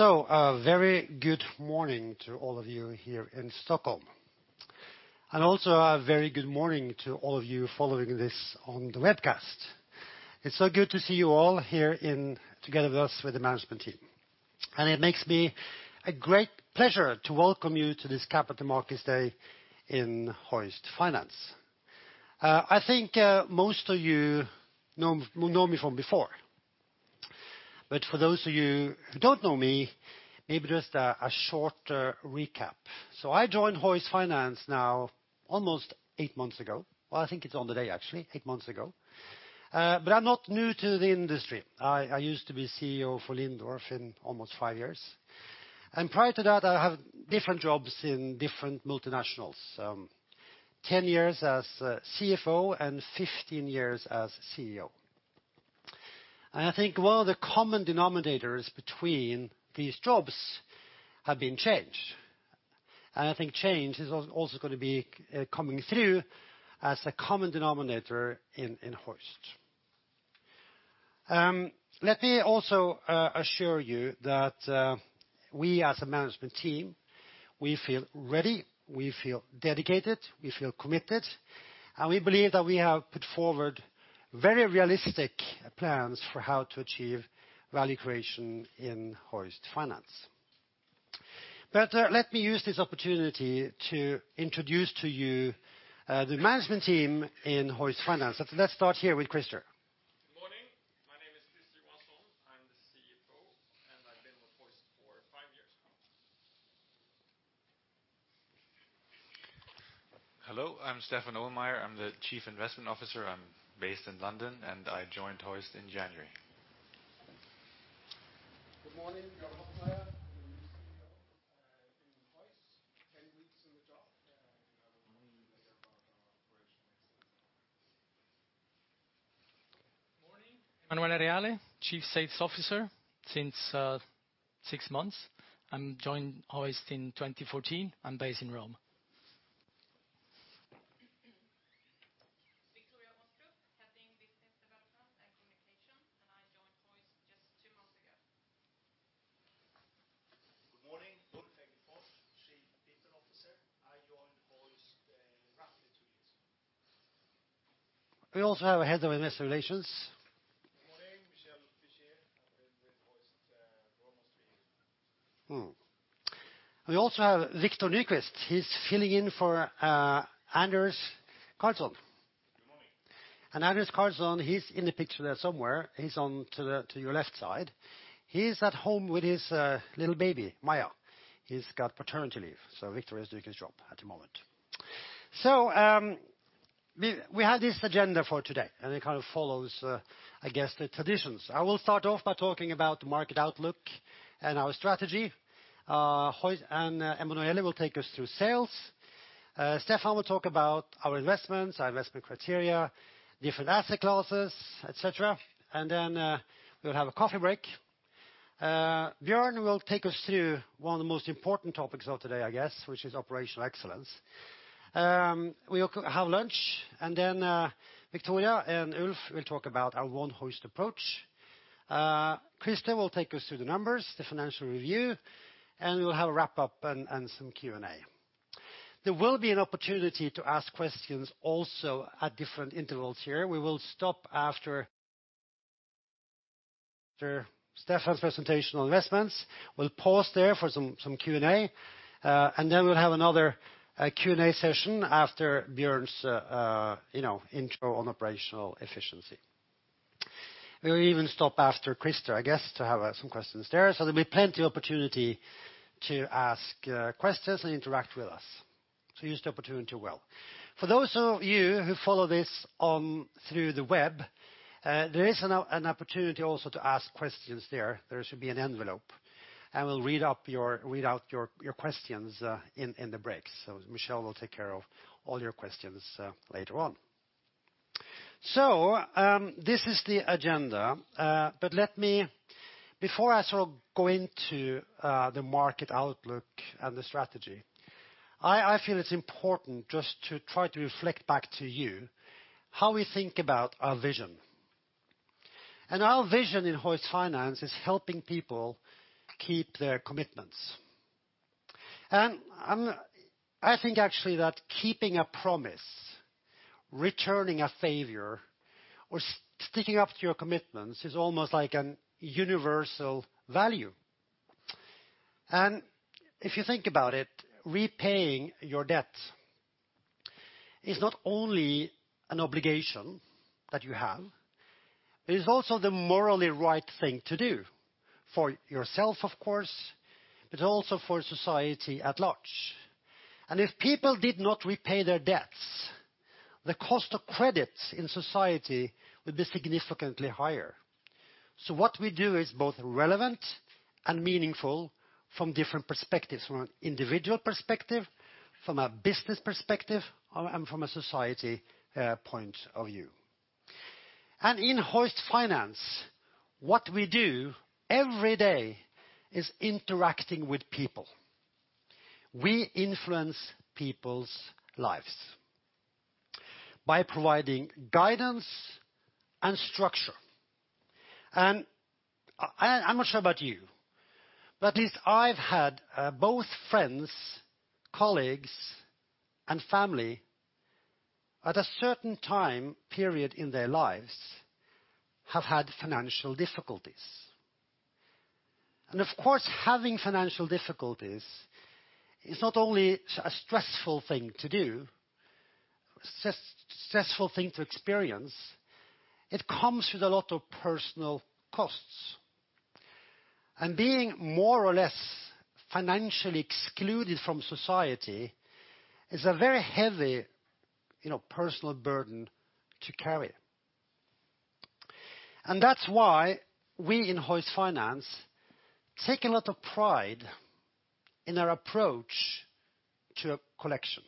A very good morning to all of you here in Stockholm, also a very good morning to all of you following this on the webcast. It's so good to see you all here together with us, with the management team. It makes me a great pleasure to welcome you to this Capital Markets Day in Hoist Finance. I think most of you know me from before, for those of you who don't know me, maybe just a short recap. I joined Hoist Finance now almost eight months ago. Well, I think it's on the day, actually, eight months ago. I'm not new to the industry. I used to be CEO for Lindorff in almost five years. Prior to that, I have different jobs in different multinationals, 10 years as CFO and 15 years as CEO. I think one of the common denominators between these jobs have been change. I think change is also going to be coming through as a common denominator in Hoist. Let me also assure you that we as a management team, we feel ready, we feel dedicated, we feel committed, and we believe that we have put forward very realistic plans for how to achieve value creation in Hoist Finance. Let me use this opportunity to introduce to you the management team in Hoist Finance. Let's start here with Christer. Good morning. My name is Christer Johansson. I'm the CFO, and I've been with Hoist for five years now. Hello, I'm Stephan Ohlmeyer. I'm the Chief Investment Officer. I'm based in London, and I joined Hoist in January. Good morning. Björn Hoffmeyer, the new CEO in Hoist, 10 weeks in the job. I will tell you later about our operational excellence. Morning. Emanuele Reale, Chief Sales Officer since six months. I joined Hoist in 2014. I'm based in Rome. Viktoria Aastrup, heading Business Development and Communication. I joined Hoist just two months ago. Good morning. Ulf Eggefors, Chief People Officer. I joined Hoist roughly two years. We also have a head of investor relations. Good morning. Michel Fischier. I've been with Hoist for almost a year. We also have Viktor Nykvist. He's filling in for Anders Carlsson. Good morning. Anders Carlsson, he is in the picture there somewhere. He is on to your left side. He is at home with his little baby, Maya. He has got paternity leave. Viktor Nykvist is doing his job at the moment. We have this agenda for today, and it kind of follows, I guess, the traditions. I will start off by talking about the market outlook and our strategy. Hoist and Emanuele Reale will take us through sales. Stephan Ohlmeyer will talk about our investments, our investment criteria, different asset classes, et cetera, then we will have a coffee break. Björn Hoffmeyer will take us through one of the most important topics of today, I guess, which is operational excellence. We will have lunch, then Victoria Moström and Ulf Eggefors will talk about our One Hoist approach. Krister Johansson will take us through the numbers, the financial review, and we will have a wrap-up and some Q&A. There will be an opportunity to ask questions also at different intervals here. We will stop after Stephan Ohlmeyer's presentation on investments. We will pause there for some Q&A, then we will have another Q&A session after Björn Hoffmeyer's intro on operational efficiency. We will even stop after Krister Johansson, I guess, to have some questions there. There will be plenty opportunity to ask questions and interact with us. Use the opportunity well. For those of you who follow this on through the web, there is an opportunity also to ask questions there. There should be an envelope. We will read out your questions in the breaks. Michel Fischier will take care of all your questions later on. This is the agenda. Before I go into the market outlook and the strategy, I feel it is important just to try to reflect back to you how we think about our vision. Our vision in Hoist Finance is helping people keep their commitments. I think actually that keeping a promise, returning a favor, or sticking up to your commitments is almost like a universal value. If you think about it, repaying your debt is not only an obligation that you have, but it is also the morally right thing to do for yourself, of course, but also for society at large. If people did not repay their debts, the cost of credit in society would be significantly higher. What we do is both relevant and meaningful from different perspectives, from an individual perspective, from a business perspective, and from a society point of view. In Hoist Finance, what we do every day is interacting with people. We influence people's lives. By providing guidance and structure. I am not sure about you, but I have had both friends, colleagues, and family, at a certain time period in their lives, have had financial difficulties. Of course, having financial difficulties is not only a stressful thing to do, stressful thing to experience, it comes with a lot of personal costs. Being more or less financially excluded from society is a very heavy personal burden to carry. That is why we in Hoist Finance take a lot of pride in our approach to a collection.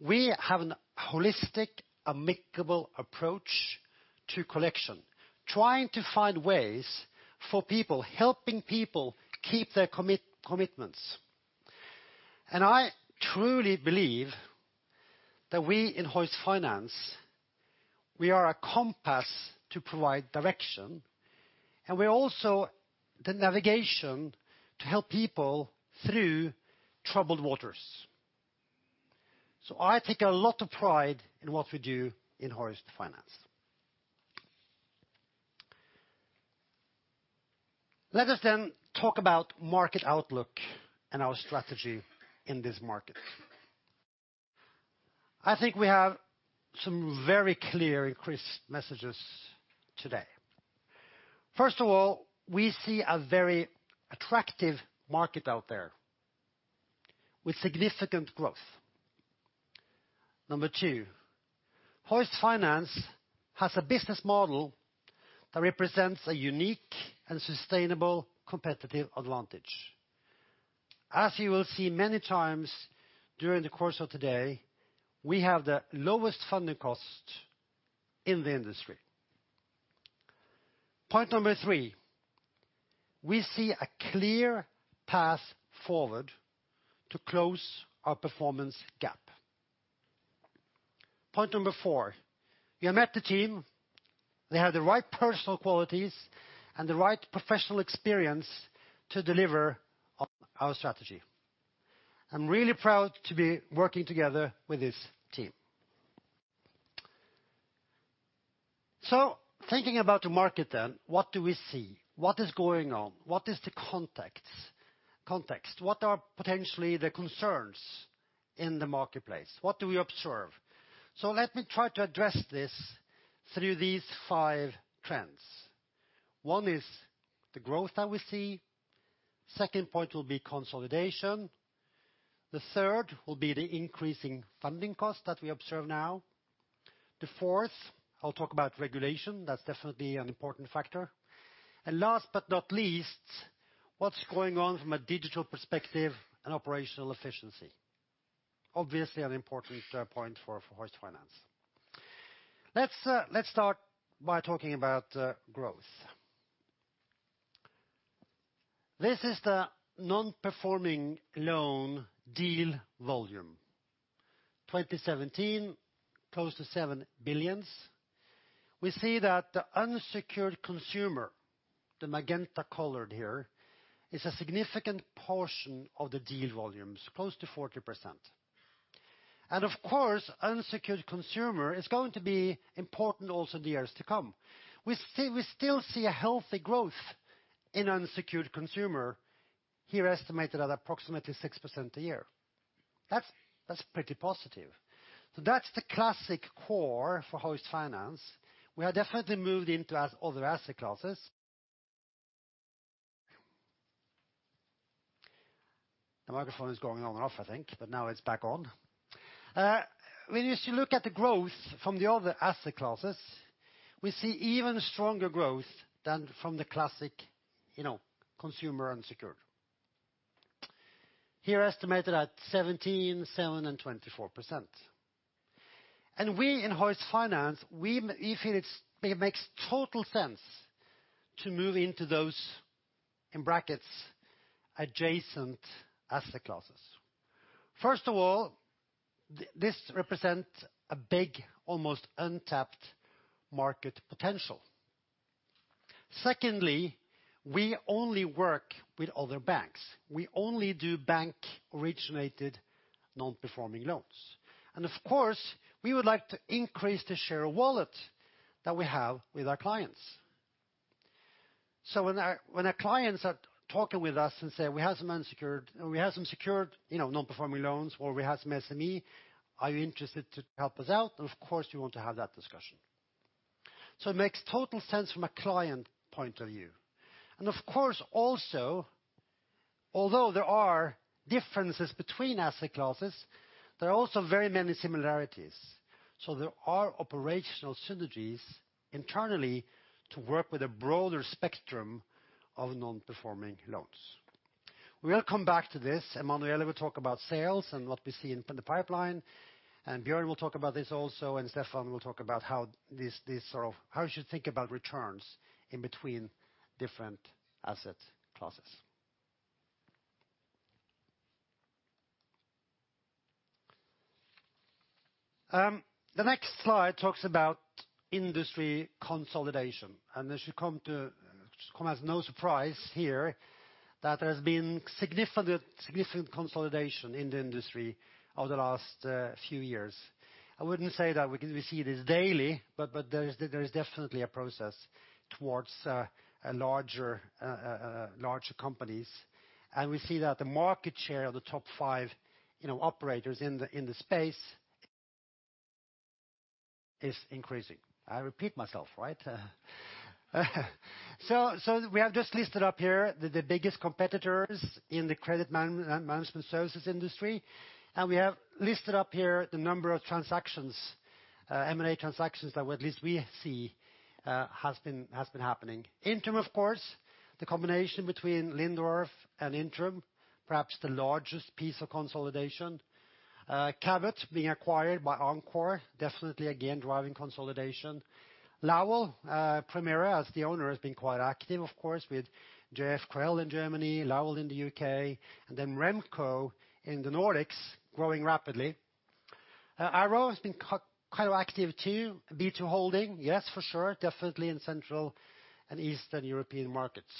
We have an holistic, amicable approach to collection, trying to find ways for people, helping people keep their commitments. I truly believe that we in Hoist Finance, we are a compass to provide direction, and we are also the navigation to help people through troubled waters. I take a lot of pride in what we do in Hoist Finance. Let us talk about market outlook and our strategy in this market. I think we have some very clear increased messages today. First of all, we see a very attractive market out there with significant growth. Number 2, Hoist Finance has a business model that represents a unique and sustainable competitive advantage. As you will see many times during the course of today, we have the lowest funding cost in the industry. Point number 3, we see a clear path forward to close our performance gap. Point number 4, you have met the team. They have the right personal qualities and the right professional experience to deliver on our strategy. I'm really proud to be working together with this team. Thinking about the market then, what do we see? What is going on? What is the context? What are potentially the concerns in the marketplace? What do we observe? Let me try to address this through these five trends. One is the growth that we see. Second point will be consolidation. The third will be the increasing funding cost that we observe now. The fourth, I will talk about regulation. That's definitely an important factor. Last but not least, what's going on from a digital perspective and operational efficiency. Obviously, an important point for Hoist Finance. Let's start by talking about growth. This is the non-performing loan deal volume. 2017, close to 7 billion. We see that the unsecured consumer, the magenta colored here, is a significant portion of the deal volumes, close to 40%. Of course, unsecured consumer is going to be important also the years to come. We still see a healthy growth in unsecured consumer, here estimated at approximately 6% a year. That's pretty positive. That's the classic core for Hoist Finance. We have definitely moved into other asset classes. The microphone is going on and off, I think, but now it's back on. When you look at the growth from the other asset classes, we see even stronger growth than from the classic consumer unsecured. Here estimated at 17%, 7%, and 24%. We in Hoist Finance, we feel it makes total sense to move into those, in brackets, adjacent asset classes. First of all, this represents a big, almost untapped market potential. Secondly, we only work with other banks. We only do bank-originated non-performing loans. Of course, we would like to increase the share of wallet that we have with our clients. When our clients are talking with us and say, "We have some secured non-performing loans," or, "We have some SME, are you interested to help us out?" Of course, we want to have that discussion. It makes total sense from a client point of view. Of course, also, although there are differences between asset classes, there are also very many similarities. There are operational synergies internally to work with a broader spectrum of non-performing loans. We will come back to this, Emanuele will talk about sales and what we see in the pipeline. Björn will talk about this also, and Stephan will talk about how you should think about returns in between different asset classes. The next slide talks about industry consolidation, and this should come as no surprise here that there has been significant consolidation in the industry over the last few years. I wouldn't say that we see this daily, but there is definitely a process towards larger companies. We see that the market share of the top five operators in the space is increasing. I repeat myself, right? We have just listed up here the biggest competitors in the credit management services industry, and we have listed up here the number of M&A transactions that at least we see has been happening. Intrum, of course, the combination between Lindorff and Intrum, perhaps the largest piece of consolidation. Cabot being acquired by Encore, definitely again driving consolidation. Lowell. Permira, as the owner, has been quite active, of course, with GFKL in Germany, Lowell in the U.K., and then RemCo in the Nordics, growing rapidly. Arrow has been quite active too. B2Holding, yes, for sure. Definitely in Central and Eastern European markets.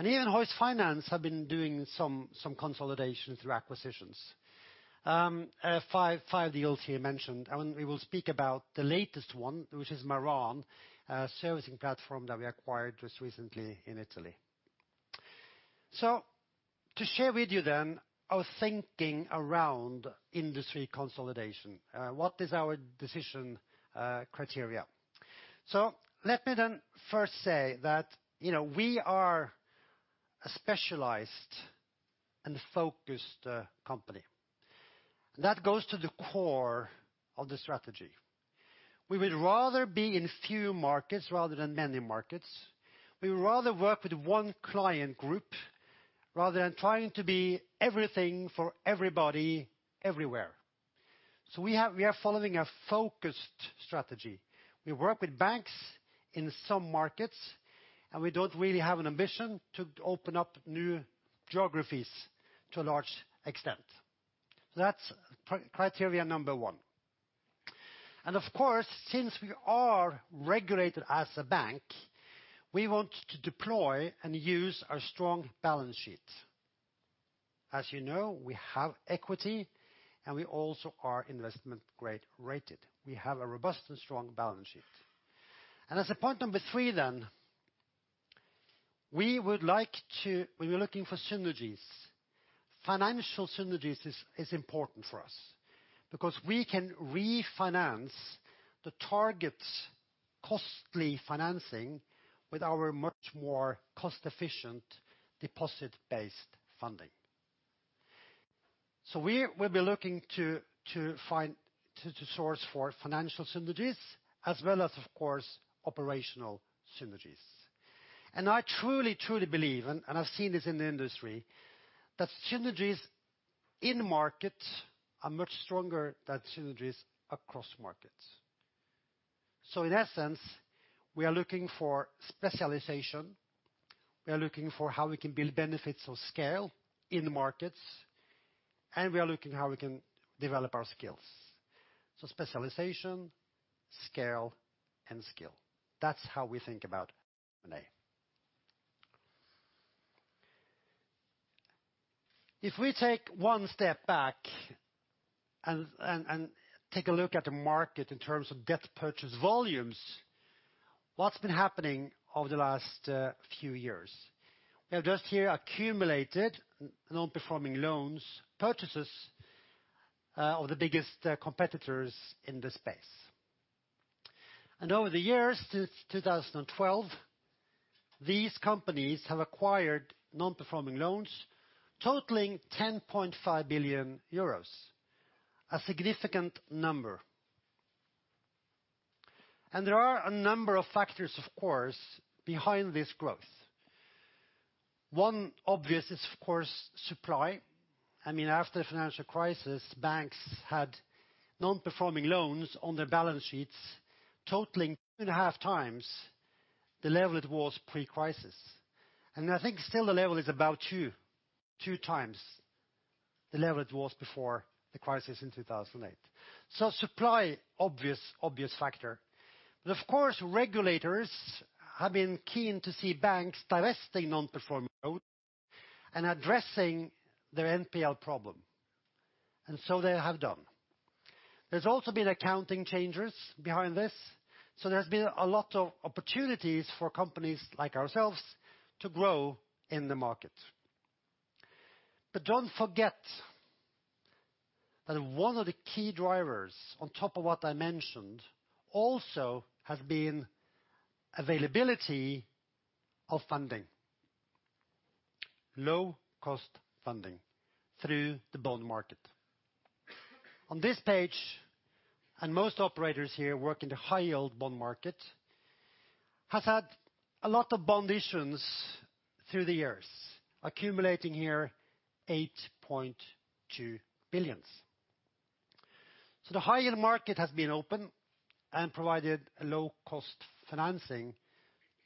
Even Hoist Finance have been doing some consolidation through acquisitions. Five deals here mentioned, we will speak about the latest one, which is Maran, a servicing platform that we acquired just recently in Italy. To share with you then our thinking around industry consolidation. What is our decision criteria? Let me then first say that we are a specialized and focused company, that goes to the core of the strategy. We would rather be in few markets rather than many markets. We would rather work with one client group rather than trying to be everything for everybody, everywhere. We are following a focused strategy. We work with banks in some markets, we don't really have an ambition to open up new geographies to a large extent. That's criteria number 1. Of course, since we are regulated as a bank, we want to deploy and use our strong balance sheet. As you know, we have equity, we also are investment grade rated. We have a robust and strong balance sheet. As a point number 3 then, we are looking for synergies. Financial synergies is important for us because we can refinance the target's costly financing with our much more cost-efficient deposit-based funding. We'll be looking to source for financial synergies as well as, of course, operational synergies. I truly believe, and I've seen this in the industry, that synergies in market are much stronger than synergies across markets. In essence, we are looking for specialization, we are looking for how we can build benefits of scale in markets, and we are looking how we can develop our skills. Specialization, scale, and skill. That's how we think about M&A. If we take one step back and take a look at the market in terms of debt purchase volumes, what's been happening over the last few years? We have just here accumulated non-performing loans purchases of the biggest competitors in this space. Over the years, since 2012, these companies have acquired non-performing loans totaling 10.5 billion euros, a significant number. There are a number of factors, of course, behind this growth. One obvious is, of course, supply. After the financial crisis, banks had non-performing loans on their balance sheets totaling two and a half times the level it was pre-crisis. I think still the level is about two times the level it was before the crisis in 2008. Supply, obvious factor. Of course, regulators have been keen to see banks divesting non-performing loans and addressing their NPL problem. They have done. There's also been accounting changes behind this, so there's been a lot of opportunities for companies like ourselves to grow in the market. Do not forget that one of the key drivers on top of what I mentioned also has been availability of funding. Low-cost funding through the bond market. On this page, most operators here work in the high-yield bond market, has had a lot of bond issues through the years, accumulating here 8.2 billion. The high-yield market has been open and provided a low-cost financing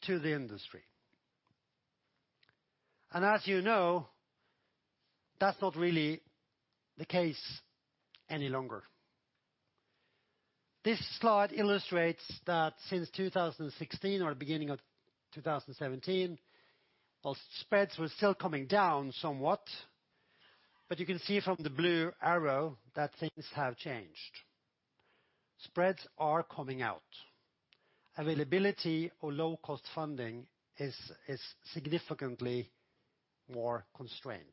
to the industry. As you know, that's not really the case any longer. This slide illustrates that since 2016 or beginning of 2017, whilst spreads were still coming down somewhat, you can see from the blue arrow that things have changed. Spreads are coming out. Availability of low-cost funding is significantly more constrained.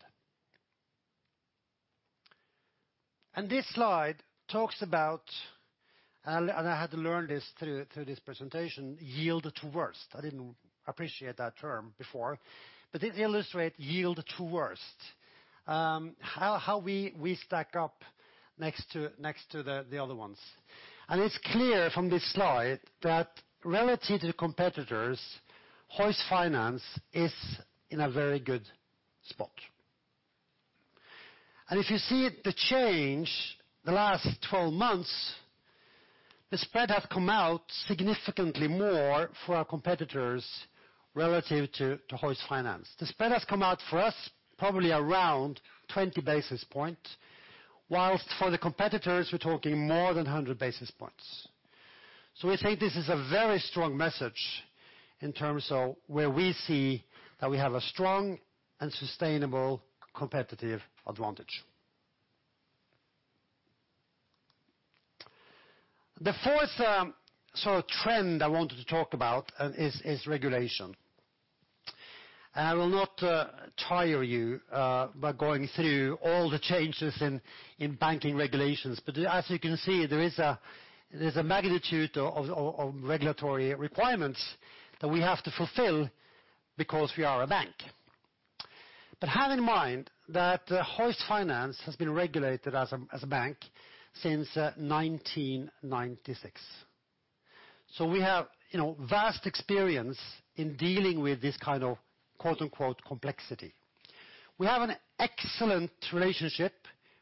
This slide talks about, I had to learn this through this presentation, yield to worst. I didn't appreciate that term before. It illustrates yield to worst, how we stack up next to the other ones. It's clear from this slide that relative to competitors, Hoist Finance is in a very good spot. If you see the change, the last 12 months, the spread has come out significantly more for our competitors relative to Hoist Finance. The spread has come out for us probably around 20 basis points, whilst for the competitors, we're talking more than 100 basis points. We think this is a very strong message in terms of where we see that we have a strong and sustainable competitive advantage. The fourth sort of trend I wanted to talk about is regulation. I will not tire you by going through all the changes in banking regulations. As you can see, there's a magnitude of regulatory requirements that we have to fulfill because we are a bank. Have in mind that Hoist Finance has been regulated as a bank since 1996. We have vast experience in dealing with this kind of "complexity." We have an excellent relationship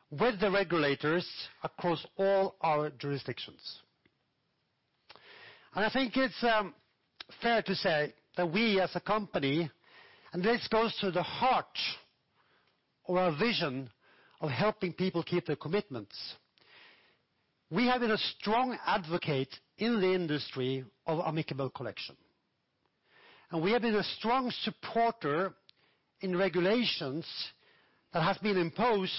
with the regulators across all our jurisdictions. I think it's fair to say that we as a company, this goes to the heart of our vision of helping people keep their commitments. We have been a strong advocate in the industry of amicable collection. We have been a strong supporter in regulations that have been imposed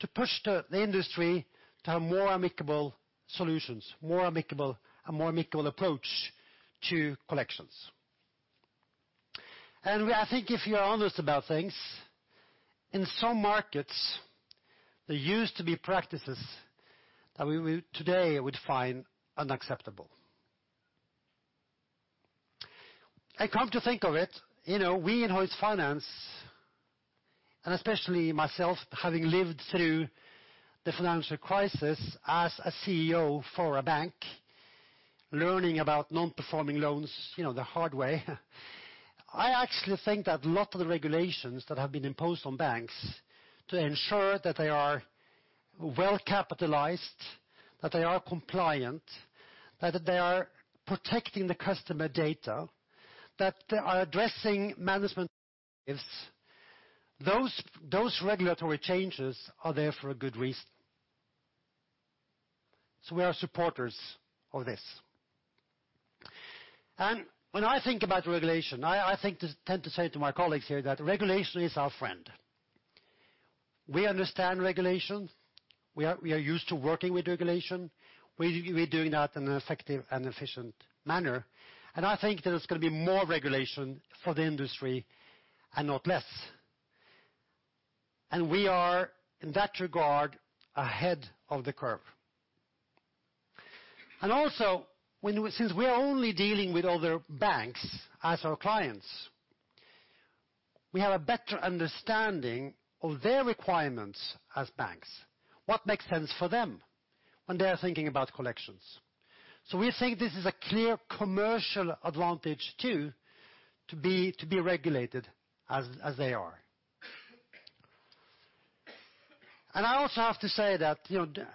to push the industry to have more amicable solutions, more amicable approach to collections. I think if you are honest about things, in some markets, there used to be practices that we today would find unacceptable. Come to think of it, we in Hoist Finance, especially myself, having lived through the financial crisis as a CEO for a bank, learning about non-performing loans the hard way, I actually think that a lot of the regulations that have been imposed on banks to ensure that they are well-capitalized, that they are compliant, that they are protecting the customer data, that they are addressing management. Those regulatory changes are there for a good reason. We are supporters of this. When I think about regulation, I tend to say to my colleagues here that regulation is our friend. We understand regulation. We are used to working with regulation. We're doing that in an effective and efficient manner. I think there is going to be more regulation for the industry and not less. We are, in that regard, ahead of the curve. Also since we are only dealing with other banks as our clients, we have a better understanding of their requirements as banks, what makes sense for them when they are thinking about collections. We think this is a clear commercial advantage too, to be regulated as they are. I also have to say that,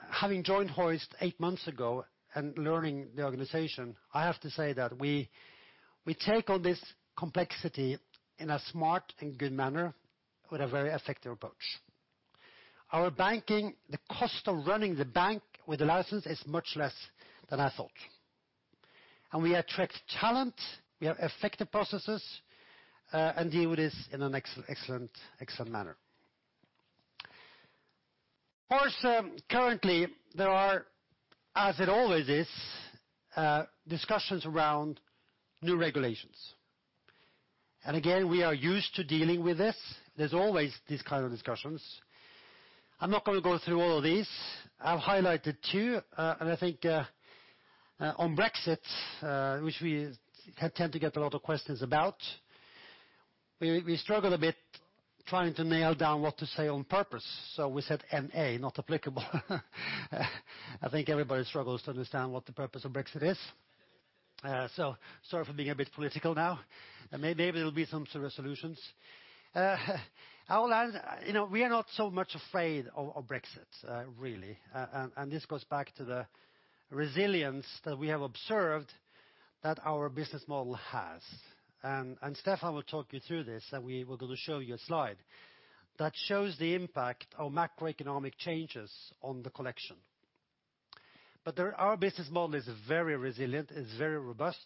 having joined Hoist eight months ago and learning the organization, I have to say that we take on this complexity in a smart and good manner with a very effective approach. Our banking, the cost of running the bank with the license is much less than I thought. We attract talent, we have effective processes, and deal with this in an excellent manner. Of course, currently, there are, as it always is, discussions around new regulations. Again, we are used to dealing with this. There's always these kind of discussions. I'm not going to go through all of these. I've highlighted two. I think on Brexit, which we tend to get a lot of questions about, we struggle a bit trying to nail down what to say on purpose. We said N/A, not applicable. I think everybody struggles to understand what the purpose of Brexit is. Sorry for being a bit political now. Maybe there will be some resolutions. We are not so much afraid of Brexit, really. This goes back to the resilience that we have observed that our business model has. Stephan will talk you through this, and we're going to show you a slide that shows the impact of macroeconomic changes on the collection. Our business model is very resilient, it's very robust,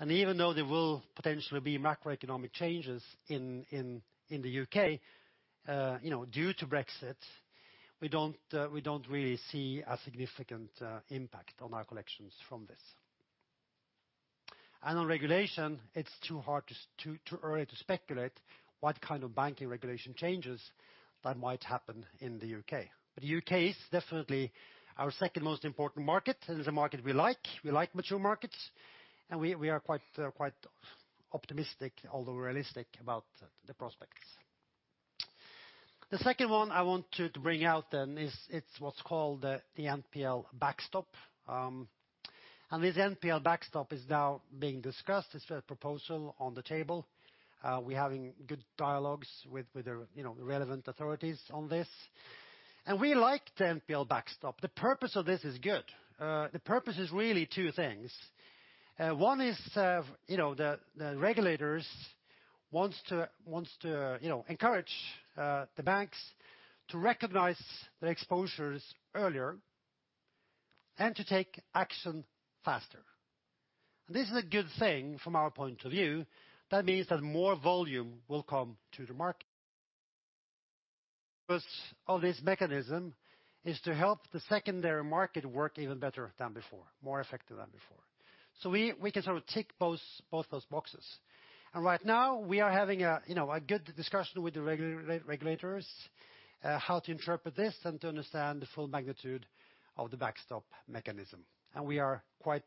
and even though there will potentially be macroeconomic changes in the U.K., due to Brexit, we don't really see a significant impact on our collections from this. On regulation, it's too early to speculate what kind of banking regulation changes that might happen in the U.K. The U.K. is definitely our second most important market, and it's a market we like. We like mature markets, and we are quite optimistic, although realistic, about the prospects. The second one I want to bring out then, it's what's called the NPL Backstop. This NPL Backstop is now being discussed, it's a proposal on the table. We're having good dialogues with the relevant authorities on this. We like the NPL Backstop. The purpose of this is good. The purpose is really two things. One is the regulators wants to encourage the banks to recognize their exposures earlier and to take action faster. This is a good thing from our point of view. That means that more volume will come to the market. Because of this mechanism is to help the secondary market work even better than before, more effective than before. We can tick both those boxes. Right now, we are having a good discussion with the regulators how to interpret this and to understand the full magnitude of the backstop mechanism. We are quite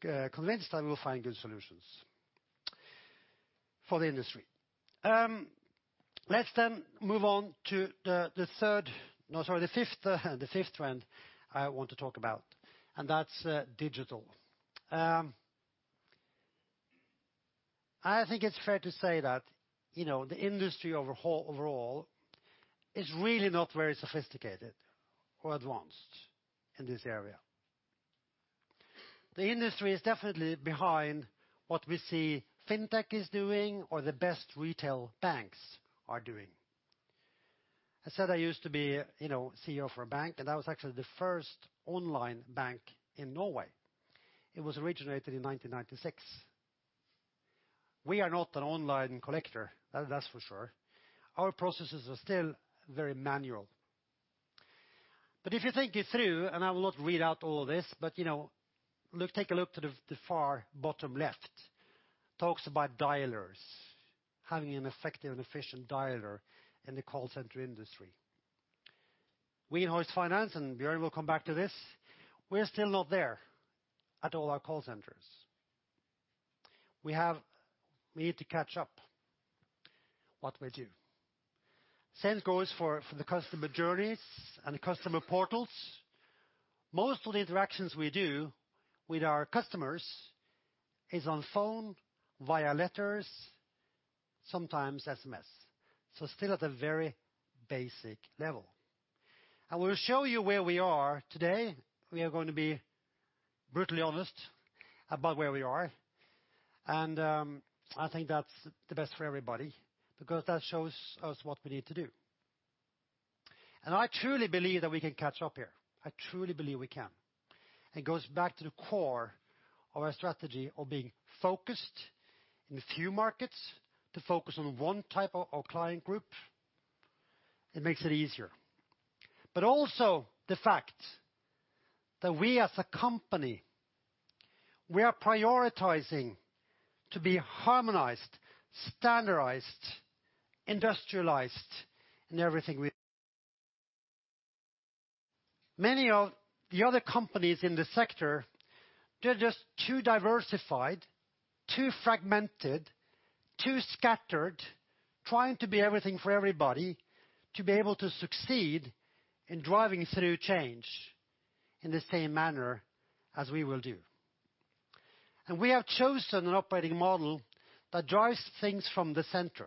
convinced that we will find good solutions for the industry. Let's move on to the fifth trend I want to talk about, and that's digital. I think it's fair to say that the industry overall is really not very sophisticated or advanced in this area. The industry is definitely behind what we see fintech is doing or the best retail banks are doing. I said I used to be CEO of a bank, and that was actually the first online bank in Norway. It was originated in 1996. We are not an online collector, that's for sure. Our processes are still very manual. If you think it through, and I will not read out all of this, but take a look to the far bottom left, talks about dialers. Having an effective and efficient dialer in the call center industry. We in Hoist Finance, and Björn will come back to this, we're still not there at all our call centers. We need to catch up what we do. Same goes for the customer journeys and the customer portals. Most of the interactions we do with our customers is on phone, via letters, sometimes SMS. Still at a very basic level. We'll show you where we are today. We are going to be brutally honest about where we are, and I think that's the best for everybody because that shows us what we need to do. I truly believe that we can catch up here. I truly believe we can. It goes back to the core of our strategy of being focused in a few markets, to focus on one type of client group. It makes it easier. Also the fact that we as a company, we are prioritizing to be harmonized, standardized, industrialized in everything we do. Many of the other companies in the sector, they're just too diversified, too fragmented, too scattered, trying to be everything for everybody to be able to succeed in driving through change in the same manner as we will do. We have chosen an operating model that drives things from the center.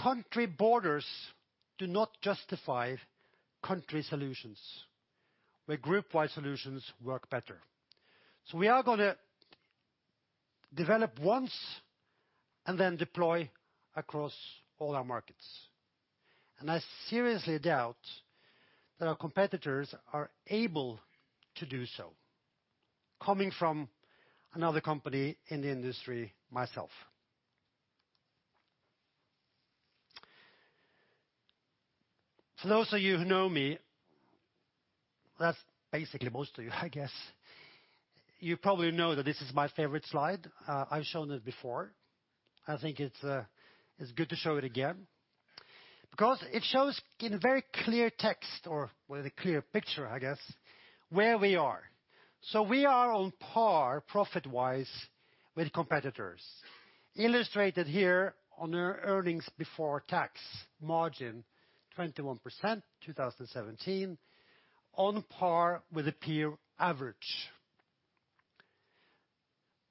Country borders do not justify country solutions where group wide solutions work better. We are going to develop once and then deploy across all our markets. I seriously doubt that our competitors are able to do so, coming from another company in the industry myself. Those of you who know me, that's basically most of you, I guess, you probably know that this is my favorite slide. I've shown it before. I think it's good to show it again because it shows in very clear text, or with a clear picture, I guess, where we are. We are on par profit-wise with competitors. Illustrated here on our earnings before tax margin, 21% 2017, on par with the peer average.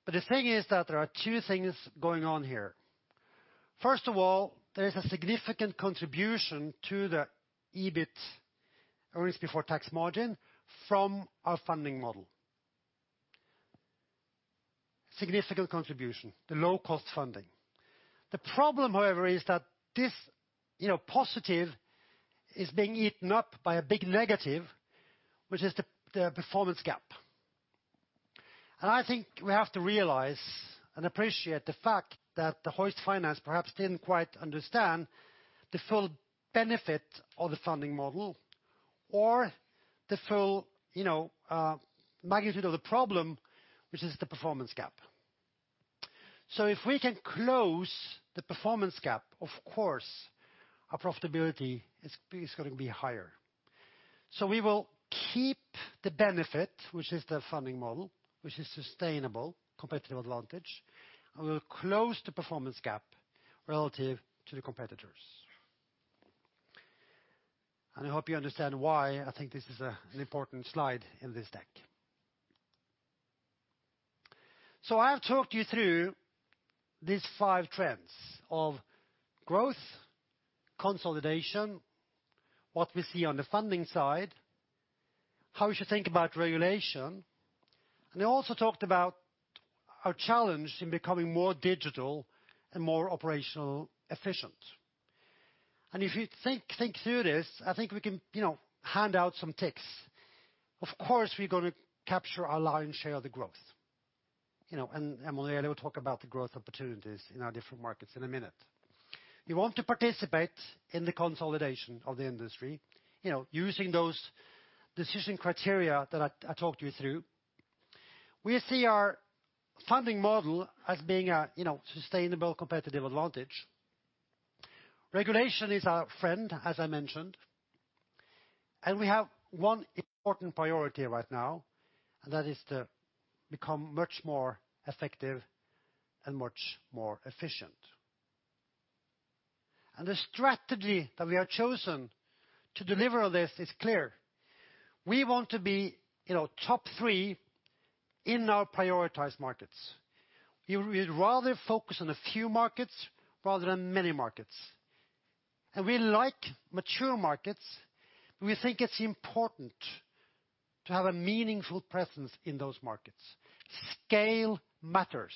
The thing is that there are two things going on here. First of all, there is a significant contribution to the EBT, earnings before tax margin, from our funding model. Significant contribution, the low-cost funding. The problem, however, is that this positive is being eaten up by a big negative, which is the performance gap. I think we have to realize and appreciate the fact that Hoist Finance perhaps didn't quite understand the full benefit of the funding model or the full magnitude of the problem, which is the performance gap. If we can close the performance gap, of course, our profitability is going to be higher. We will keep the benefit, which is the funding model, which is sustainable competitive advantage, and we will close the performance gap relative to the competitors. I hope you understand why I think this is an important slide in this deck. I have talked you through these five trends of growth, consolidation, what we see on the funding side, how we should think about regulation, I also talked about our challenge in becoming more digital and more operationally efficient. If you think through this, I think we can hand out some ticks. Of course, we're going to capture our lion's share of the growth. Emanuele will talk about the growth opportunities in our different markets in a minute. We want to participate in the consolidation of the industry using those decision criteria that I talked you through. We see our funding model as being a sustainable competitive advantage. Regulation is our friend, as I mentioned. We have one important priority right now, that is to become much more effective and much more efficient. The strategy that we have chosen to deliver on this is clear. We want to be top 3 in our prioritized markets. We'd rather focus on a few markets rather than many markets. We like mature markets, but we think it's important to have a meaningful presence in those markets. Scale matters.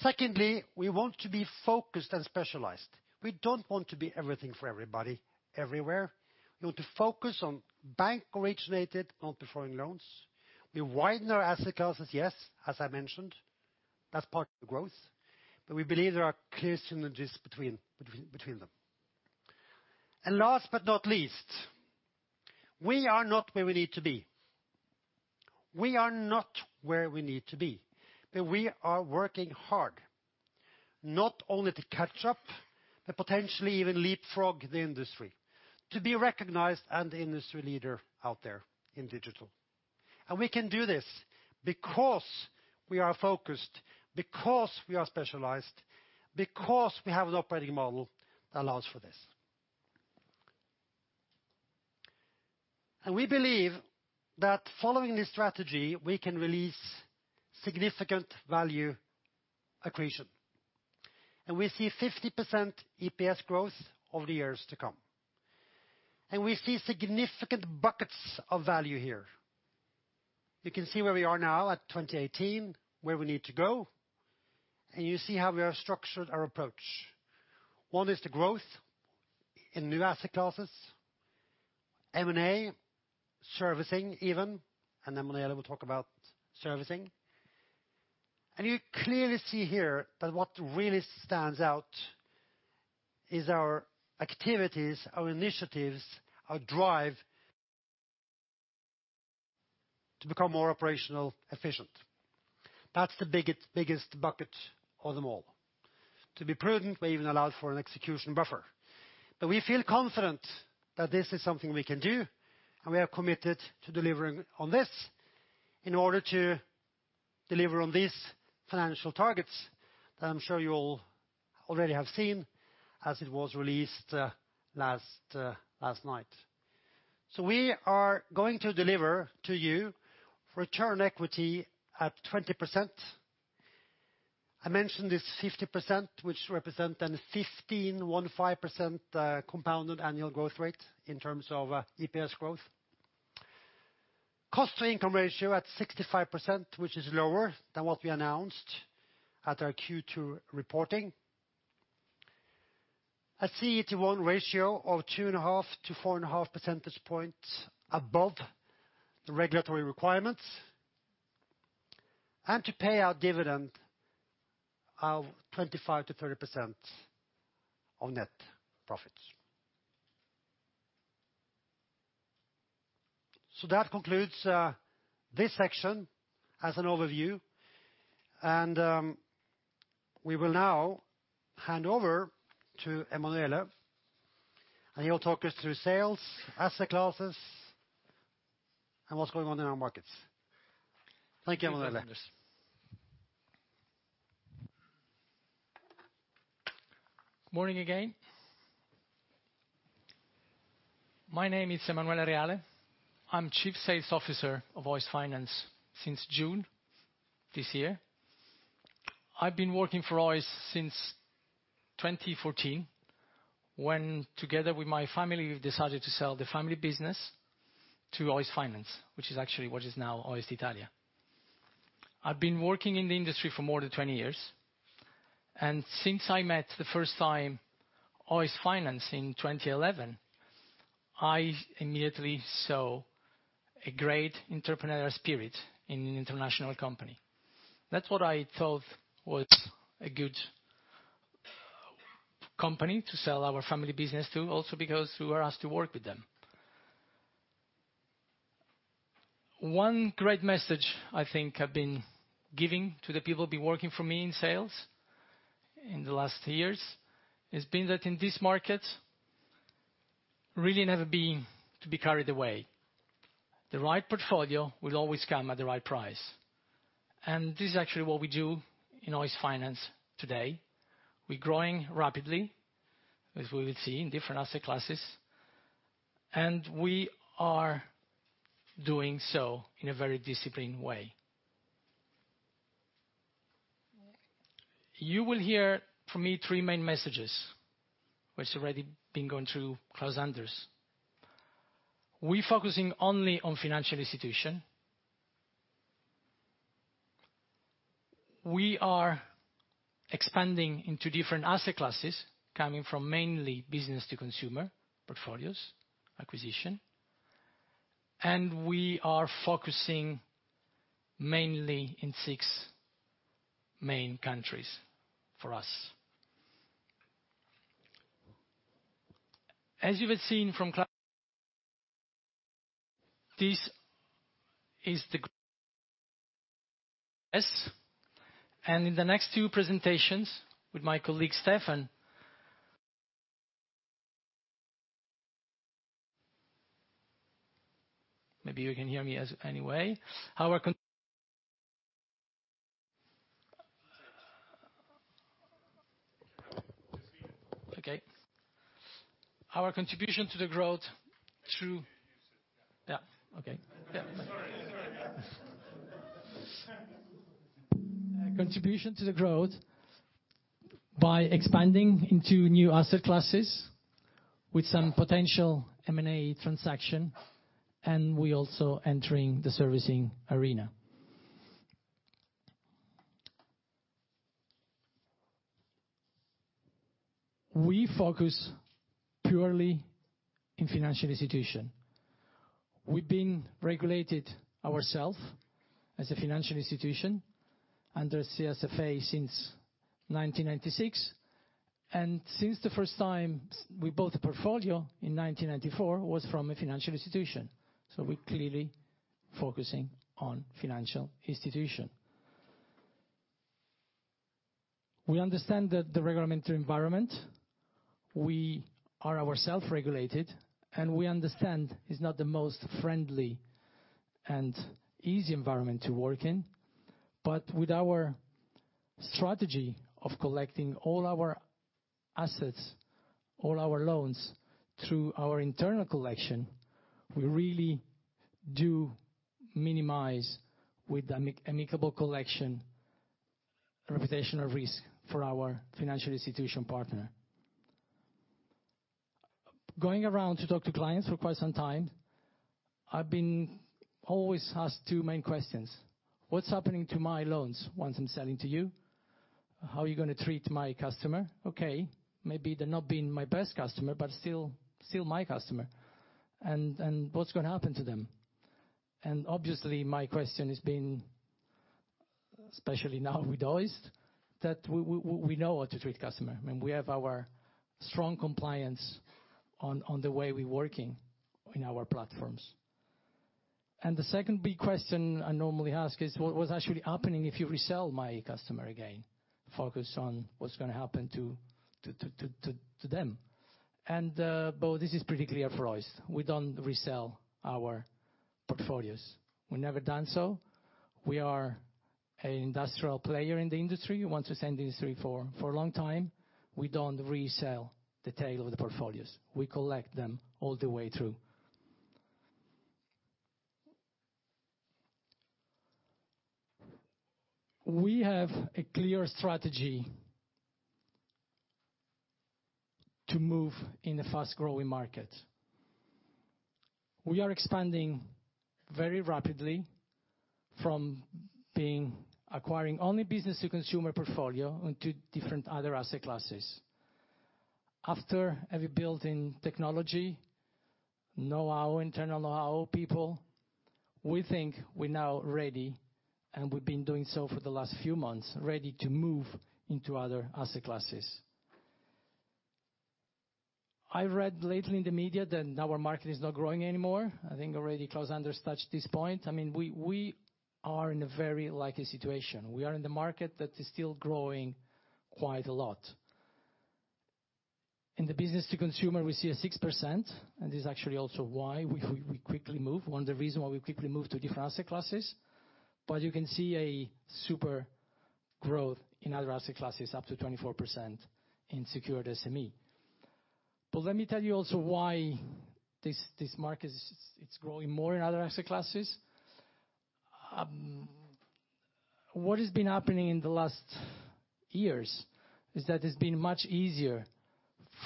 Secondly, we want to be focused and specialized. We don't want to be everything for everybody, everywhere. We want to focus on bank originated non-performing loans. We widen our asset classes, yes, as I mentioned. That's part of the growth. We believe there are clear synergies between them. Last but not least, we are not where we need to be. We are not where we need to be. We are working hard, not only to catch up, but potentially even leapfrog the industry to be recognized and the industry leader out there in digital. We can do this because we are focused, because we are specialized, because we have an operating model that allows for this. We believe that following this strategy, we can release significant value accretion. We see 50% EPS growth over the years to come. We see significant buckets of value here. You can see where we are now at 2018, where we need to go, you see how we have structured our approach. One is the growth in new asset classes, M&A, servicing even, Emanuele will talk about servicing. You clearly see here that what really stands out is our activities, our initiatives, our drive to become more operationally efficient. That's the biggest bucket of them all. To be prudent, we even allowed for an execution buffer. We feel confident that this is something we can do, and we are committed to delivering on this in order to deliver on these financial targets that I'm sure you all already have seen as it was released last night. We are going to deliver to you return on equity at 20%. I mentioned this 50%, which represent a 15% compounded annual growth rate in terms of EPS growth. Cost to income ratio at 65%, which is lower than what we announced at our Q2 reporting. A CET1 ratio of 2.5 to 4.5 percentage points above the regulatory requirements. To pay our dividend of 25%-30% of net profits. That concludes this section as an overview. We will now hand over to Emanuele. He will talk us through sales, asset classes, and what's going on in our markets. Thank you, Emanuele. Thanks, Anders. Morning again. My name is Emanuele Reale. I'm Chief Sales Officer of Hoist Finance since June this year. I've been working for Hoist since 2014, when, together with my family, we decided to sell the family business to Hoist Finance, which is actually what is now Hoist Italia. I've been working in the industry for more than 20 years. Since I met the first time Hoist Finance in 2011, I immediately saw a great entrepreneurial spirit in an international company. That's what I thought was a good company to sell our family business to, also because we were asked to work with them. One great message I think I've been giving to the people who've been working for me in sales in the last years, has been that in this market, really never be to be carried away. The right portfolio will always come at the right price. This is actually what we do in Hoist Finance today. We're growing rapidly, as we will see, in different asset classes, and we are doing so in a very disciplined way. You will hear from me three main messages, which already been going through Klaus-Anders Nysteen. We're focusing only on financial institution. We are expanding into different asset classes, coming from mainly business to consumer portfolios acquisition. We are focusing mainly in six main countries for us. As you would've seen from Klaus-Anders, this is in the next two presentations with my colleague, Stephan. Maybe you can hear me as any way. Just speak Okay. Our contribution to the growth. Use it, yeah. Yeah, okay. Yeah. Sorry. Contribution to the growth by expanding into new asset classes with some potential M&A transaction, we're also entering the servicing arena. We focus purely in financial institution. We've been regulated ourself as a financial institution under SFSA since 1996. Since the first time we bought a portfolio in 1994, was from a financial institution, we're clearly focusing on financial institution. We understand that the regulatory environment, we are ourself regulated, we understand it's not the most friendly and easy environment to work in. With our strategy of collecting all our assets, all our loans, through our internal collection, we really do minimize with amicable collection, reputational risk for our financial institution partner. Going around to talk to clients for quite some time, I've been always asked two main questions. What's happening to my loans once I'm selling to you? How are you going to treat my customer? Okay, maybe they're not been my best customer, but still my customer, and what's going to happen to them? Obviously my question has been, especially now with Hoist, that we know how to treat customer, and we have our strong compliance on the way we're working in our platforms. The second big question I normally ask is, what was actually happening if you resell my customer again? Focus on what's going to happen to them. This is pretty clear for Hoist. We don't resell our portfolios. We never done so. We are an industrial player in the industry. We want to stay in the industry for a long time. We don't resell the tail of the portfolios. We collect them all the way through. We have a clear strategy to move in a fast-growing market. We are expanding very rapidly from acquiring only business to consumer portfolio into different other asset classes. After every built-in technology, know our internal, know our people, we think we're now ready, and we've been doing so for the last few months, ready to move into other asset classes. I read lately in the media that our market is not growing anymore. I think already Klaus-Anders Nysteen touched this point. I mean, we are in a very lucky situation. We are in the market that is still growing quite a lot. In the business to consumer, we see a 6%, and this is actually also why we quickly move, one of the reason why we quickly move to different asset classes. You can see a super growth in other asset classes, up to 24% in secured SME. Let me tell you also why this market is growing more in other asset classes. What has been happening in the last years is that it's been much easier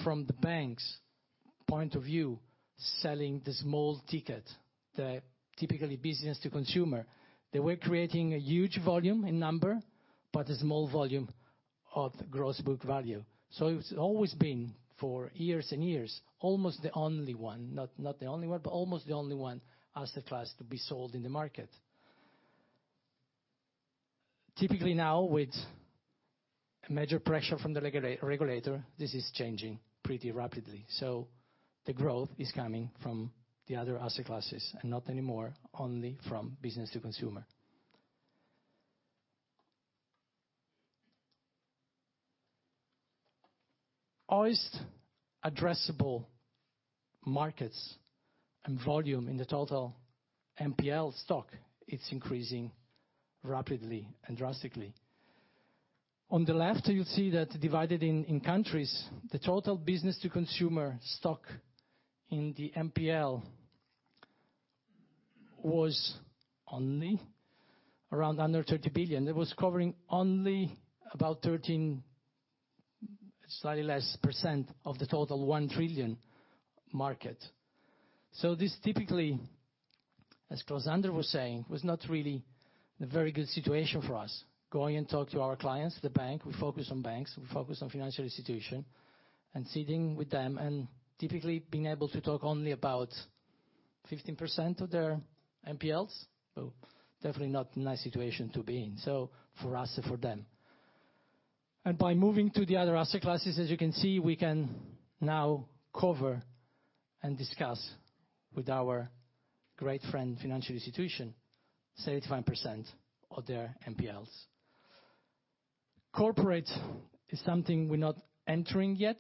from the bank's point of view, selling the small ticket, the typically business to consumer. They were creating a huge volume in number, but a small volume of gross book value. It's always been, for years and years, almost the only one, not the only one, but almost the only one asset class to be sold in the market. Typically now, with a major pressure from the regulator, this is changing pretty rapidly. The growth is coming from the other asset classes and not anymore only from business to consumer. Hoist addressable markets and volume in the total NPL stock, it's increasing rapidly and drastically. On the left, you'll see that divided in countries, the total business to consumer stock in the NPL was only around under 30 billion. It was covering only about 13%, slightly less, percent of the total 1 trillion market. This typically, as Klaus-Anders was saying, was not really a very good situation for us. Going and talk to our clients, the bank, we focus on banks, we focus on financial institution, and sitting with them and typically being able to talk only about 15% of their NPLs. Definitely not a nice situation to be in, so for us or for them. By moving to the other asset classes, as you can see, we can now cover and discuss with our great friend, financial institution, 75% of their NPLs. Corporate is something we're not entering yet.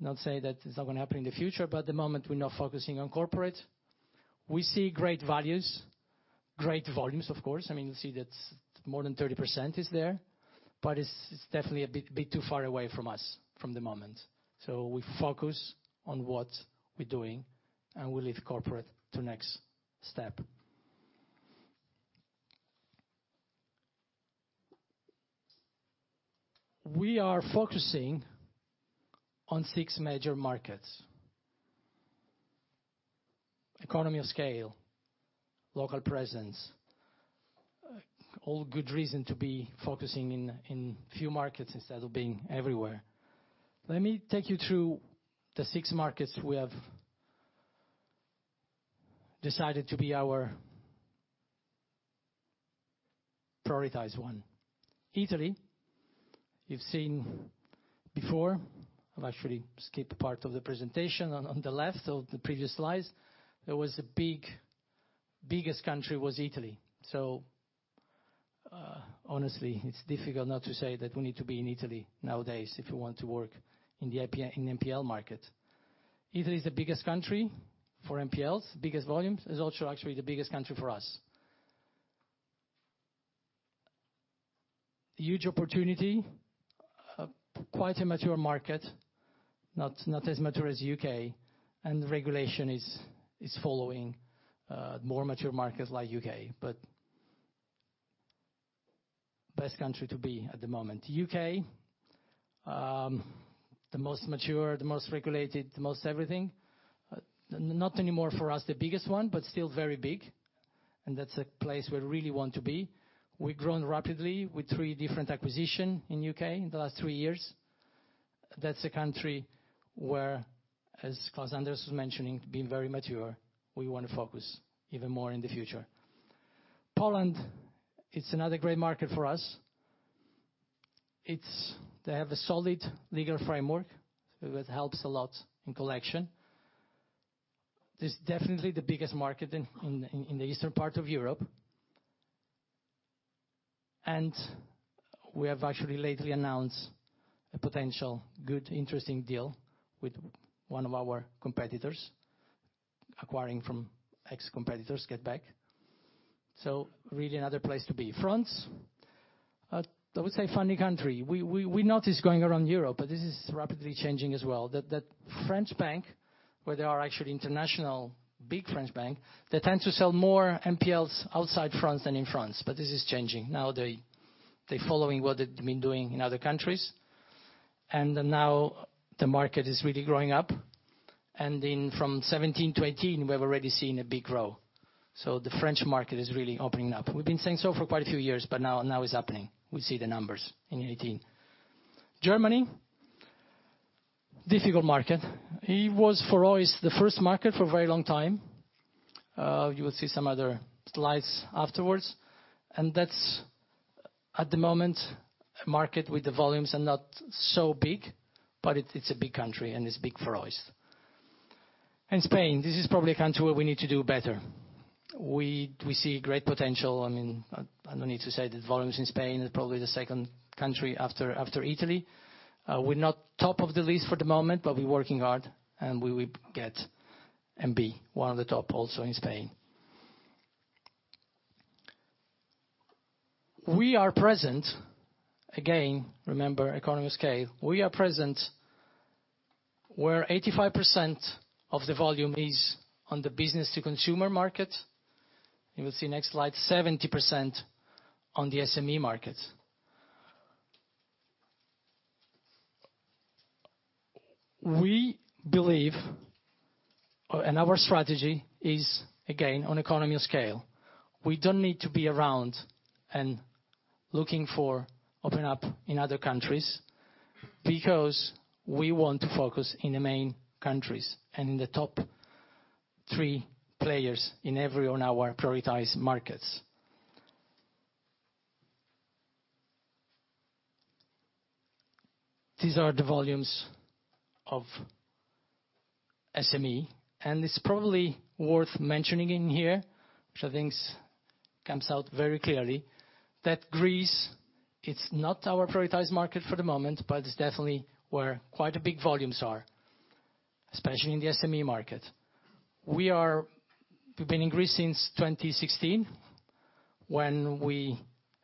Not say that it's not going to happen in the future, but at the moment, we're not focusing on corporate. We see great values, great volumes, of course. You'll see that more than 30% is there, but it's definitely a bit too far away from us from the moment. We focus on what we're doing, and we leave corporate to next step. We are focusing on 6 major markets. Economy of scale, local presence, all good reason to be focusing in few markets instead of being everywhere. Let me take you through the 6 markets we have decided to be our prioritize one. Italy, you've seen before. I've actually skipped part of the presentation on the left of the previous slides. Biggest country was Italy. Honestly, it's difficult not to say that we need to be in Italy nowadays if we want to work in NPL market. Italy is the biggest country for NPLs, biggest volumes. Is also actually the biggest country for us. Huge opportunity, quite a mature market, not as mature as U.K., and regulation is following more mature markets like U.K. Best country to be at the moment. U.K., the most mature, the most regulated, the most everything. Not anymore for us, the biggest one, but still very big, and that's a place we really want to be. We've grown rapidly with 3 different acquisition in U.K. in the last 3 years. That's a country where, as Klaus-Anders was mentioning, being very mature, we want to focus even more in the future. Poland, it's another great market for us. They have a solid legal framework that helps a lot in collection. This is definitely the biggest market in the eastern part of Europe. We have actually lately announced a potential good, interesting deal with one of our competitors, acquiring from ex-competitors, GetBack. Really another place to be. France, I would say funny country. We notice going around Europe, but this is rapidly changing as well, that French bank, where there are actually international, big French bank, they tend to sell more NPLs outside France than in France, but this is changing. Now they're following what they've been doing in other countries, and now the market is really growing up. From 2017 to 2018, we have already seen a big growth. The French market is really opening up. We've been saying so for quite a few years, but now it's happening. We see the numbers in 2018. Germany, difficult market. It was for always the first market for a very long time. You will see some other slides afterwards. That's, at the moment, a market with the volumes are not so big, but it's a big country, and it's big for us. Spain, this is probably a country where we need to do better. We see great potential. I don't need to say that volumes in Spain is probably the second country after Italy. We're not top of the list for the moment, but we're working hard, and we will get and be one of the top also in Spain. We are present, again, remember economy of scale, we are present where 85% of the volume is on the business to consumer market. You will see next slide, 70% on the SME market. Our strategy is again, on economy of scale. We don't need to be around and looking for open up in other countries, because we want to focus in the main countries and in the top three players in every on our prioritized markets. These are the volumes of SME, and it's probably worth mentioning in here, which I think comes out very clearly, that Greece it's not our prioritized market for the moment, but it's definitely where quite big volumes are, especially in the SME market. We've been in Greece since 2016, when we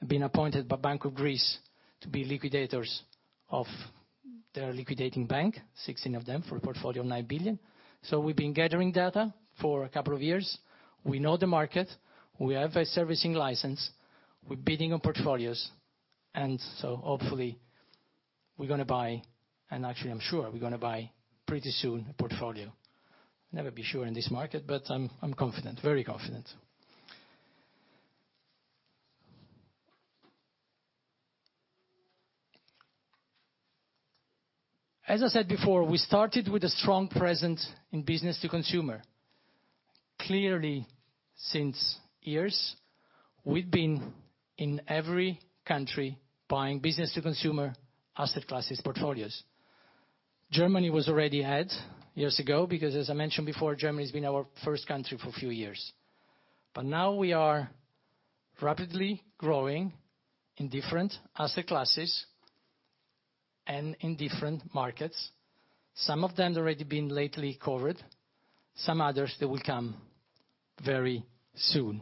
been appointed by Bank of Greece to be liquidators of their liquidating bank, 16 of them, for a portfolio of 9 billion. We've been gathering data for a couple of years. We know the market. We have a servicing license. We're bidding on portfolios, and so hopefully we're going to buy. Actually, I'm sure we're going to buy pretty soon a portfolio. Never be sure in this market, but I'm confident, very confident. As I said before, we started with a strong presence in business to consumer. Clearly, since years, we've been in every country buying business to consumer asset classes portfolios. Germany was already had years ago because, as I mentioned before, Germany has been our first country for a few years. Now we are rapidly growing in different asset classes and in different markets. Some of them they're already been lately covered, some others they will come very soon.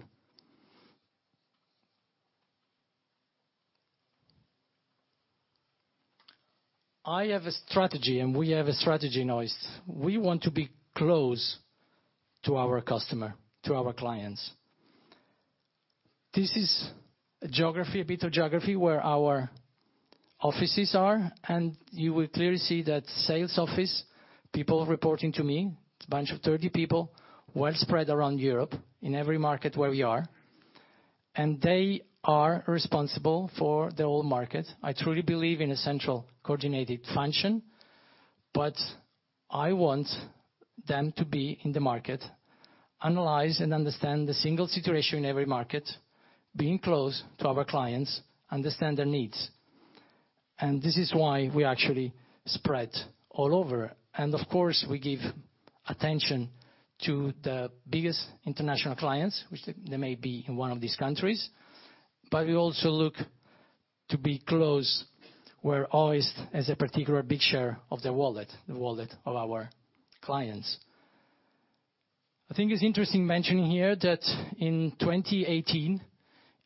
I have a strategy, and we have a strategy in Hoist. We want to be close to our customer, to our clients. This is a bit of geography where our offices are, and you will clearly see that sales office, people reporting to me, it's a bunch of 30 people, well spread around Europe in every market where we are, and they are responsible for the whole market. I truly believe in a central coordinated function, but I want them to be in the market, analyze, and understand the single situation in every market, being close to our clients, understand their needs. This is why we actually spread all over. Of course, we give attention to the biggest international clients, which they may be in one of these countries, but we also look to be close where Hoist has a particular big share of the wallet, the wallet of our clients. I think it's interesting mentioning here that in 2018,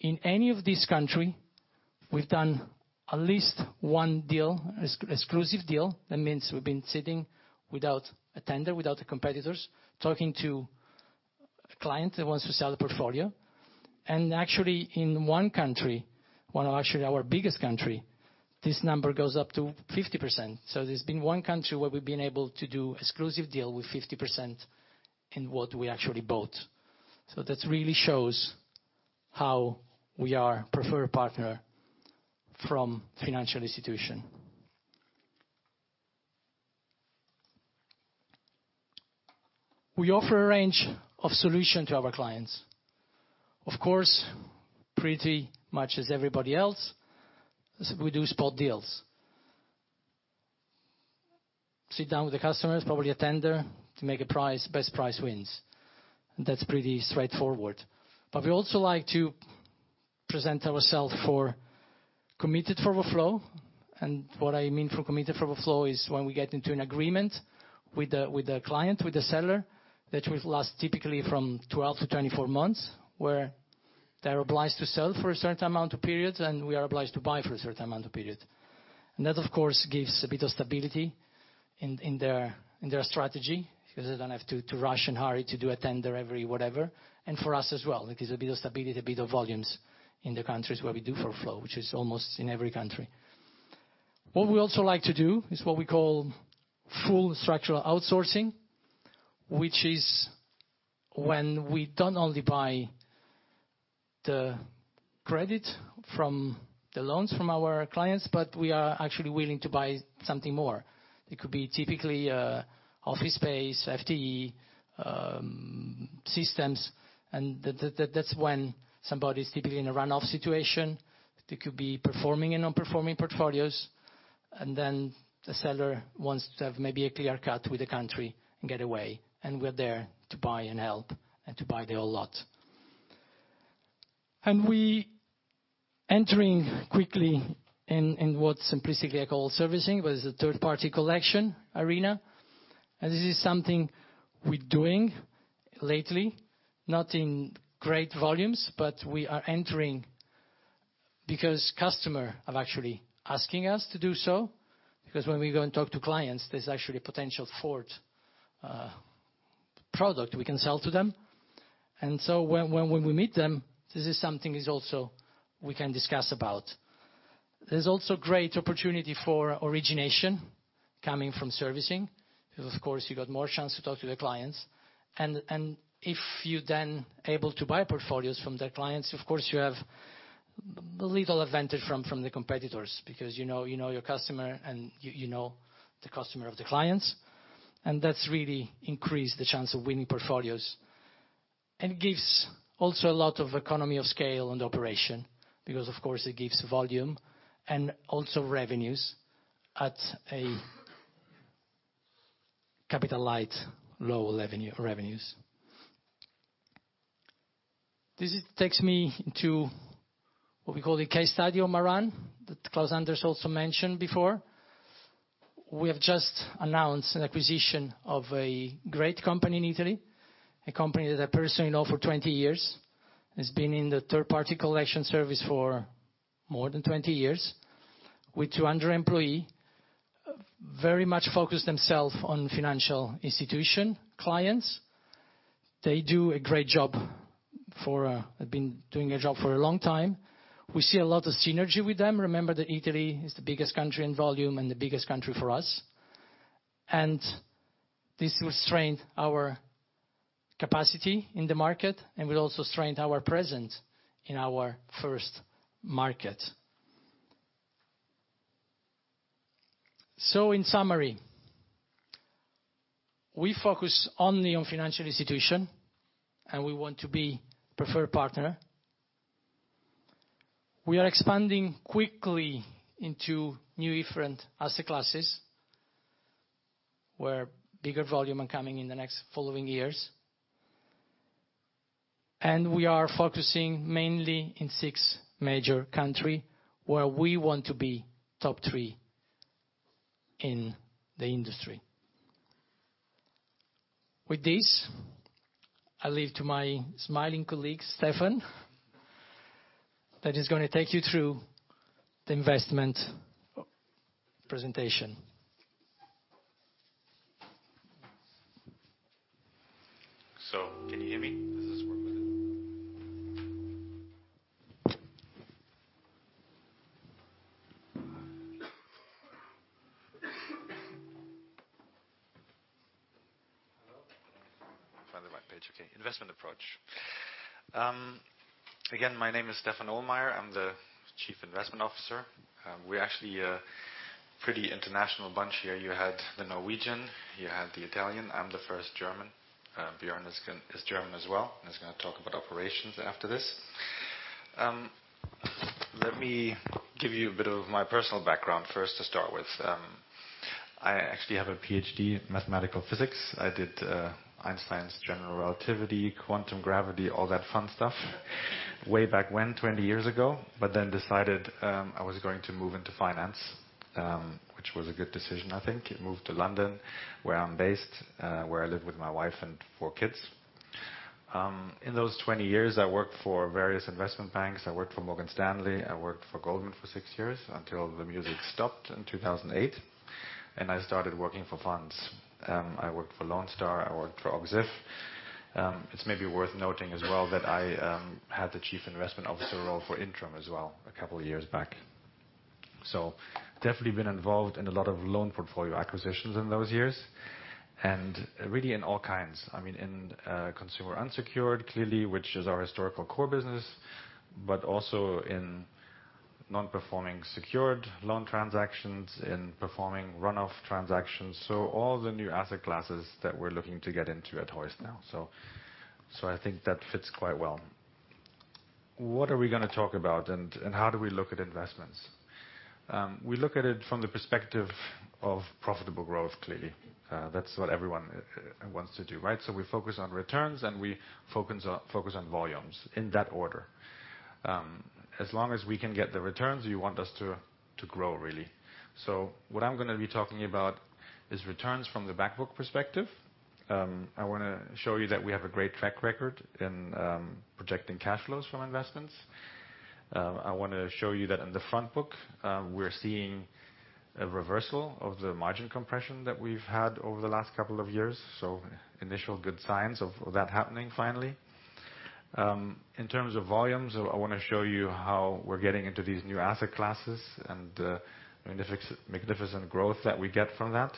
in any of this country, we've done at least one deal, exclusive deal. That means we've been sitting without a tender, without the competitors, talking to a client that wants to sell the portfolio. Actually, in one country, well, actually our biggest country, this number goes up to 50%. There's been one country where we've been able to do exclusive deal with 50% in what we actually bought. That really shows how we are preferred partner from financial institution. We offer a range of solution to our clients. Of course, pretty much as everybody else, we do spot deals. Sit down with the customers, probably a tender to make a price, best price wins, and that's pretty straightforward. We also like to present ourself for committed for overflow. What I mean for committed for overflow is when we get into an agreement with the client, with the seller, that will last typically from 12-24 months, where they're obliged to sell for a certain amount of period, and we are obliged to buy for a certain amount of period. That, of course, gives a bit of stability in their strategy because they don't have to rush and hurry to do a tender every whatever, and for us as well. It gives a bit of stability, a bit of volumes in the countries where we do for flow, which is almost in every country. What we also like to do is what we call full structural outsourcing, which is when we don't only buy the credit from the loans from our clients, but we are actually willing to buy something more. It could be typically office space, FTE, Systems, and that's when somebody's typically in a runoff situation. They could be performing in non-performing portfolios, and then the seller wants to have maybe a clear cut with the country and get away, and we're there to buy and help, and to buy the whole lot. We entering quickly in what simplistically I call servicing, what is a third-party collection arena. This is something we're doing lately, not in great volumes, but we are entering because customer have actually asking us to do so, because when we go and talk to clients, there's actually a potential fourth product we can sell to them. When we meet them, this is something is also we can discuss about. There's also great opportunity for origination coming from servicing, because of course you got more chance to talk to the clients. If you're then able to buy portfolios from their clients, of course you have a little advantage from the competitors because you know your customer and you know the customer of the clients, and that's really increased the chance of winning portfolios. Gives also a lot of economy of scale and operation because, of course, it gives volume and also revenues at a capital light, low revenues. This takes me into what we call the case study of Maran, that Klaus-Anders Nysteen also mentioned before. We have just announced an acquisition of a great company in Italy, a company that I personally know for 20 years, has been in the third-party collection service for more than 20 years with 200 employee, very much focused themself on financial institution clients. They do a great job for a long time. We see a lot of synergy with them. Remember that Italy is the biggest country in volume and the biggest country for us, and this will strengthen our capacity in the market, and will also strengthen our presence in our first market. In summary, we focus only on financial institution, and we want to be preferred partner. We are expanding quickly into new different asset classes, where bigger volume are coming in the next following years. We are focusing mainly in six major country, where we want to be top three in the industry. With this, I leave to my smiling colleague, Stephan, that is going to take you through the investment presentation. Can you hear me? Does this work? Hello? Found the right page, okay. Investment approach. Again, my name is Stephan Ohlmeyer. I'm the Chief Investment Officer. We're actually a pretty international bunch here. You had the Norwegian, you had the Italian. I'm the first German. Björn is German as well. He's going to talk about operations after this. Let me give you a bit of my personal background first to start with. I actually have a PhD in mathematical physics. I did Einstein's general relativity, quantum gravity, all that fun stuff way back when, 20 years ago. Decided I was going to move into finance, which was a good decision, I think. Moved to London, where I'm based, where I live with my wife and four kids. In those 20 years, I worked for various investment banks. I worked for Morgan Stanley. I worked for Goldman for six years until the music stopped in 2008. I started working for funds. I worked for Lone Star, I worked for Och-Ziff. It's maybe worth noting as well that I had the Chief Investment Officer role for Intrum as well a couple of years back. Definitely been involved in a lot of loan portfolio acquisitions in those years and really in all kinds. In consumer unsecured, clearly, which is our historical core business, but also in non-performing secured loan transactions, in performing runoff transactions. All the new asset classes that we're looking to get into at Hoist now. I think that fits quite well. What are we going to talk about and how do we look at investments? We look at it from the perspective of profitable growth, clearly. That's what everyone wants to do, right? We focus on returns and we focus on volumes in that order. As long as we can get the returns, you want us to grow, really. What I'm going to be talking about is returns from the back book perspective. I want to show you that we have a great track record in projecting cash flows from investments. I want to show you that in the front book, we're seeing a reversal of the margin compression that we've had over the last couple of years, initial good signs of that happening finally. In terms of volumes, I want to show you how we're getting into these new asset classes and the magnificent growth that we get from that.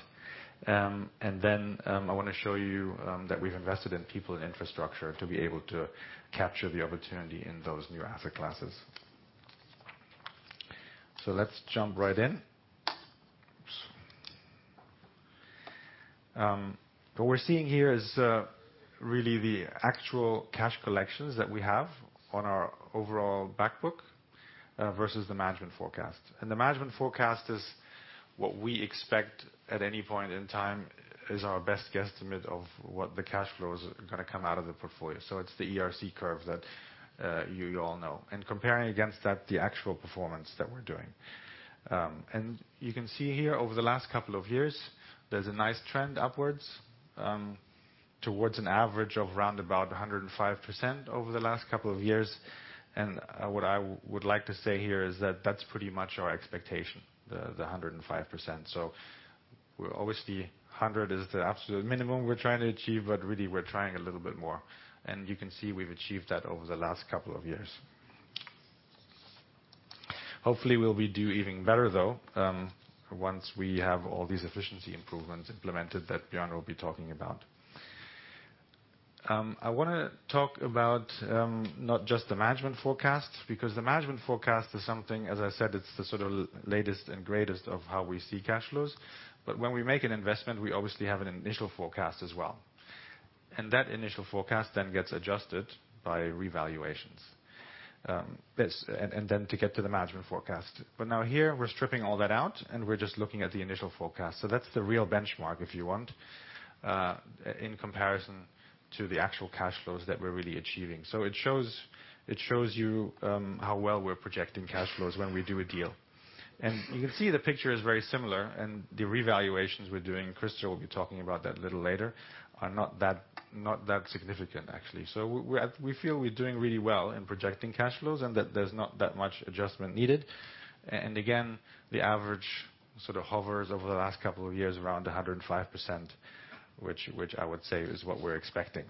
I want to show you that we've invested in people infrastructure to be able to capture the opportunity in those new asset classes. Let's jump right in. What we're seeing here is really the actual cash collections that we have on our overall back book versus the management forecast. The management forecast is what we expect at any point in time, is our best guesstimate of what the cash flows are going to come out of the portfolio. It's the ERC curve that you all know, comparing against that, the actual performance that we're doing. You can see here over the last couple of years, there's a nice trend upwards, towards an average of around about 105% over the last couple of years. What I would like to say here is that's pretty much our expectation, the 105%. Obviously, 100 is the absolute minimum we're trying to achieve, but really we're trying a little bit more. You can see we've achieved that over the last couple of years. Hopefully, we will do even better though, once we have all these efficiency improvements implemented that Björn will be talking about. I want to talk about not just the management forecast, because the management forecast is something, as I said, it's the sort of latest and greatest of how we see cash flows. When we make an investment, we obviously have an initial forecast as well. That initial forecast then gets adjusted by revaluations, then to get to the management forecast. Now here, we're stripping all that out and we're just looking at the initial forecast. That's the real benchmark if you want, in comparison to the actual cash flows that we're really achieving. It shows you how well we're projecting cash flows when we do a deal. You can see the picture is very similar and the revaluations we're doing, Krister will be talking about that a little later, are not that significant, actually. We feel we're doing really well in projecting cash flows and that there's not that much adjustment needed. Again, the average sort of hovers over the last couple of years around 105%, which I would say is what we're expecting.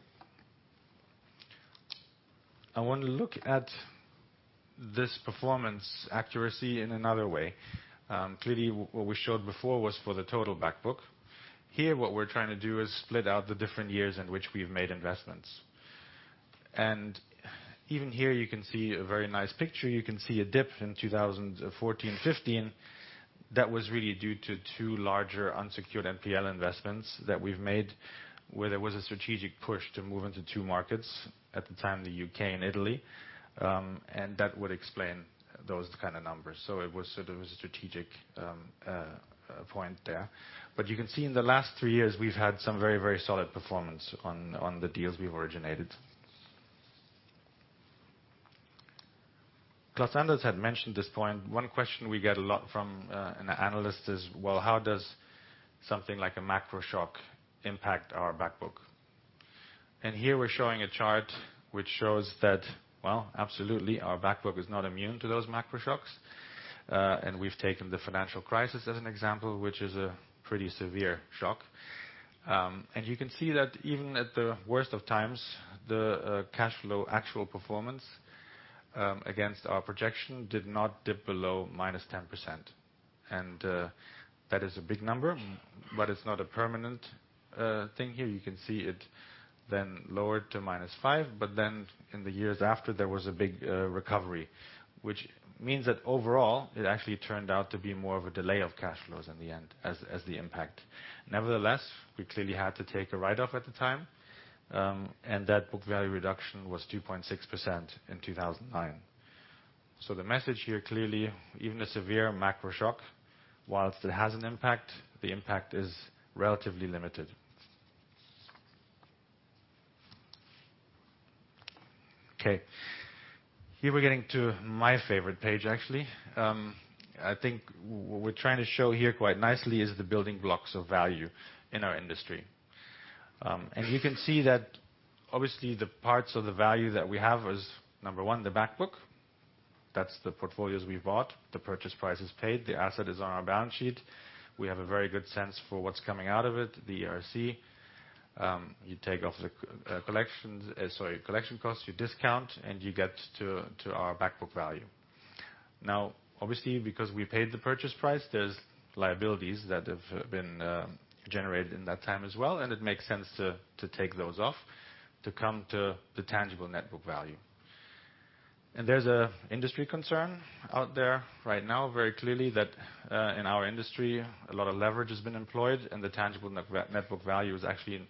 I want to look at this performance accuracy in another way. Clearly, what we showed before was for the total back book. Here, what we're trying to do is split out the different years in which we've made investments. Even here, you can see a very nice picture. You can see a dip in 2014, 2015. That was really due to two larger unsecured NPL investments that we've made, where there was a strategic push to move into two markets, at the time, the U.K. and Italy. That would explain those kind of numbers. It was sort of a strategic point there. You can see in the last three years, we've had some very solid performance on the deals we've originated. Klaus-Anders had mentioned this point. One question we get a lot from an analyst is, well, how does something like a macro shock impact our back book? Here we're showing a chart which shows that, well, absolutely our back book is not immune to those macro shocks. We've taken the financial crisis as an example, which is a pretty severe shock. You can see that even at the worst of times, the cash flow actual performance against our projection did not dip below -10%. That is a big number, but it's not a permanent thing here. You can see it then lowered to -5%, but in the years after, there was a big recovery, which means that overall, it actually turned out to be more of a delay of cash flows in the end as the impact. Nevertheless, we clearly had to take a write-off at the time, and that book value reduction was 2.6% in 2009. The message here, clearly, even a severe macro shock, whilst it has an impact, the impact is relatively limited. Okay. Here we're getting to my favorite page, actually. I think what we're trying to show here quite nicely is the building blocks of value in our industry. You can see that obviously the parts of the value that we have is number 1, the back book. That's the portfolios we bought. The purchase price is paid. The asset is on our balance sheet. We have a very good sense for what's coming out of it, the ERC. You take off the collection costs, you discount, and you get to our back book value. Obviously, because we paid the purchase price, there's liabilities that have been generated in that time as well, and it makes sense to take those off to come to the tangible net book value. There's an industry concern out there right now, very clearly, that in our industry, a lot of leverage has been employed and the tangible net book value is actually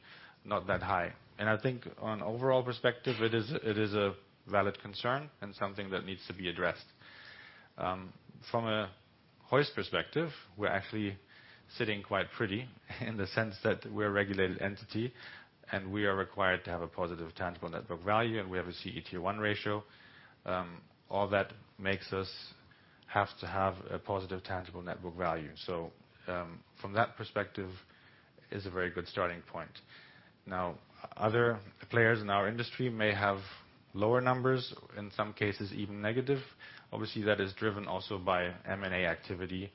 not that high. I think on an overall perspective, it is a valid concern and something that needs to be addressed. From a Hoist perspective, we're actually sitting quite pretty in the sense that we're a regulated entity and we are required to have a positive tangible net book value, and we have a CET1 ratio. All that makes us have to have a positive tangible net book value. From that perspective, is a very good starting point. Other players in our industry may have lower numbers, in some cases even negative. Obviously, that is driven also by M&A activity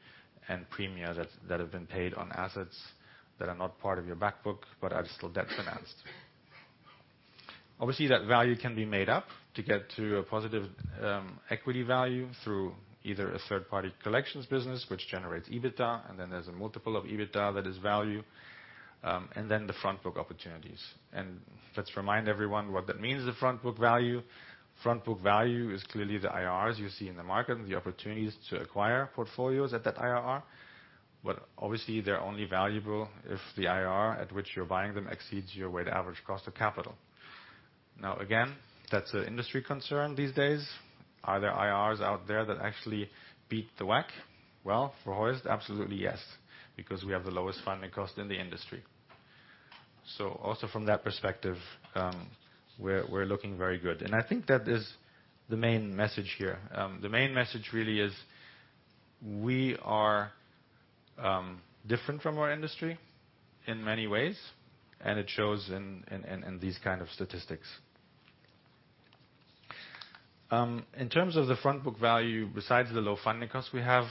and premia that have been paid on assets that are not part of your back book but are still debt financed. Obviously, that value can be made up to get to a positive equity value through either a third-party collections business, which generates EBITDA, and then there's a multiple of EBITDA that is value. Then the front book opportunities. Let's remind everyone what that means, the front book value. Front book value is clearly the IRRs you see in the market and the opportunities to acquire portfolios at that IRR. Obviously, they're only valuable if the IRR at which you're buying them exceeds your weighted average cost of capital. Again, that's an industry concern these days. Are there IRRs out there that actually beat the WACC? Well, for Hoist, absolutely yes, because we have the lowest funding cost in the industry. Also from that perspective, we're looking very good. I think that is the main message here. The main message really is we are different from our industry in many ways, and it shows in these kind of statistics. In terms of the front book value, besides the low funding cost we have,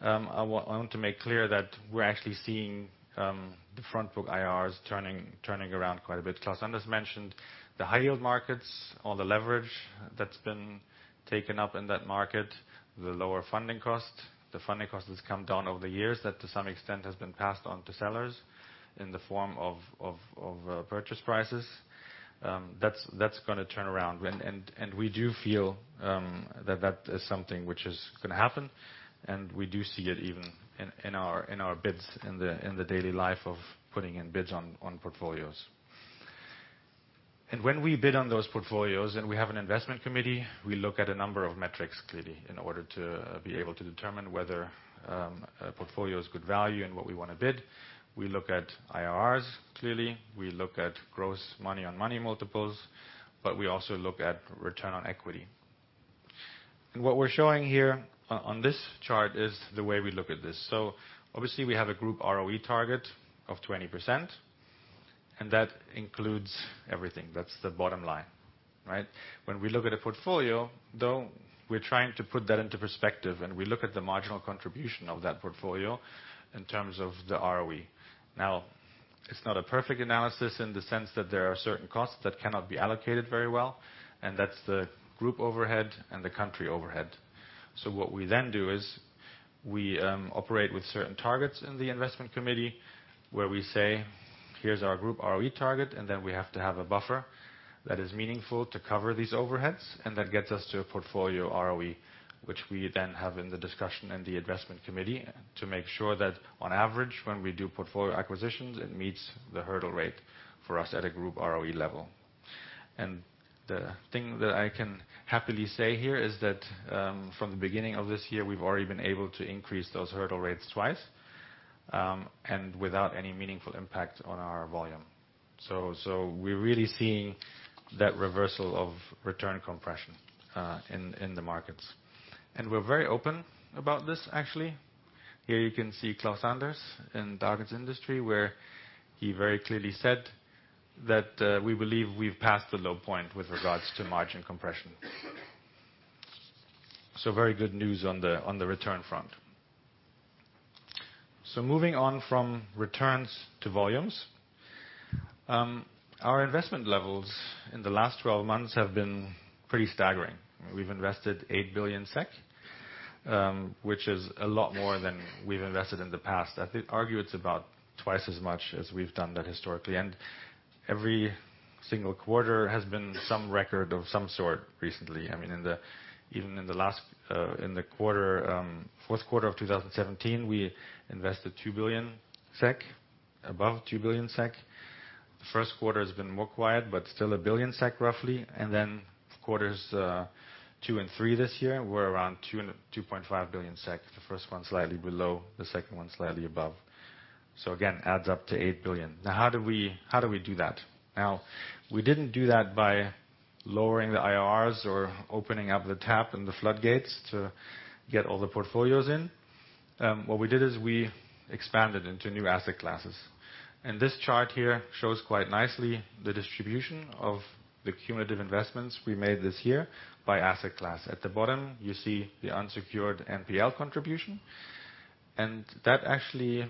I want to make clear that we're actually seeing the front book IRRs turning around quite a bit. Klaus-Anders mentioned the high-yield markets, all the leverage that's been taken up in that market, the lower funding cost. The funding cost has come down over the years. That, to some extent, has been passed on to sellers in the form of purchase prices. That's going to turn around, and we do feel that that is something which is going to happen, and we do see it even in our bids in the daily life of putting in bids on portfolios. When we bid on those portfolios, and we have an investment committee, we look at a number of metrics, clearly, in order to be able to determine whether a portfolio is good value and what we want to bid. We look at IRRs, clearly, we look at gross money on money multiples, but we also look at return on equity. What we're showing here on this chart is the way we look at this. Obviously, we have a group ROE target of 20%, and that includes everything. That's the bottom line, right? When we look at a portfolio, though, we're trying to put that into perspective, and we look at the marginal contribution of that portfolio in terms of the ROE. It's not a perfect analysis in the sense that there are certain costs that cannot be allocated very well, and that's the group overhead and the country overhead. What we then do is we operate with certain targets in the investment committee, where we say, "Here's our group ROE target," and then we have to have a buffer that is meaningful to cover these overheads. That gets us to a portfolio ROE, which we then have in the discussion in the investment committee to make sure that on average, when we do portfolio acquisitions, it meets the hurdle rate for us at a group ROE level. The thing that I can happily say here is that, from the beginning of this year, we've already been able to increase those hurdle rates twice, and without any meaningful impact on our volume. We're really seeing that reversal of return compression in the markets. We're very open about this, actually. Here you can see Klaus-Anders in Dagens Industri, where he very clearly said that we believe we've passed the low point with regards to margin compression. Very good news on the return front. Moving on from returns to volumes. Our investment levels in the last 12 months have been pretty staggering. We've invested 8 billion SEK, which is a lot more than we've invested in the past. I think argue it's about twice as much as we've done that historically, and every single quarter has been some record of some sort recently. Even in the fourth quarter of 2017, we invested 2 billion SEK, above 2 billion SEK. The first quarter has been more quiet, but still 1 billion SEK, roughly. Then quarters two and three this year were around 2.5 billion SEK. The first one slightly below, the second one slightly above. Again, adds up to 8 billion SEK. How do we do that? We didn't do that by lowering the IRRs or opening up the tap and the floodgates to get all the portfolios in. What we did is we expanded into new asset classes. This chart here shows quite nicely the distribution of the cumulative investments we made this year by asset class. At the bottom, you see the unsecured NPL contribution, and that actually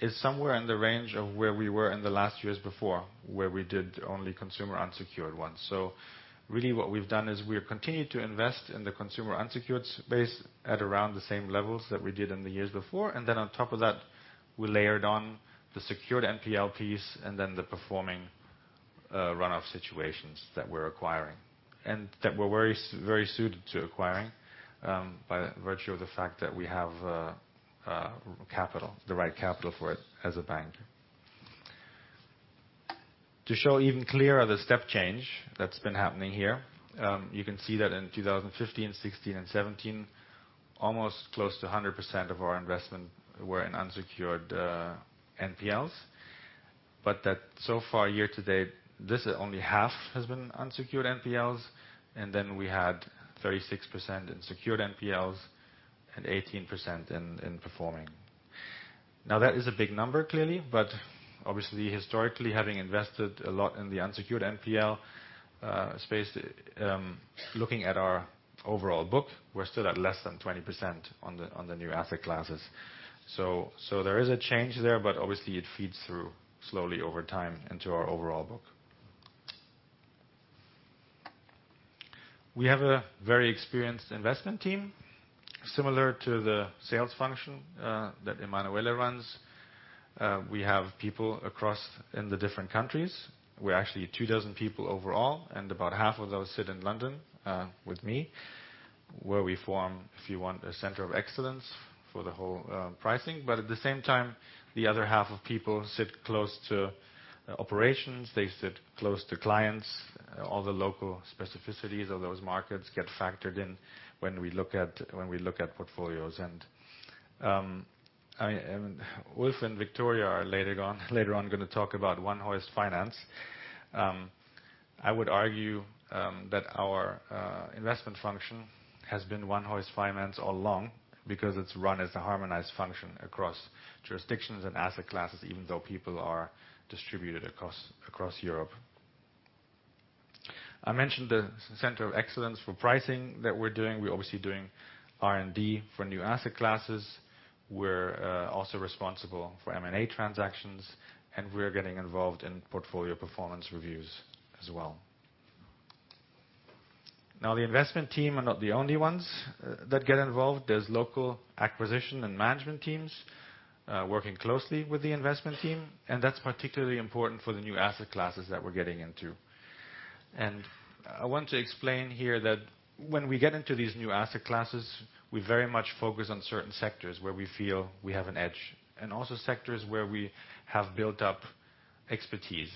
is somewhere in the range of where we were in the last years before, where we did only consumer unsecured ones. Really what we've done is we've continued to invest in the consumer unsecured space at around the same levels that we did in the years before. On top of that, we layered on the secured NPL piece and then the performing runoff situations that we're acquiring and that we're very suited to acquiring by virtue of the fact that we have the right capital for it as a bank. To show even clearer the step change that's been happening here, you can see that in 2015, 2016, and 2017, almost close to 100% of our investment were in unsecured NPLs. So far year to date, this only half has been unsecured NPLs, and then we had 36% in secured NPLs and 18% in performing. That is a big number, clearly, but obviously, historically, having invested a lot in the unsecured NPL space, looking at our overall book, we're still at less than 20% on the new asset classes. There is a change there, but obviously, it feeds through slowly over time into our overall book. We have a very experienced investment team, similar to the sales function that Emanuele runs. We have people across in the different countries. We're actually 2 dozen people overall, and about half of those sit in London with me, where we form, if you want, a center of excellence for the whole pricing. At the same time, the other half of people sit close to operations, they sit close to clients. All the local specificities of those markets get factored in when we look at portfolios. Ulf and Victoria are later on going to talk about One Hoist Finance. I would argue that our investment function has been One Hoist Finance all along because it's run as a harmonized function across jurisdictions and asset classes, even though people are distributed across Europe. I mentioned the center of excellence for pricing that we're doing. We're obviously doing R&D for new asset classes. We're also responsible for M&A transactions, and we're getting involved in portfolio performance reviews as well. The investment team are not the only ones that get involved. There's local acquisition and management teams working closely with the investment team, and that's particularly important for the new asset classes that we're getting into. I want to explain here that when we get into these new asset classes, we very much focus on certain sectors where we feel we have an edge, and also sectors where we have built up expertise.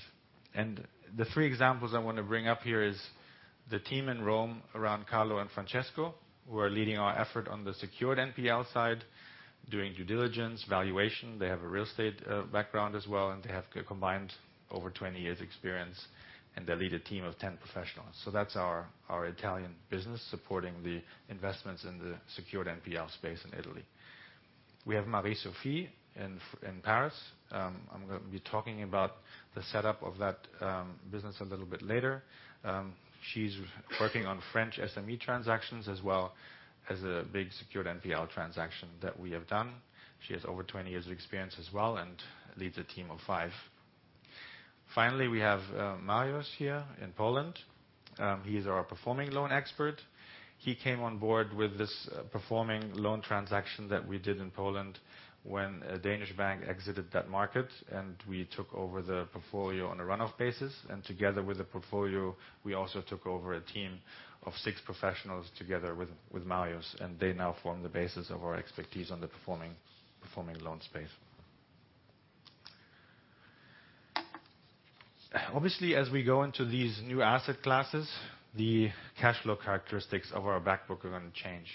The three examples I want to bring up here is the team in Rome around Carlo and Francesco, who are leading our effort on the secured NPL side, doing due diligence, valuation. They have a real estate background as well, and they have a combined over 20 years experience, and they lead a team of 10 professionals. That's our Italian business supporting the investments in the secured NPL space in Italy. We have Marie-Sophie in Paris. I'm going to be talking about the setup of that business a little bit later. She's working on French SME transactions as well as a big secured NPL transaction that we have done. She has over 20 years of experience as well and leads a team of 5. Finally, we have Marius here in Poland. He is our performing loan expert. He came on board with this performing loan transaction that we did in Poland when a Danish bank exited that market and we took over the portfolio on a run-off basis. Together with the portfolio, we also took over a team of six professionals together with Marius, and they now form the basis of our expertise on the performing loan space. Obviously, as we go into these new asset classes, the cash flow characteristics of our back book are going to change.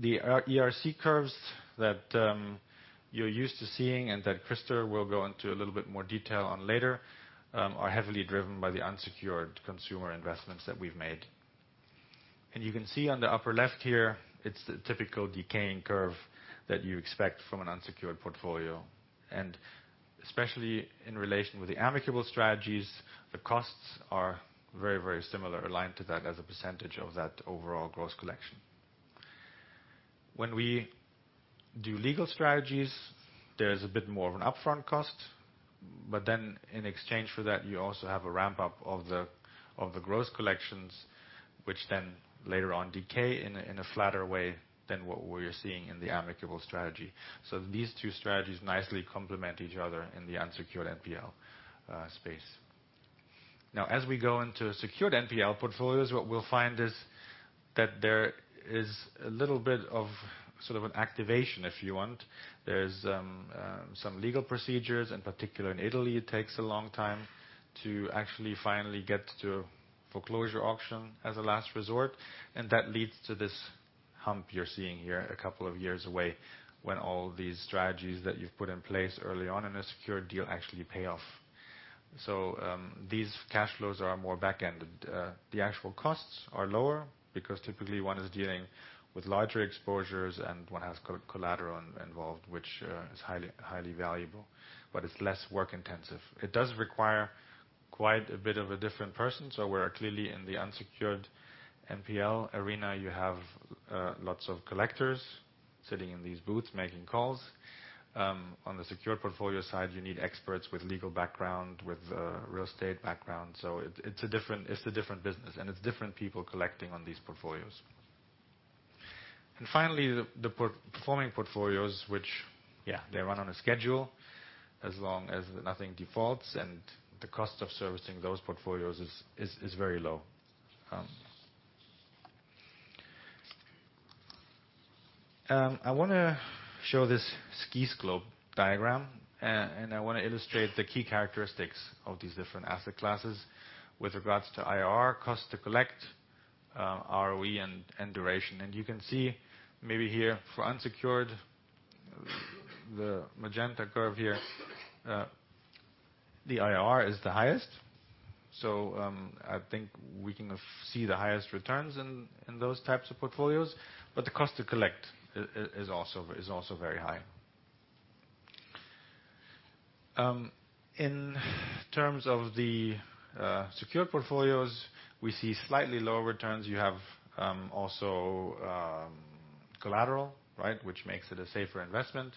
The ERC curves that you're used to seeing and that Christer will go into a little bit more detail on later, are heavily driven by the unsecured consumer investments that we've made. You can see on the upper left here, it's the typical decaying curve that you expect from an unsecured portfolio. Especially in relation with the amicable strategies, the costs are very similar, aligned to that as a percentage of that overall gross collection. When we do legal strategies, there is a bit more of an upfront cost, but then in exchange for that, you also have a ramp-up of the gross collections, which then later on decay in a flatter way than what we're seeing in the amicable strategy. These two strategies nicely complement each other in the unsecured NPL space. Now as we go into secured NPL portfolios, what we'll find is that there is a little bit of an activation, if you want. There's some legal procedures. In particular, in Italy, it takes a long time to actually finally get to foreclosure auction as a last resort. That leads to this hump you're seeing here a couple of years away when all these strategies that you've put in place early on in a secured deal actually pay off. These cash flows are more back-ended. The actual costs are lower because typically one is dealing with larger exposures and one has collateral involved, which is highly valuable, but it's less work intensive. It does require quite a bit of a different person. We're clearly in the unsecured NPL arena, you have lots of collectors sitting in these booths making calls. On the secured portfolio side, you need experts with legal background, with real estate background. It's a different business. It's different people collecting on these portfolios. Finally, the performing portfolios, which run on a schedule as long as nothing defaults. The cost of servicing those portfolios is very low. I want to show this ski slope diagram. I want to illustrate the key characteristics of these different asset classes with regards to IRR, cost to collect, ROE, and duration. You can see maybe here for unsecured, the magenta curve here, the IRR is the highest. I think we can see the highest returns in those types of portfolios. The cost to collect is also very high. In terms of the secured portfolios, we see slightly lower returns. You have also collateral, which makes it a safer investment.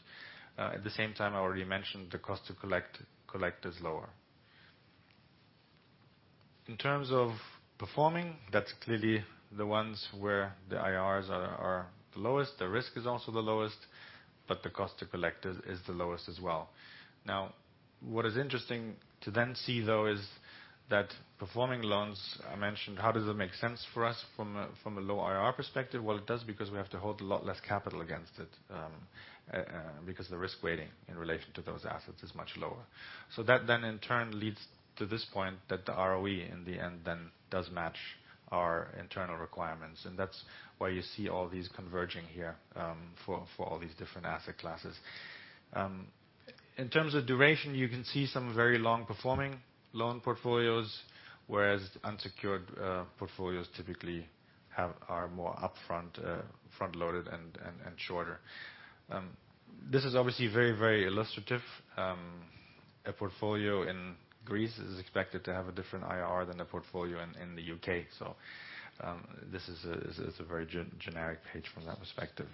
At the same time, I already mentioned the cost to collect is lower. In terms of performing, that is clearly the ones where the IRRs are the lowest, the risk is also the lowest, but the cost to collect is the lowest as well. What is interesting to then see, though, is that performing loans, I mentioned, how does it make sense for us from a low IRR perspective? It does, because we have to hold a lot less capital against it, because the risk weighting in relation to those assets is much lower. That then in turn leads to this point that the ROE in the end then does match our internal requirements, and that is why you see all these converging here for all these different asset classes. In terms of duration, you can see some very long-performing loan portfolios, whereas unsecured portfolios typically are more upfront, front-loaded and shorter. This is obviously very illustrative. A portfolio in Greece is expected to have a different IRR than a portfolio in the U.K. This is a very generic page from that perspective.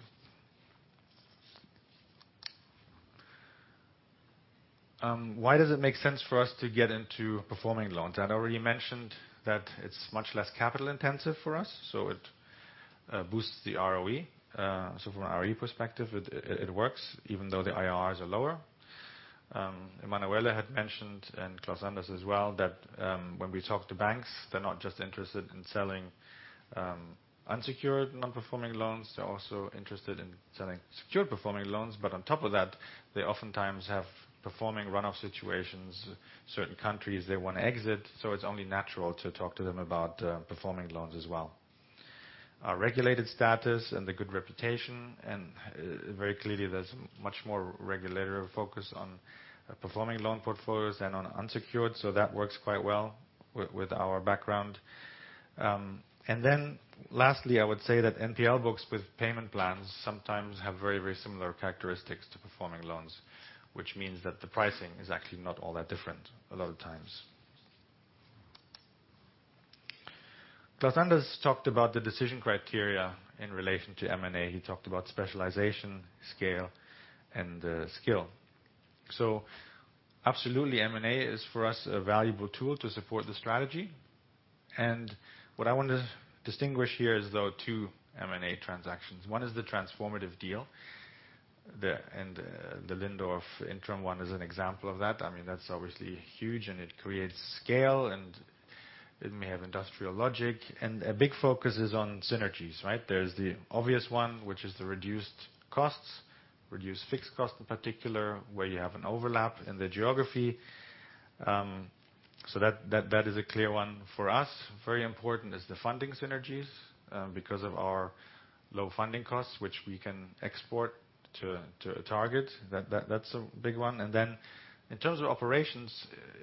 Why does it make sense for us to get into performing loans? I had already mentioned that it is much less capital-intensive for us, so it boosts the ROE. From an ROE perspective, it works, even though the IRRs are lower. Emanuele had mentioned, and Klaus-Anders as well, that when we talk to banks, they are not just interested in selling unsecured non-performing loans, they are also interested in selling secured performing loans. On top of that, they oftentimes have performing runoff situations, certain countries they want to exit, so it is only natural to talk to them about performing loans as well. Our regulated status and the good reputation. Very clearly there is much more regulatory focus on performing loan portfolios than on unsecured, so that works quite well with our background. Then lastly, I would say that NPL books with payment plans sometimes have very similar characteristics to performing loans, which means that the pricing is actually not all that different a lot of times. Klaus-Anders talked about the decision criteria in relation to M&A. He talked about specialization, scale, and skill. Absolutely, M&A is for us a valuable tool to support the strategy. What I want to distinguish here is those two M&A transactions. One is the transformative deal, and the Lindorff Intrum one is an example of that. That is obviously huge and it creates scale, and it may have industrial logic. A big focus is on synergies, right? There is the obvious one, which is the reduced costs, reduced fixed costs in particular, where you have an overlap in the geography. That is a clear one for us. Very important is the funding synergies, because of our low funding costs, which we can export to a target. That is a big one. Then in terms of operations,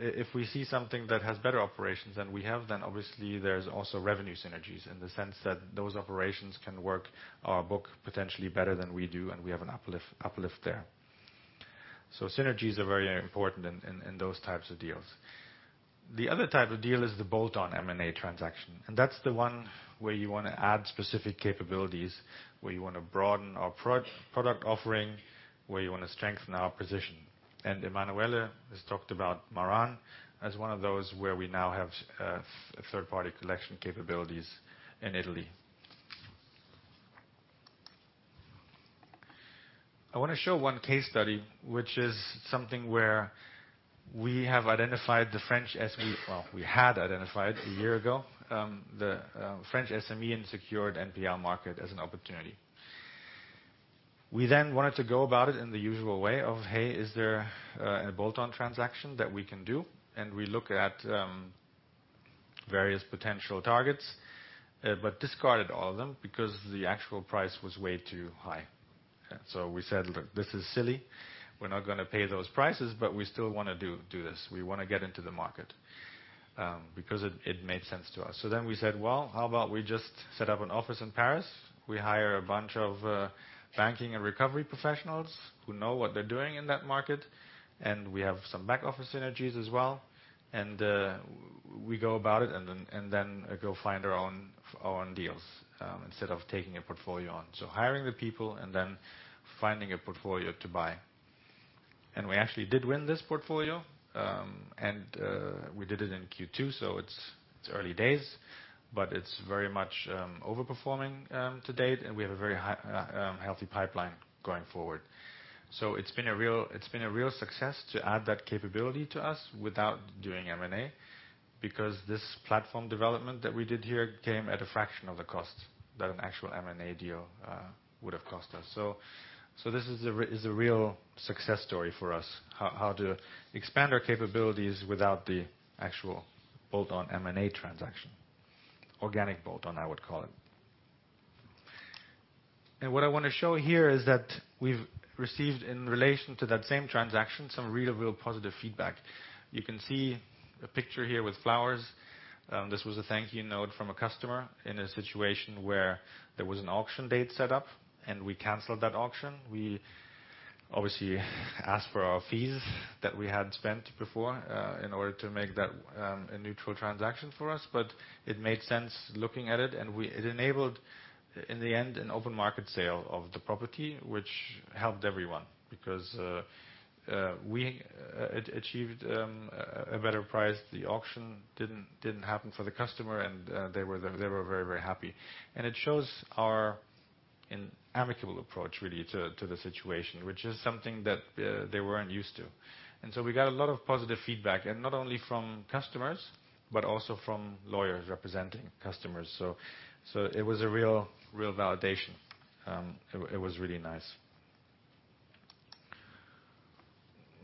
if we see something that has better operations than we have, then obviously there is also revenue synergies in the sense that those operations can work our book potentially better than we do, and we have an uplift there. Synergies are very important in those types of deals. The other type of deal is the bolt-on M&A transaction, and that is the one where you want to add specific capabilities, where you want to broaden our product offering, where you want to strengthen our position. Emanuele has talked about Maran as one of those where we now have third-party collection capabilities in Italy. I want to show one case study, which is something where we have identified a year ago, the French SME unsecured NPL market as an opportunity. We wanted to go about it in the usual way of, hey, is there a bolt-on transaction that we can do? We look at various potential targets, but discarded all of them because the actual price was way too high. We said, "Look, this is silly. We're not going to pay those prices, but we still want to do this. We want to get into the market because it made sense to us." We said, "Well, how about we just set up an office in Paris? We hire a bunch of banking and recovery professionals who know what they're doing in that market, we have some back-office synergies as well, we go about it, go find our own deals, instead of taking a portfolio on." Hiring the people and then finding a portfolio to buy. We actually did win this portfolio, we did it in Q2, so it's early days, but it's very much over-performing to date, we have a very healthy pipeline going forward. It's been a real success to add that capability to us without doing M&A, because this platform development that we did here came at a fraction of the cost that an actual M&A deal would have cost us. This is a real success story for us. How to expand our capabilities without the actual bolt-on M&A transaction. Organic bolt-on, I would call it. What I want to show here is that we've received, in relation to that same transaction, some real positive feedback. You can see a picture here with flowers. This was a thank you note from a customer in a situation where there was an auction date set up, we canceled that auction. We obviously ask for our fees that we had spent before, in order to make that a neutral transaction for us. It made sense looking at it enabled, in the end, an open market sale of the property, which helped everyone because we achieved a better price. The auction didn't happen for the customer, they were very happy. It shows our amicable approach, really, to the situation, which is something that they weren't used to. We got a lot of positive feedback, not only from customers but also from lawyers representing customers. It was a real validation. It was really nice.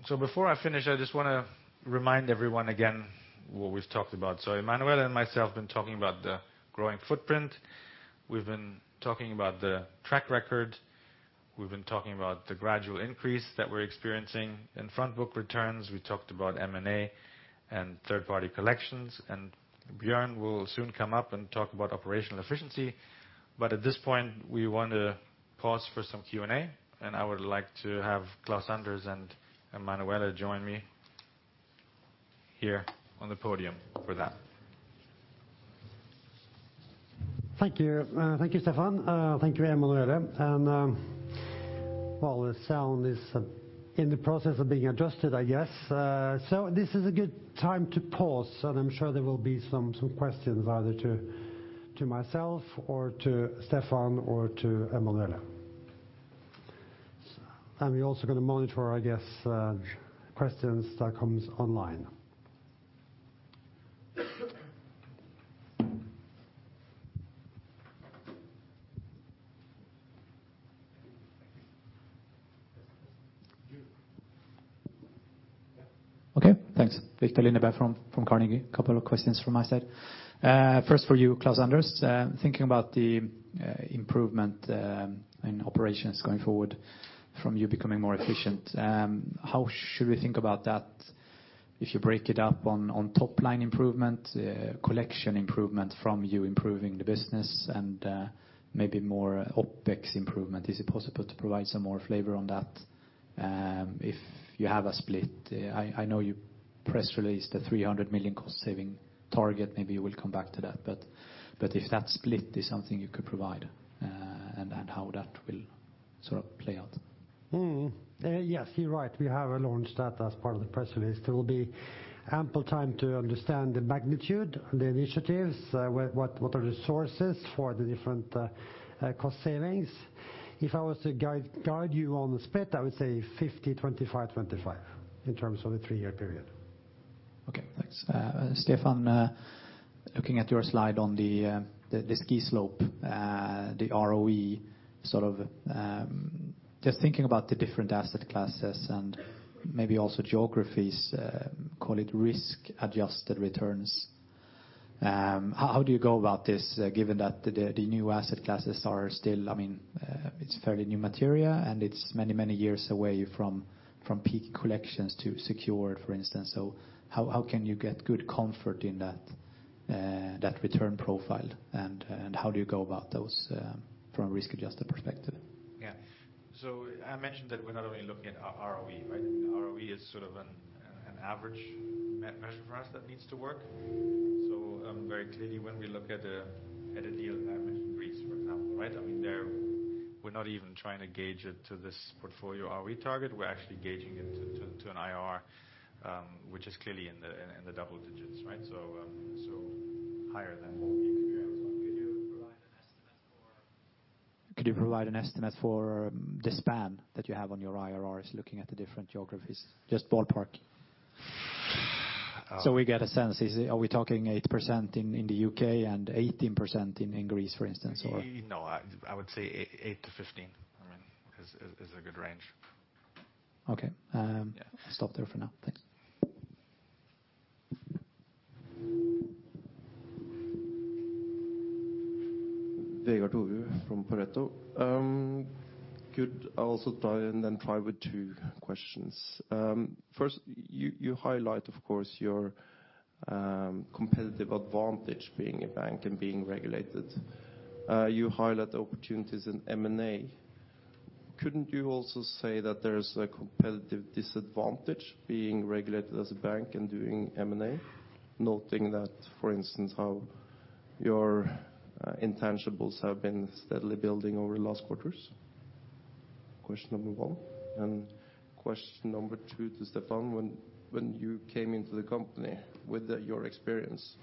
Before I finish, I just want to remind everyone again what we've talked about. Emanuele and myself have been talking about the growing footprint. We've been talking about the track record. We've been talking about the gradual increase that we're experiencing in front book returns. We talked about M&A and third-party collections, Björn will soon come up and talk about operational efficiency. At this point, we want to pause for some Q&A, I would like to have Klaus-Anders and Emanuele join me here on the podium for that. Thank you, Stefan. Thank you, Emanuele. While the sound is in the process of being adjusted, I guess. This is a good time to pause, and I'm sure there will be some questions either to myself or to Stefan or to Emanuele. We're also going to monitor, I guess, questions that comes online. Okay, thanks. Viktor Lindeberg from Carnegie. A couple of questions from my side. First for you, Klaus-Anders Nysteen, thinking about the improvement in operations going forward from you becoming more efficient, how should we think about that? If you break it up on top line improvement, collection improvement from you improving the business and maybe more OpEx improvement. Is it possible to provide some more flavor on that? If you have a split. I know you press released a 300 million cost saving target. Maybe you will come back to that, but if that split is something you could provide and how that will sort of play out. Yes, you're right. We have launched that as part of the press release. There will be ample time to understand the magnitude, the initiatives what are the resources for the different cost savings. If I was to guide you on the split, I would say 50/25/25 in terms of the three-year period. Okay, thanks. Stefan, looking at your slide on the ski slope, the ROE sort of Just thinking about the different asset classes and maybe also geographies, call it risk-adjusted returns. How do you go about this, given that the new asset classes are still, I mean, it's fairly new material and it's many years away from peak collections to secure, for instance. How can you get good comfort in that return profile and how do you go about those from a risk-adjusted perspective? I mentioned that we're not only looking at ROE, right? ROE is sort of an average measure for us that needs to work. Very clearly when we look at a deal in Greece, for example, right? There we're not even trying to gauge it to this portfolio ROE target. We're actually gauging it to an IRR, which is clearly in the double digits, right? Higher than. Could you provide an estimate for the span that you have on your IRRs looking at the different geographies? Just ballpark. We get a sense. Are we talking 8% in the U.K. and 18% in Greece, for instance? No, I would say eight to 15 is a good range. Okay. Yeah. Stop there for now. Thanks. Vegard Toverud from Pareto. Could I also try and then try with two questions? First, you highlight, of course, your competitive advantage being a bank and being regulated. You highlight the opportunities in M&A. Couldn't you also say that there's a competitive disadvantage being regulated as a bank and doing M&A, noting that, for instance, how your intangibles have been steadily building over the last quarters? Question number 1. Question number 2 to Stephan. When you came into the company with your experience,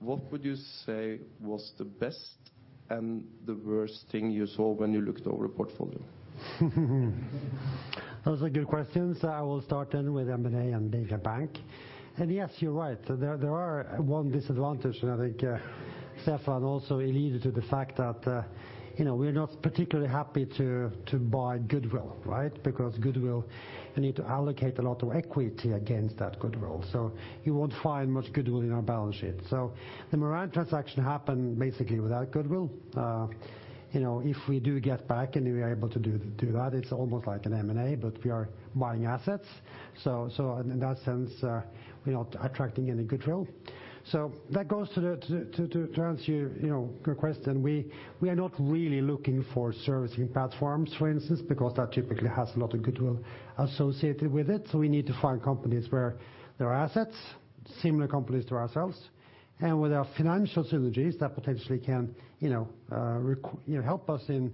what would you say was the best and the worst thing you saw when you looked over the portfolio? Those are good questions. I will start with M&A and being a bank. Yes, you're right. There are one disadvantage, and I think Stephan also alluded to the fact that we're not particularly happy to buy goodwill, right? Because goodwill, you need to allocate a lot of equity against that goodwill. You won't find much goodwill in our balance sheet. The Maran transaction happened basically without goodwill. If we do GetBack and we are able to do that, it's almost like an M&A, but we are buying assets. In that sense, we are not attracting any goodwill. That goes to answer your question. We are not really looking for servicing platforms, for instance, because that typically has a lot of goodwill associated with it. We need to find companies where there are assets, similar companies to ourselves, and with our financial synergies that potentially can help us in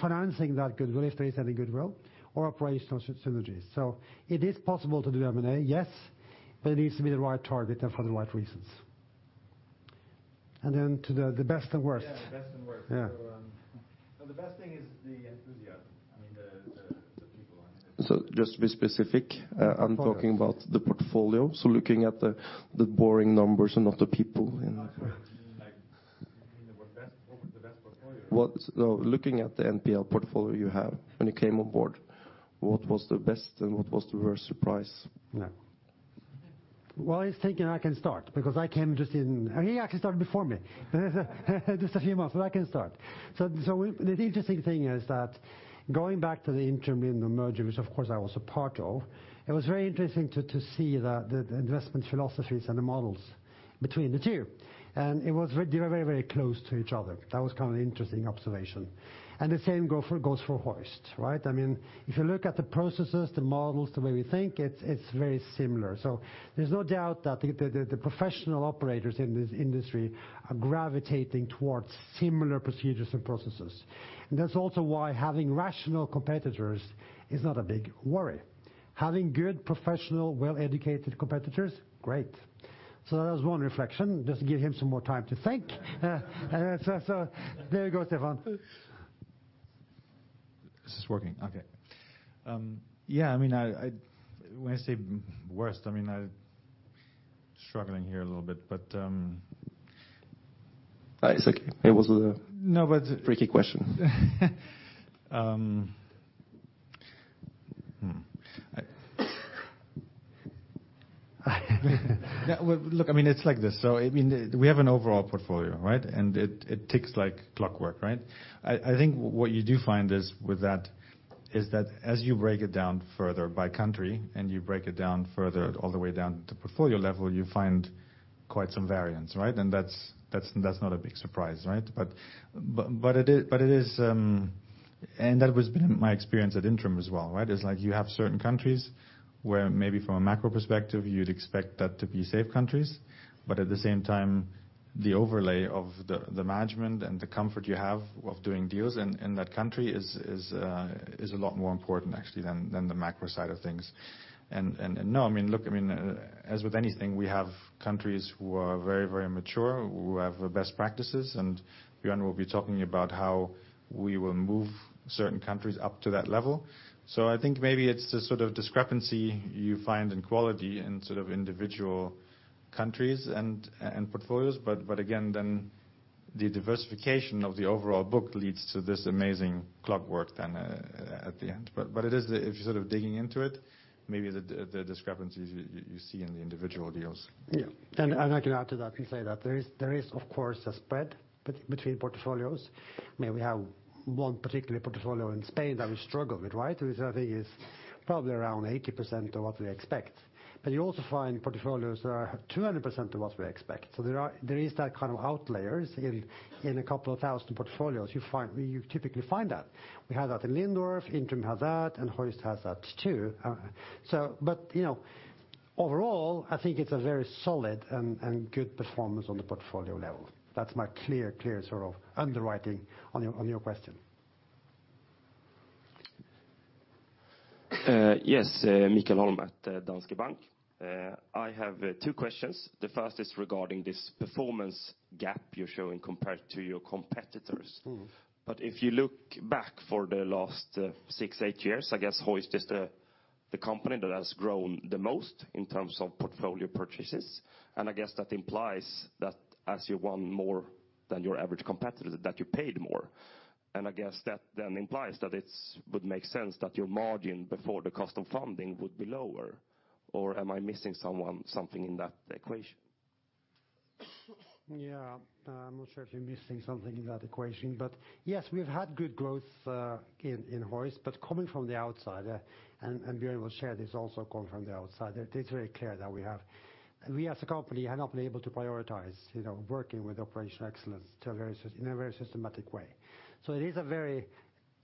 financing that goodwill if there is any goodwill or operational synergies. It is possible to do M&A, yes, but it needs to be the right target and for the right reasons. To the best and worst. Yeah, the best and worst. Yeah. The best thing is the enthusiasm. I mean, the people. Just to be specific. Yes I'm talking about the portfolio. Looking at the boring numbers and not the people in. No, I mean like what was the best portfolio. Looking at the NPL portfolio you have when you came on board, what was the best and what was the worst surprise? Well, he's thinking I can start because I came just in. He actually started before me just a few months, but I can start. The interesting thing is that going back to the Intrum in the merger, which of course I was a part of, it was very interesting to see the investment philosophies and the models between the two. They were very close to each other. That was an interesting observation. The same goes for Hoist. If you look at the processes, the models, the way we think, it's very similar. There's no doubt that the professional operators in this industry are gravitating towards similar procedures and processes. That's also why having rational competitors is not a big worry. Having good professional, well-educated competitors, great. That was one reflection. Just give him some more time to think. There you go, Stephan. Is this working? Okay. When I say worst, I'm struggling here a little bit. It's okay. No. Tricky question. Look, it's like this. We have an overall portfolio. It ticks like clockwork, right? I think what you do find is with that is that as you break it down further by country, and you break it down further all the way down to portfolio level, you find quite some variance. That's not a big surprise. That has been my experience at Intrum as well. It's like you have certain countries where maybe from a macro perspective, you'd expect that to be safe countries. At the same time, the overlay of the management and the comfort you have of doing deals in that country is a lot more important actually than the macro side of things. Look, as with anything, we have countries who are very mature, who have best practices, and Björn will be talking about how we will move certain countries up to that level. I think maybe it's the sort of discrepancy you find in quality in individual countries and portfolios. The diversification of the overall book leads to this amazing clockwork then at the end. It is if you're digging into it, maybe the discrepancies you see in the individual deals. Yes. I'd like to add to that and say that there is of course a spread between portfolios. We have one particular portfolio in Spain that we struggle with which I think is probably around 80% of what we expect. You also find portfolios that are 200% of what we expect. There is that kind of outliers in a couple of 1,000 portfolios, you typically find that. We have that in Lindorff, Intrum has that, and Hoist has that too. Overall, I think it's a very solid and good performance on the portfolio level. That's my clear underwriting on your question. Yes. Mikael Angert at Danske Bank. I have 2 questions. The first is regarding this performance gap you're showing compared to your competitors. If you look back for the last 6, 8 years, I guess Hoist is the company that has grown the most in terms of portfolio purchases. I guess that implies that as you won more than your average competitor, that you paid more. I guess that then implies that it would make sense that your margin before the cost of funding would be lower. Am I missing something in that equation? Yes. I'm not sure if you're missing something in that equation. Yes, we've had good growth in Hoist, but coming from the outside, and Björn will share this also coming from the outside, it's very clear that we as a company have not been able to prioritize working with operational excellence in a very systematic way. It is a very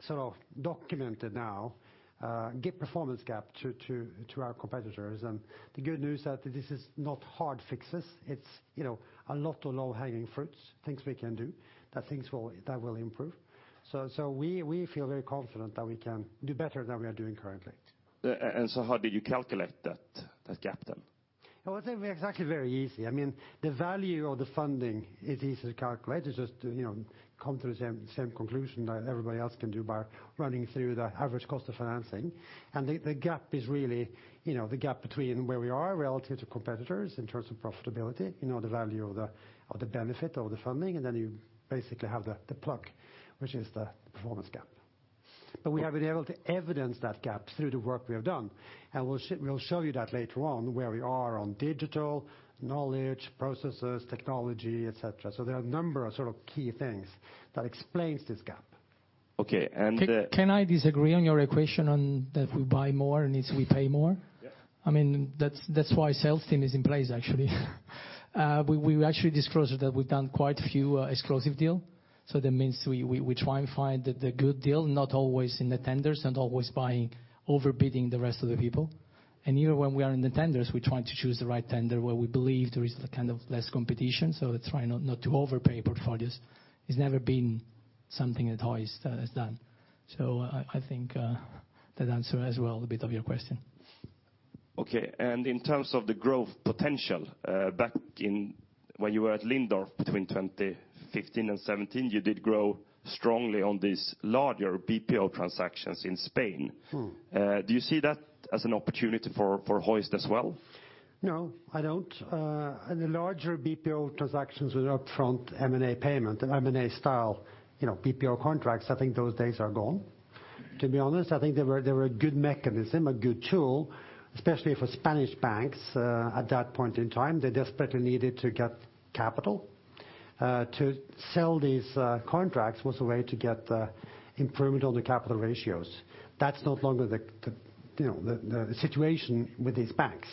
sort of documented now gap, performance gap to our competitors. The good news that this is not hard fixes, it's a lot of low-hanging fruits, things we can do, things that will improve. We feel very confident that we can do better than we are doing currently. How did you calculate that gap then? Well, I think exactly very easy. The value of the funding is easy to calculate. It's just come to the same conclusion that everybody else can do by running through the average cost of financing. The gap is really the gap between where we are relative to competitors in terms of profitability, the value of the benefit of the funding, and then you basically have the plug, which is the performance gap. We have been able to evidence that gap through the work we have done. We'll show you that later on where we are on digital, knowledge, processes, technology, et cetera. There are a number of key things that explains this gap. Okay. Can I disagree on your equation on that if we buy more and if we pay more? Yeah. That's why sales team is in place, actually. We actually disclosed that we've done quite a few exclusive deals. That means we try and find the good deal, not always in the tenders and always buying, overbidding the rest of the people. Even when we are in the tenders, we try to choose the right tender where we believe there is the kind of less competition. We try not to overpay portfolios. It's never been something that Hoist has done. I think that answers as well a bit of your question. Okay. In terms of the growth potential, back when you were at Lindorff between 2015 and 2017, you did grow strongly on these larger BPO transactions in Spain. Do you see that as an opportunity for Hoist as well? No, I don't. The larger BPO transactions with upfront M&A payment and M&A style BPO contracts, I think those days are gone. To be honest, I think they were a good mechanism, a good tool, especially for Spanish banks at that point in time. They desperately needed to get capital. To sell these contracts was a way to get improvement on the capital ratios. That's no longer the situation with these banks.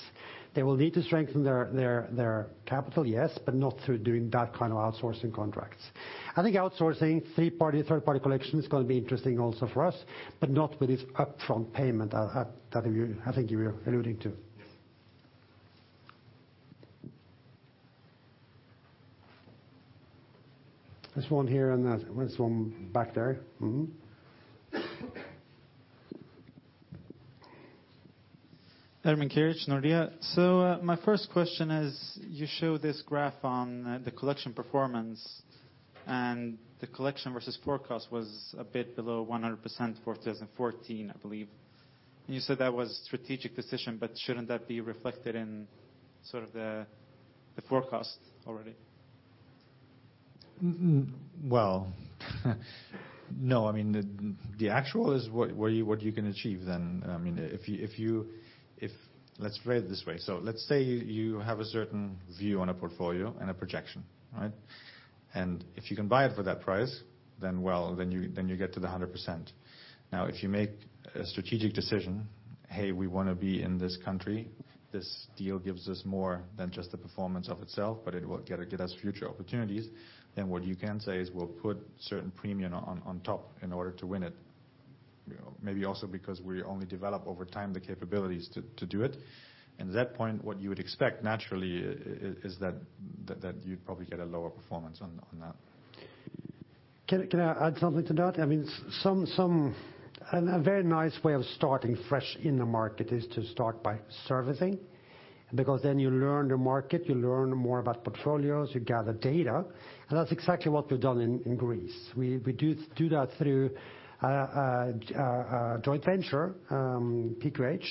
They will need to strengthen their capital, yes, but not through doing that kind of outsourcing contracts. I think outsourcing third-party collection is going to be interesting also for us, but not with this upfront payment that I think you were alluding to. Yes. There's one here and there's one back there. Ermin Keric, Nordea. My first question is, you show this graph on the collection performance, and the collection versus forecast was a bit below 100% for 2014, I believe. You said that was a strategic decision, shouldn't that be reflected in the forecast already? Well no. The actual is what you can achieve then. Let's phrase it this way. Let's say you have a certain view on a portfolio and a projection, right? If you can buy it for that price, then, well, then you get to the 100%. If you make a strategic decision, hey, we want to be in this country. This deal gives us more than just the performance of itself, but it will get us future opportunities, then what you can say is, we'll put certain premium on top in order to win it. Maybe also because we only develop over time the capabilities to do it. At that point, what you would expect naturally, is that you'd probably get a lower performance on that. Can I add something to that? A very nice way of starting fresh in the market is to start by servicing, because then you learn the market, you learn more about portfolios, you gather data, that's exactly what we've done in Greece. We do that through a joint venture, PQH.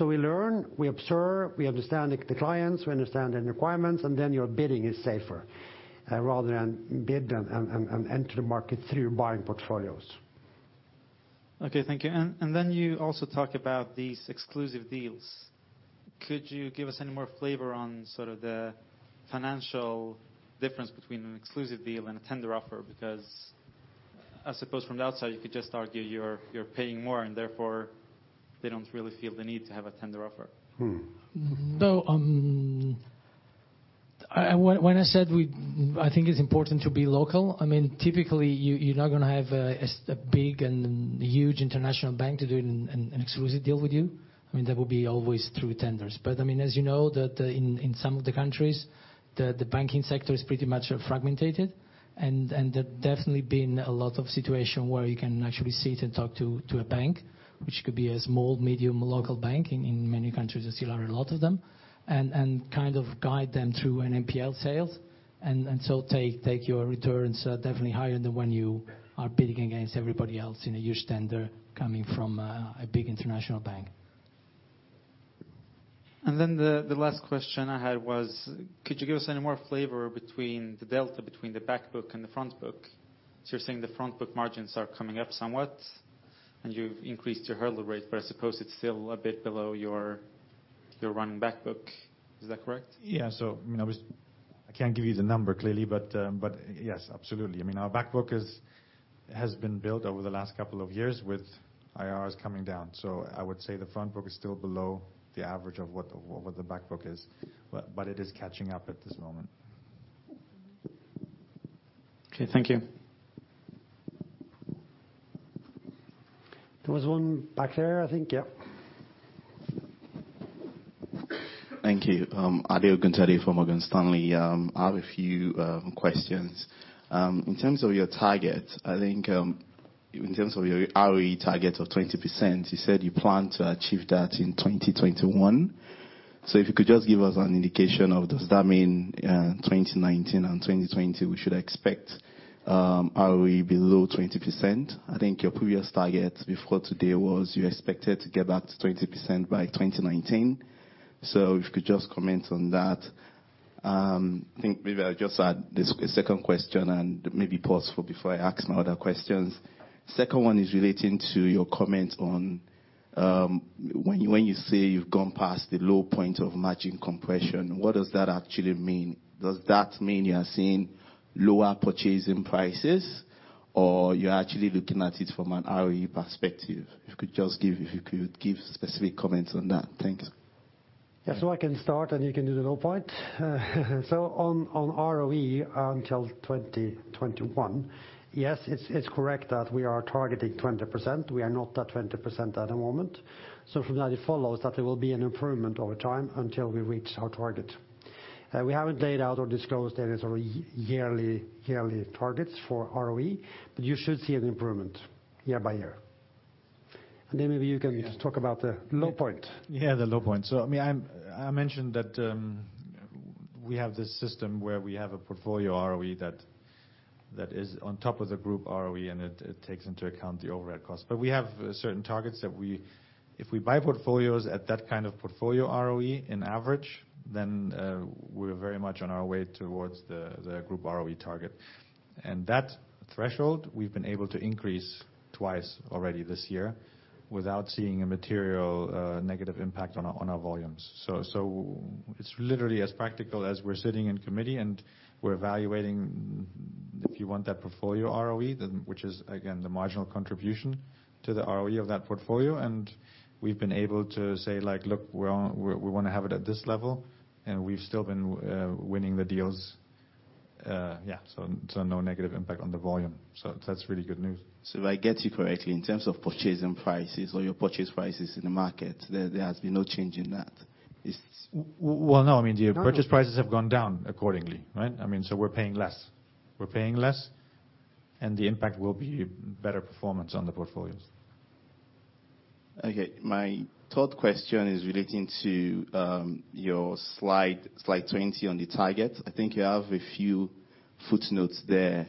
We learn, we observe, we understand the clients, we understand the requirements, your bidding is safer, rather than bid and enter the market through buying portfolios. Okay, thank you. You also talk about these exclusive deals. Could you give us any more flavor on the financial difference between an exclusive deal and a tender offer? I suppose from the outside, you could just argue you're paying more and therefore they don't really feel the need to have a tender offer. When I said I think it's important to be local, typically you're not going to have a big and huge international bank to do an exclusive deal with you. That will be always through tenders. As you know that in some of the countries, the banking sector is pretty much fragmented, and there definitely been a lot of situation where you can actually sit and talk to a bank, which could be a small, medium local bank. In many countries, you still have a lot of them, and kind of guide them through an NPL sales. Take your returns definitely higher than when you are bidding against everybody else in a huge tender coming from a big international bank. The last question I had was, could you give us any more flavor between the delta between the back book and the front book? You're saying the front book margins are coming up somewhat, and you've increased your hurdle rate, but I suppose it's still a bit below your running back book. Is that correct? I can't give you the number clearly, but yes, absolutely. Our back book has been built over the last couple of years with IRRs coming down. I would say the front book is still below the average of what the back book is. It is catching up at this moment. Okay. Thank you. There was one back there, I think. Yep. Thank you. Ade Ogunade from Morgan Stanley. I have a few questions. In terms of your ROE target of 20%, you said you plan to achieve that in 2021. If you could just give us an indication of does that mean 2019 and 2020, we should expect ROE below 20%? I think your previous target before today was you expected to get back to 20% by 2019. If you could just comment on that. I think maybe I'll just add the second question and maybe pause before I ask my other questions. Second one is relating to your comment on when you say you've gone past the low point of margin compression, what does that actually mean? Does that mean you are seeing lower purchasing prices or you're actually looking at it from an ROE perspective? If you could give specific comments on that. Thank you. Yeah. I can start, and you can do the low point. On ROE until 2021. Yes, it's correct that we are targeting 20%. We are not at 20% at the moment. From that, it follows that there will be an improvement over time until we reach our target. We haven't laid out or disclosed any sort of yearly targets for ROE, but you should see an improvement year by year. Then maybe you can just talk about the low point. The low point. I mentioned that we have this system where we have a portfolio ROE that is on top of the group ROE, and it takes into account the overhead cost. We have certain targets that if we buy portfolios at that kind of portfolio ROE in average, then we're very much on our way towards the group ROE target. That threshold we've been able to increase twice already this year without seeing a material negative impact on our volumes. It's literally as practical as we're sitting in committee and we're evaluating if you want that portfolio ROE, then which is again the marginal contribution to the ROE of that portfolio, and we've been able to say, "Look, we want to have it at this level," and we've still been winning the deals. No negative impact on the volume. That's really good news. If I get you correctly, in terms of purchasing prices or your purchase prices in the market, there has been no change in that. Is- Well, no. The purchase prices have gone down accordingly, right? We're paying less. We're paying less, and the impact will be better performance on the portfolios. My third question is relating to your slide 20 on the target. I think you have a few footnotes there.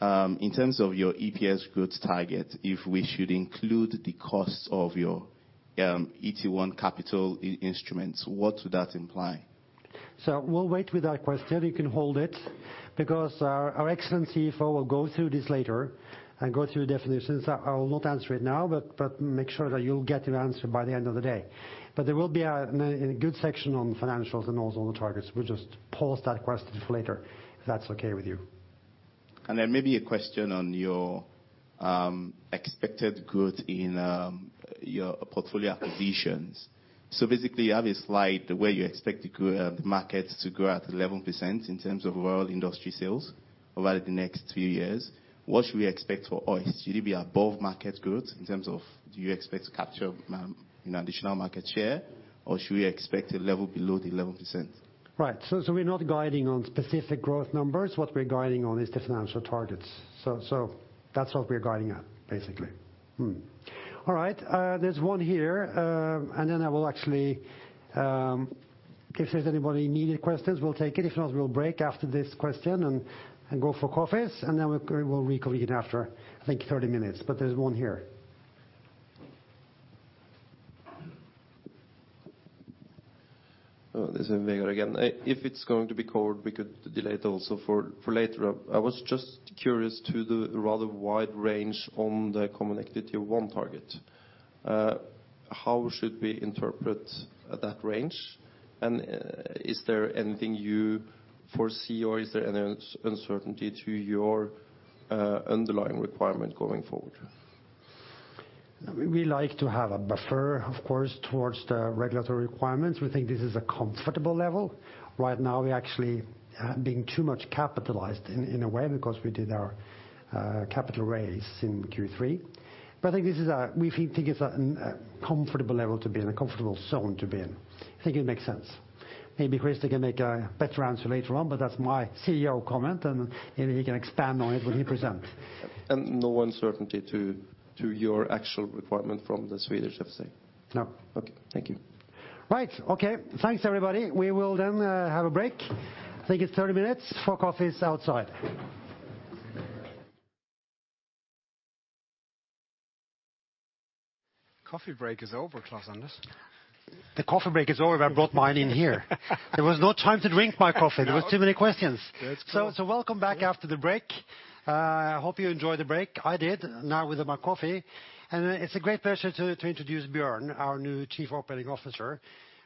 In terms of your EPS growth target, if we should include the cost of your AT1 capital instruments, what would that imply? We'll wait with that question. You can hold it because our excellent CFO will go through this later and go through definitions. I will not answer it now, but make sure that you'll get an answer by the end of the day. There will be a good section on financials and also on the targets. We'll just pause that question for later, if that's okay with you. Maybe a question on your expected growth in your portfolio acquisitions. Basically you have a slide where you expect the markets to grow at 11% in terms of overall industry sales over the next few years. What should we expect for Hoist? Should it be above market growth in terms of do you expect to capture additional market share, or should we expect a level below the 11%? Right. We're not guiding on specific growth numbers. What we're guiding on is the financial targets. That's what we're guiding at, basically. All right. There's one here, I will actually, in case there's anybody need questions, we'll take it. If not, we'll break after this question and go for coffees, we'll reconvene after I think 30 minutes. There's one here. This is Vegard again. If it is going to be covered, we could delay it also for later. I was just curious to the rather wide range on the common equity 1 target. How should we interpret that range? Is there anything you foresee or is there any uncertainty to your underlying requirement going forward? We like to have a buffer, of course, towards the regulatory requirements. We think this is a comfortable level. Right now, we actually being too much capitalized in a way because we did our capital raise in Q3. We think it is a comfortable level to be in, a comfortable zone to be in. I think it makes sense. Maybe Christer can make a better answer later on. That is my CEO comment, and maybe he can expand on it when he present. No uncertainty to your actual requirement from the Swedish FSA? No. Okay. Thank you. Right. Okay. Thanks everybody. We will have a break. I think it's 30 minutes for coffees outside. Coffee break is over, Klaus-Anders. The coffee break is over. I brought mine in here. There was no time to drink my coffee. No. There was too many questions. That's good. Welcome back after the break. Hope you enjoyed the break. I did, now with my coffee. It's a great pleasure to introduce Björn, our new Chief Operating Officer.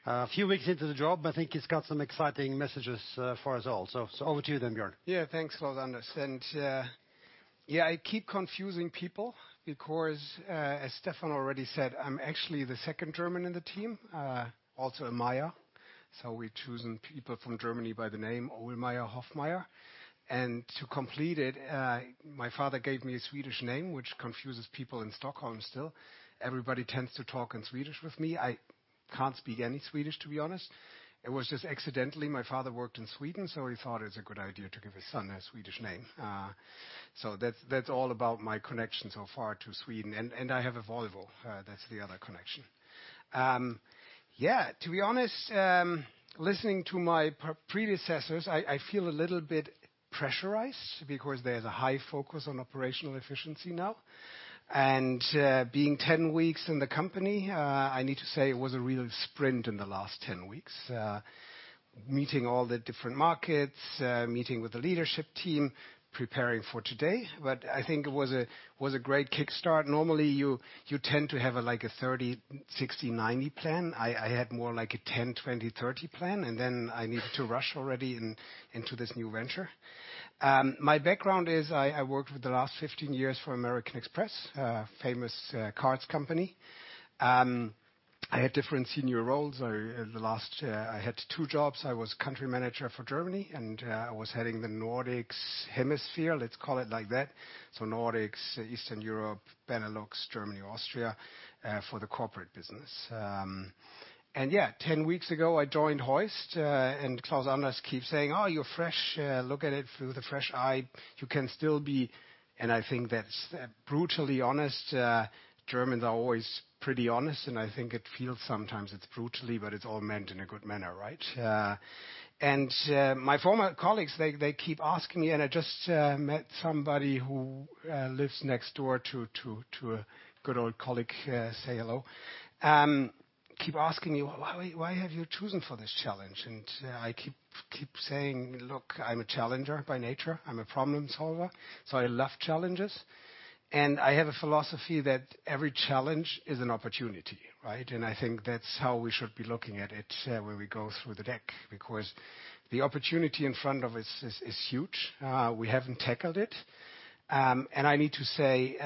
A few weeks into the job, I think he's got some exciting messages for us all. Over to you then, Björn. Thanks, Klaus-Anders, I keep confusing people because, as Stephan already said, I'm actually the second German in the team. Also a Meyer. We're choosing people from Germany by the name Stephan Ohlmeyer, Björn Hoffmeyer. To complete it, my father gave me a Swedish name, which confuses people in Stockholm still. Everybody tends to talk in Swedish with me. I can't speak any Swedish, to be honest. It was just accidentally, my father worked in Sweden, so he thought it was a good idea to give his son a Swedish name. That's all about my connection so far to Sweden. I have a Volvo. That's the other connection. To be honest, listening to my predecessors, I feel a little bit pressurized because there's a high focus on operational efficiency now. Being 10 weeks in the company, I need to say it was a real sprint in the last 10 weeks. Meeting all the different markets, meeting with the leadership team, preparing for today. I think it was a great kickstart. Normally, you tend to have like a 30, 60, 90 plan. I had more like a 10, 20, 30 plan, I needed to rush already into this new venture. My background is I worked for the last 15 years for American Express, famous cards company. I had different senior roles. The last, I had two jobs. I was country manager for Germany, and I was heading the Nordics hemisphere, let's call it like that. Nordics, Eastern Europe, Benelux, Germany, Austria, for the corporate business. 10 weeks ago, I joined Hoist, and Klaus-Anders keeps saying, "Oh, you're fresh. Look at it through the fresh eye. You can still be" I think that's brutally honest. Germans are always pretty honest, I think it feels sometimes it's brutally, but it's all meant in a good manner, right? My former colleagues, they keep asking me, I just met somebody who lives next door to a good old colleague, say hello. Keep asking me, "Why have you chosen for this challenge?" I keep saying, "Look, I'm a challenger by nature. I'm a problem solver, so I love challenges." I have a philosophy that every challenge is an opportunity, right? I think that's how we should be looking at it when we go through the deck because the opportunity in front of us is huge. We haven't tackled it. I need to say,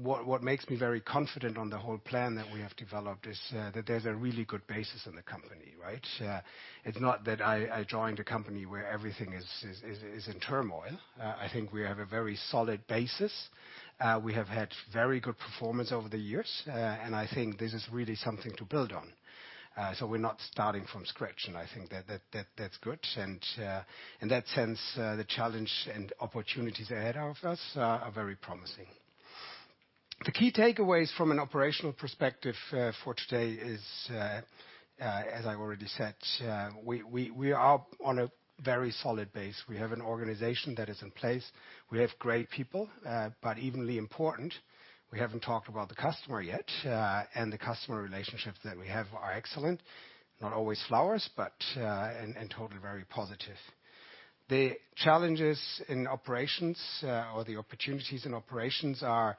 what makes me very confident on the whole plan that we have developed is that there's a really good basis in the company, right? It's not that I joined a company where everything is in turmoil. I think we have a very solid basis. We have had very good performance over the years. I think this is really something to build on. We're not starting from scratch, I think that that's good. In that sense, the challenge and opportunities ahead of us are very promising. The key takeaways from an operational perspective for today is, as I already said, we are on a very solid base. We have an organization that is in place. We have great people. Evenly important, we haven't talked about the customer yet, the customer relationships that we have are excellent. Not always flowers, but in total, very positive. The challenges in operations or the opportunities in operations are,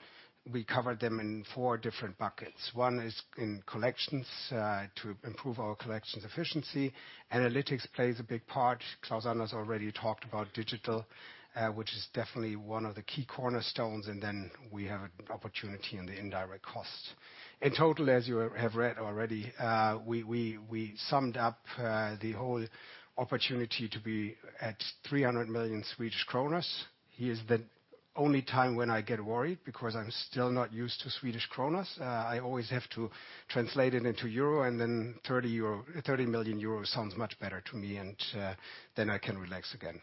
we cover them in four different buckets. One is in collections to improve our collections efficiency. Analytics plays a big part. Klaus-Anders already talked about digital, which is definitely one of the key cornerstones, then we have an opportunity in the indirect costs. In total, as you have read already, we summed up the whole opportunity to be at 300 million Swedish kronor. Here's the only time when I get worried because I'm still not used to SEK. I always have to translate it into EUR then 30 million euro sounds much better to me then I can relax again.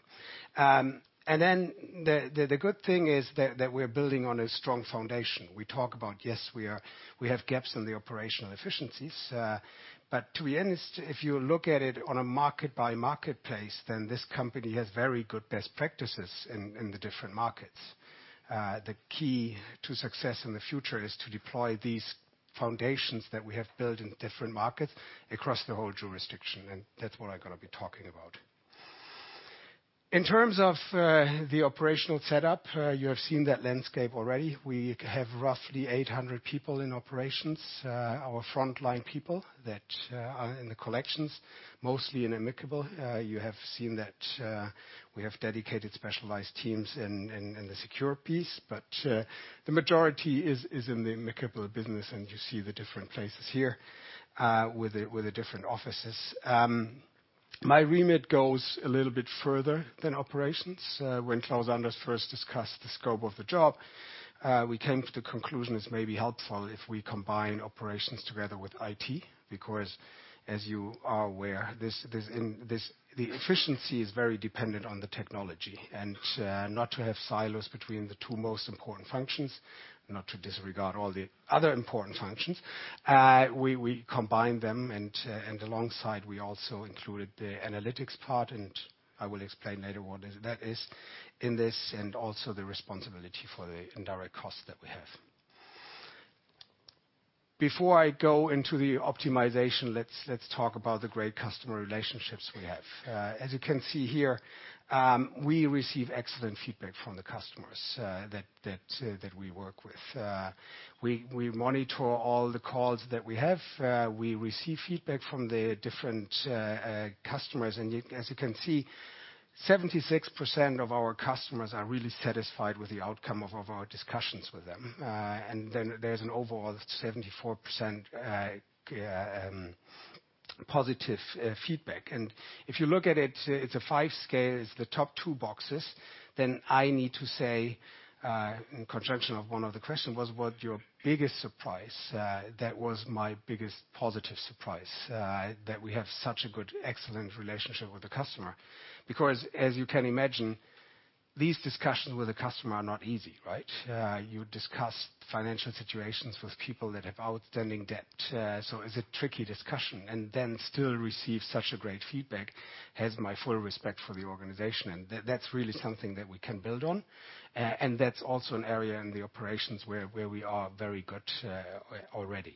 The good thing is that we're building on a strong foundation. We talk about, yes, we have gaps in the operational efficiencies. To be honest, if you look at it on a market by marketplace, then this company has very good best practices in the different markets. The key to success in the future is to deploy these foundations that we have built in different markets across the whole jurisdiction, that's what I'm going to be talking about. In terms of the operational setup, you have seen that landscape already. We have roughly 800 people in operations. Our frontline people that are in the collections, mostly in amicable. You have seen that we have dedicated specialized teams in the secure piece, but the majority is in the amicable business, you see the different places here with the different offices. My remit goes a little bit further than operations. When Klaus-Anders first discussed the scope of the job, we came to the conclusion it may be helpful if we combine operations together with IT, because as you are aware, the efficiency is very dependent on the technology. Not to have silos between the two most important functions, not to disregard all the other important functions. We combine them, alongside we also included the analytics part, I will explain later what that is in this, also the responsibility for the indirect cost that we have. Before I go into the optimization, let's talk about the great customer relationships we have. As you can see here, we receive excellent feedback from the customers that we work with. We monitor all the calls that we have. We receive feedback from the different customers. As you can see, 76% of our customers are really satisfied with the outcome of our discussions with them. There's an overall 74% positive feedback. If you look at it's a five scale, it's the top two boxes. I need to say, in conjunction of one of the question was what your biggest surprise? That was my biggest positive surprise. That we have such a good, excellent relationship with the customer. Because as you can imagine, these discussions with a customer are not easy, right? You discuss financial situations with people that have outstanding debt. It's a tricky discussion, then still receive such a great feedback, has my full respect for the organization. That's really something that we can build on. That's also an area in the operations where we are very good already.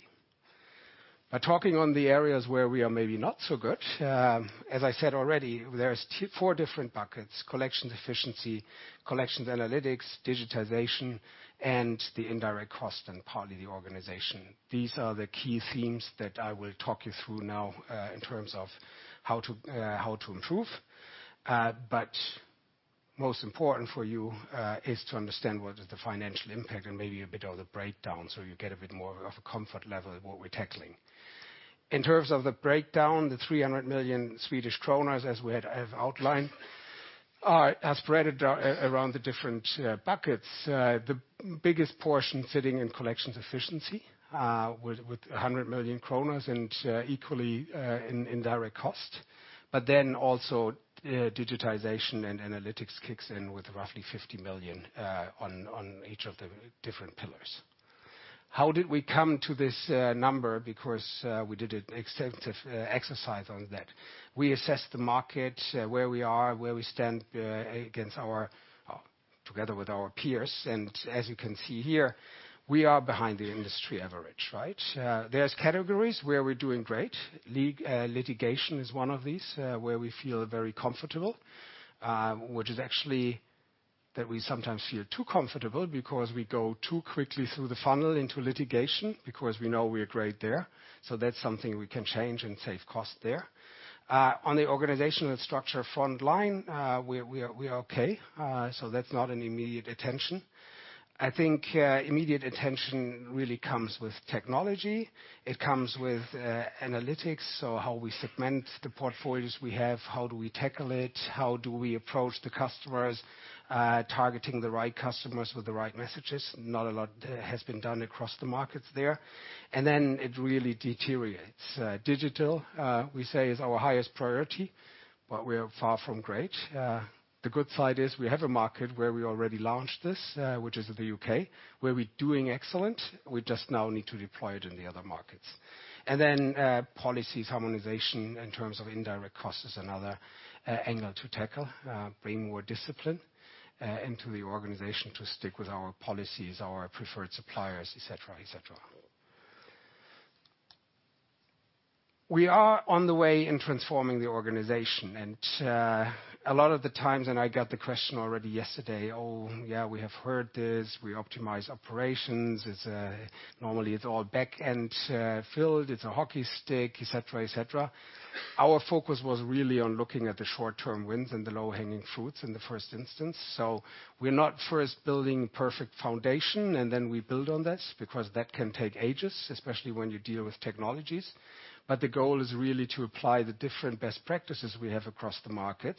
Talking on the areas where we are maybe not so good. As I said already, there's four different buckets, collections efficiency, collections analytics, digitization, the indirect cost, partly the organization. These are the key themes that I will talk you through now, in terms of how to improve. Most important for you is to understand what is the financial impact and maybe a bit of the breakdown so you get a bit more of a comfort level of what we're tackling. In terms of the breakdown, the 300 million Swedish kronor, as I have outlined. All right. As spread around the different buckets, the biggest portion sitting in collections efficiency, with 100 million kronor equally in indirect cost. Also digitization and analytics kicks in with roughly 50 million on each of the different pillars. How did we come to this number? Because we did an extensive exercise on that. We assessed the market, where we are, where we stand together with our peers. As you can see here, we are behind the industry average, right? There's categories where we're doing great. Litigation is one of these, where we feel very comfortable, which is actually that we sometimes feel too comfortable because we go too quickly through the funnel into litigation because we know we're great there. That's something we can change and save cost there. On the organizational structure frontline, we are okay. That's not an immediate attention. I think immediate attention really comes with technology, it comes with analytics. How we segment the portfolios we have, how do we tackle it, how do we approach the customers, targeting the right customers with the right messages. Not a lot has been done across the markets there. It really deteriorates. Digital, we say is our highest priority, but we are far from great. The good side is we have a market where we already launched this, which is the U.K., where we're doing excellent. We just now need to deploy it in the other markets. Policies harmonization in terms of indirect cost is another angle to tackle, bring more discipline into the organization to stick with our policies, our preferred suppliers, et cetera. We are on the way in transforming the organization. A lot of the times, I got the question already yesterday, "Oh, yeah, we have heard this. We optimize operations. Normally, it's all back-end filled. It's a ski slope," et cetera. Our focus was really on looking at the short-term wins and the low-hanging fruits in the first instance. We're not first building perfect foundation, then we build on this, because that can take ages, especially when you deal with technologies. The goal is really to apply the different best practices we have across the market,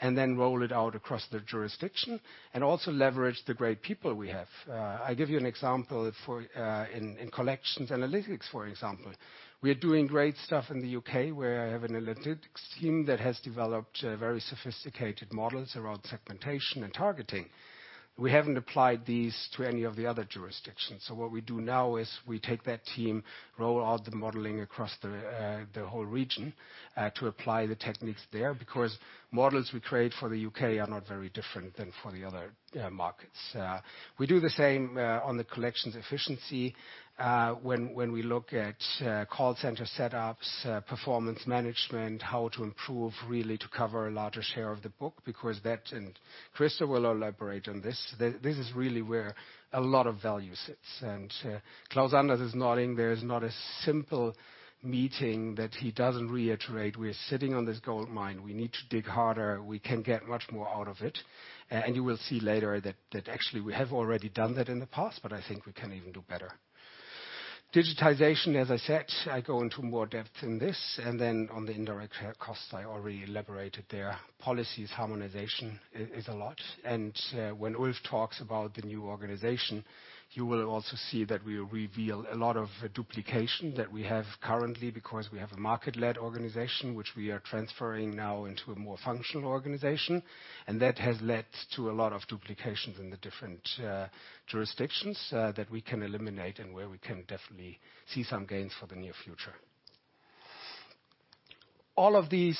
then roll it out across the jurisdiction, and also leverage the great people we have. I give you an example in collections analytics, for example. We are doing great stuff in the U.K., where I have an analytics team that has developed very sophisticated models around segmentation and targeting. We haven't applied these to any of the other jurisdictions. What we do now is we take that team, roll out the modeling across the whole region, to apply the techniques there, because models we create for the U.K. are not very different than for the other markets. We do the same on the collections efficiency, when we look at call center setups, performance management, how to improve really to cover a larger share of the book, because that, Christer will elaborate on this is really where a lot of value sits. Klaus-Anders is nodding. There is not a simple meeting that he doesn't reiterate. We are sitting on this gold mine. We need to dig harder. We can get much more out of it. You will see later that actually we have already done that in the past, but I think we can even do better. Digitization, as I said, I go into more depth in this. On the indirect costs, I already elaborated there. Policies harmonization is a lot. When Ulf talks about the new organization, you will also see that we reveal a lot of duplication that we have currently because we have a market-led organization, which we are transferring now into a more functional organization. That has led to a lot of duplications in the different jurisdictions that we can eliminate and where we can definitely see some gains for the near future. All of these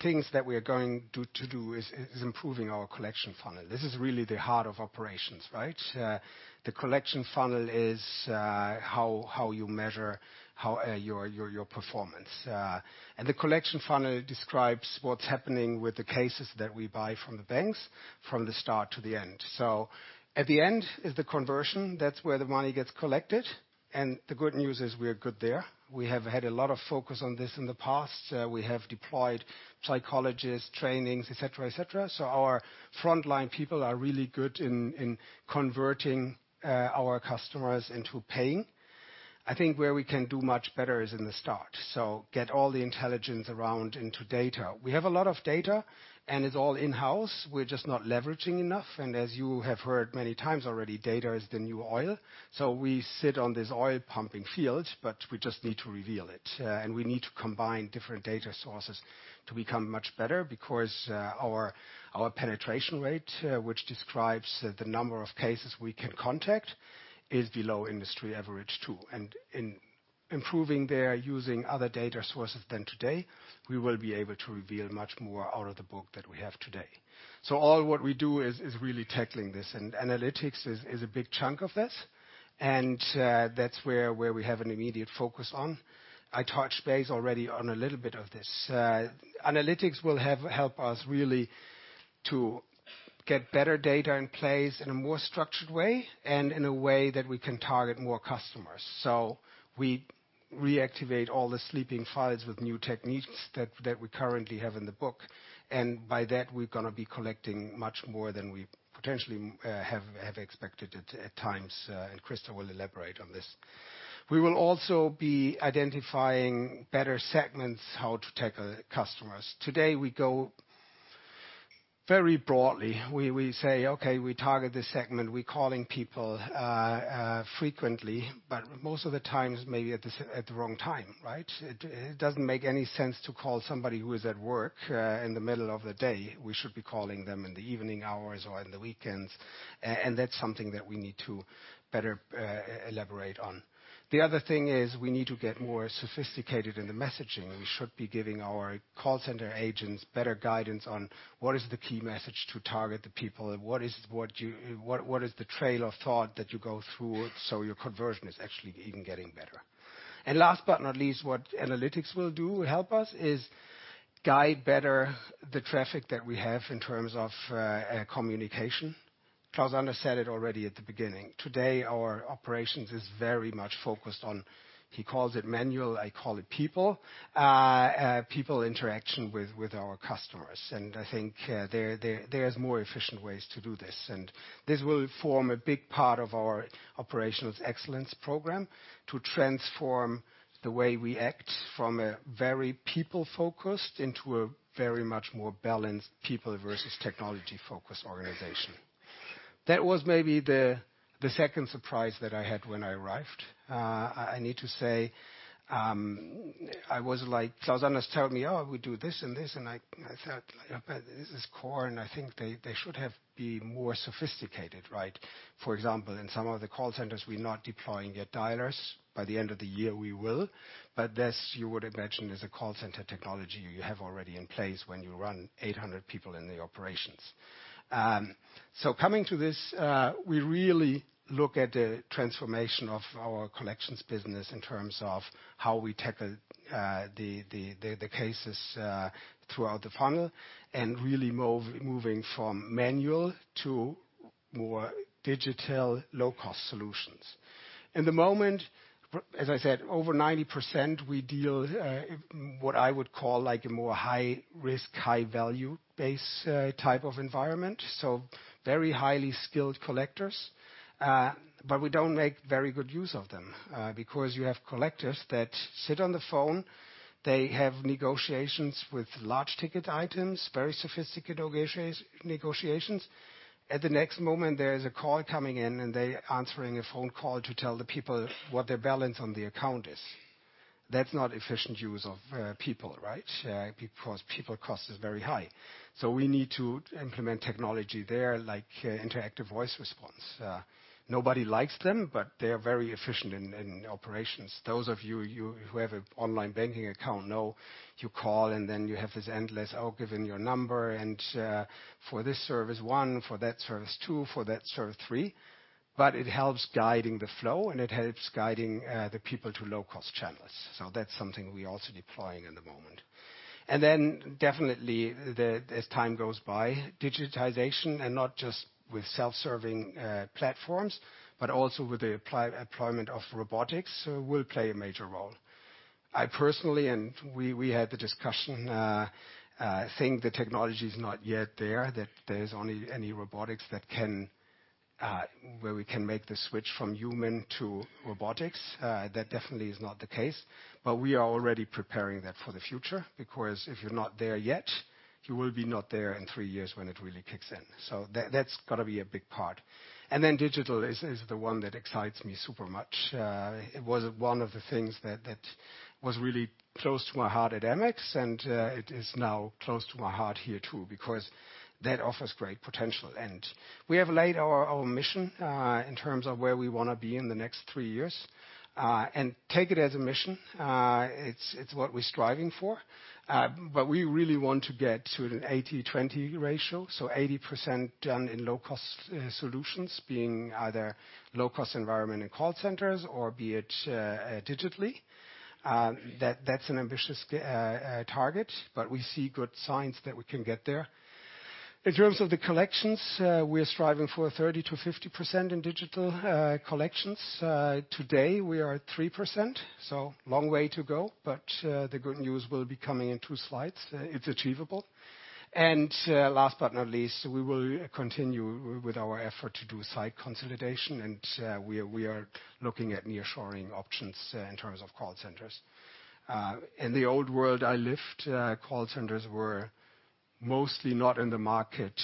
things that we are going to do is improving our collection funnel. This is really the heart of operations, right? The collection funnel is how you measure your performance. The collection funnel describes what's happening with the cases that we buy from the banks, from the start to the end. At the end is the conversion. That's where the money gets collected. The good news is we are good there. We have had a lot of focus on this in the past. We have deployed psychologists, trainings, et cetera. Our frontline people are really good in converting our customers into paying. I think where we can do much better is in the start. Get all the intelligence around into data. We have a lot of data, and it's all in-house. We're just not leveraging enough. As you have heard many times already, data is the new oil. We sit on this oil pumping field, but we just need to reveal it. We need to combine different data sources to become much better, because our penetration rate, which describes the number of cases we can contact, is below industry average too. In improving there using other data sources than today, we will be able to reveal much more out of the book than we have today. All what we do is really tackling this, and analytics is a big chunk of this. That's where we have an immediate focus on. I touched base already on a little bit of this. Analytics will help us really to get better data in place in a more structured way, and in a way that we can target more customers. We reactivate all the sleeping files with new techniques that we currently have in the book. By that, we're going to be collecting much more than we potentially have expected at times, and Krister will elaborate on this. We will also be identifying better segments how to tackle customers. Today we go very broadly, we say, okay, we target this segment. We're calling people frequently, but most of the times, maybe at the wrong time, right? It doesn't make any sense to call somebody who is at work in the middle of the day. We should be calling them in the evening hours or on the weekends. That's something that we need to better elaborate on. The other thing is we need to get more sophisticated in the messaging. We should be giving our call center agents better guidance on what is the key message to target the people, what is the trail of thought that you go through so your conversion is actually even getting better. Last but not least, what analytics will do help us is guide better the traffic that we have in terms of communication. Klaus-Anders said it already at the beginning. Today, our operations is very much focused on, he calls it manual, I call it people interaction with our customers. I think there is more efficient ways to do this, and this will form a big part of our operations excellence program to transform the way we act from a very people-focused into a very much more balanced people versus technology-focused organization. That was maybe the second surprise that I had when I arrived. I need to say, I was like, Klaus-Anders telling me, "Oh, we do this and this," and I thought, "This is core, and I think they should have been more sophisticated," right? For example, in some of the call centers, we're not deploying yet dialers. By the end of the year, we will. This, you would imagine, is a call center technology you have already in place when you run 800 people in the operations. Coming to this, we really look at the transformation of our collections business in terms of how we tackle the cases throughout the funnel and really moving from manual to more digital low-cost solutions. At the moment, as I said, over 90%, we deal what I would call like a more high risk, high value base type of environment. Very highly skilled collectors. We don't make very good use of them, because you have collectors that sit on the phone, they have negotiations with large ticket items, very sophisticated negotiations. At the next moment, there is a call coming in, and they're answering a phone call to tell the people what their balance on the account is. That's not efficient use of people, right? People cost is very high. We need to implement technology there, like interactive voice response. Nobody likes them, they are very efficient in operations. Those of you who have an online banking account know you call, and then you have this endless, oh, give your number, and for this service, 1, for that service, 2, for that service, 3. It helps guiding the flow, and it helps guiding the people to low-cost channels. That's something we're also deploying at the moment. Definitely as time goes by, digitization and not just with self-serving platforms, but also with the employment of robotics will play a major role. I personally, and we had the discussion, think the technology's not yet there, that there's only any robotics where we can make the switch from human to robotics. That definitely is not the case, we are already preparing that for the future, because if you're not there yet, you will be not there in three years when it really kicks in. That's got to be a big part. Digital is the one that excites me super much. It was one of the things that was really close to my heart at Amex, and it is now close to my heart here too, because that offers great potential. We have laid our mission, in terms of where we want to be in the next three years. Take it as a mission, it's what we're striving for. We really want to get to an 80/20 ratio, so 80% done in low cost solutions, being either low cost environment in call centers or be it digitally. That's an ambitious target, we see good signs that we can get there. In terms of the collections, we are striving for 30%-50% in digital collections. Today we are at 3%, so long way to go, but the good news will be coming in two slides. It's achievable. Last but not least, we will continue with our effort to do site consolidation, and we are looking at near shoring options in terms of call centers. In the old world I lived, call centers were mostly not in the market,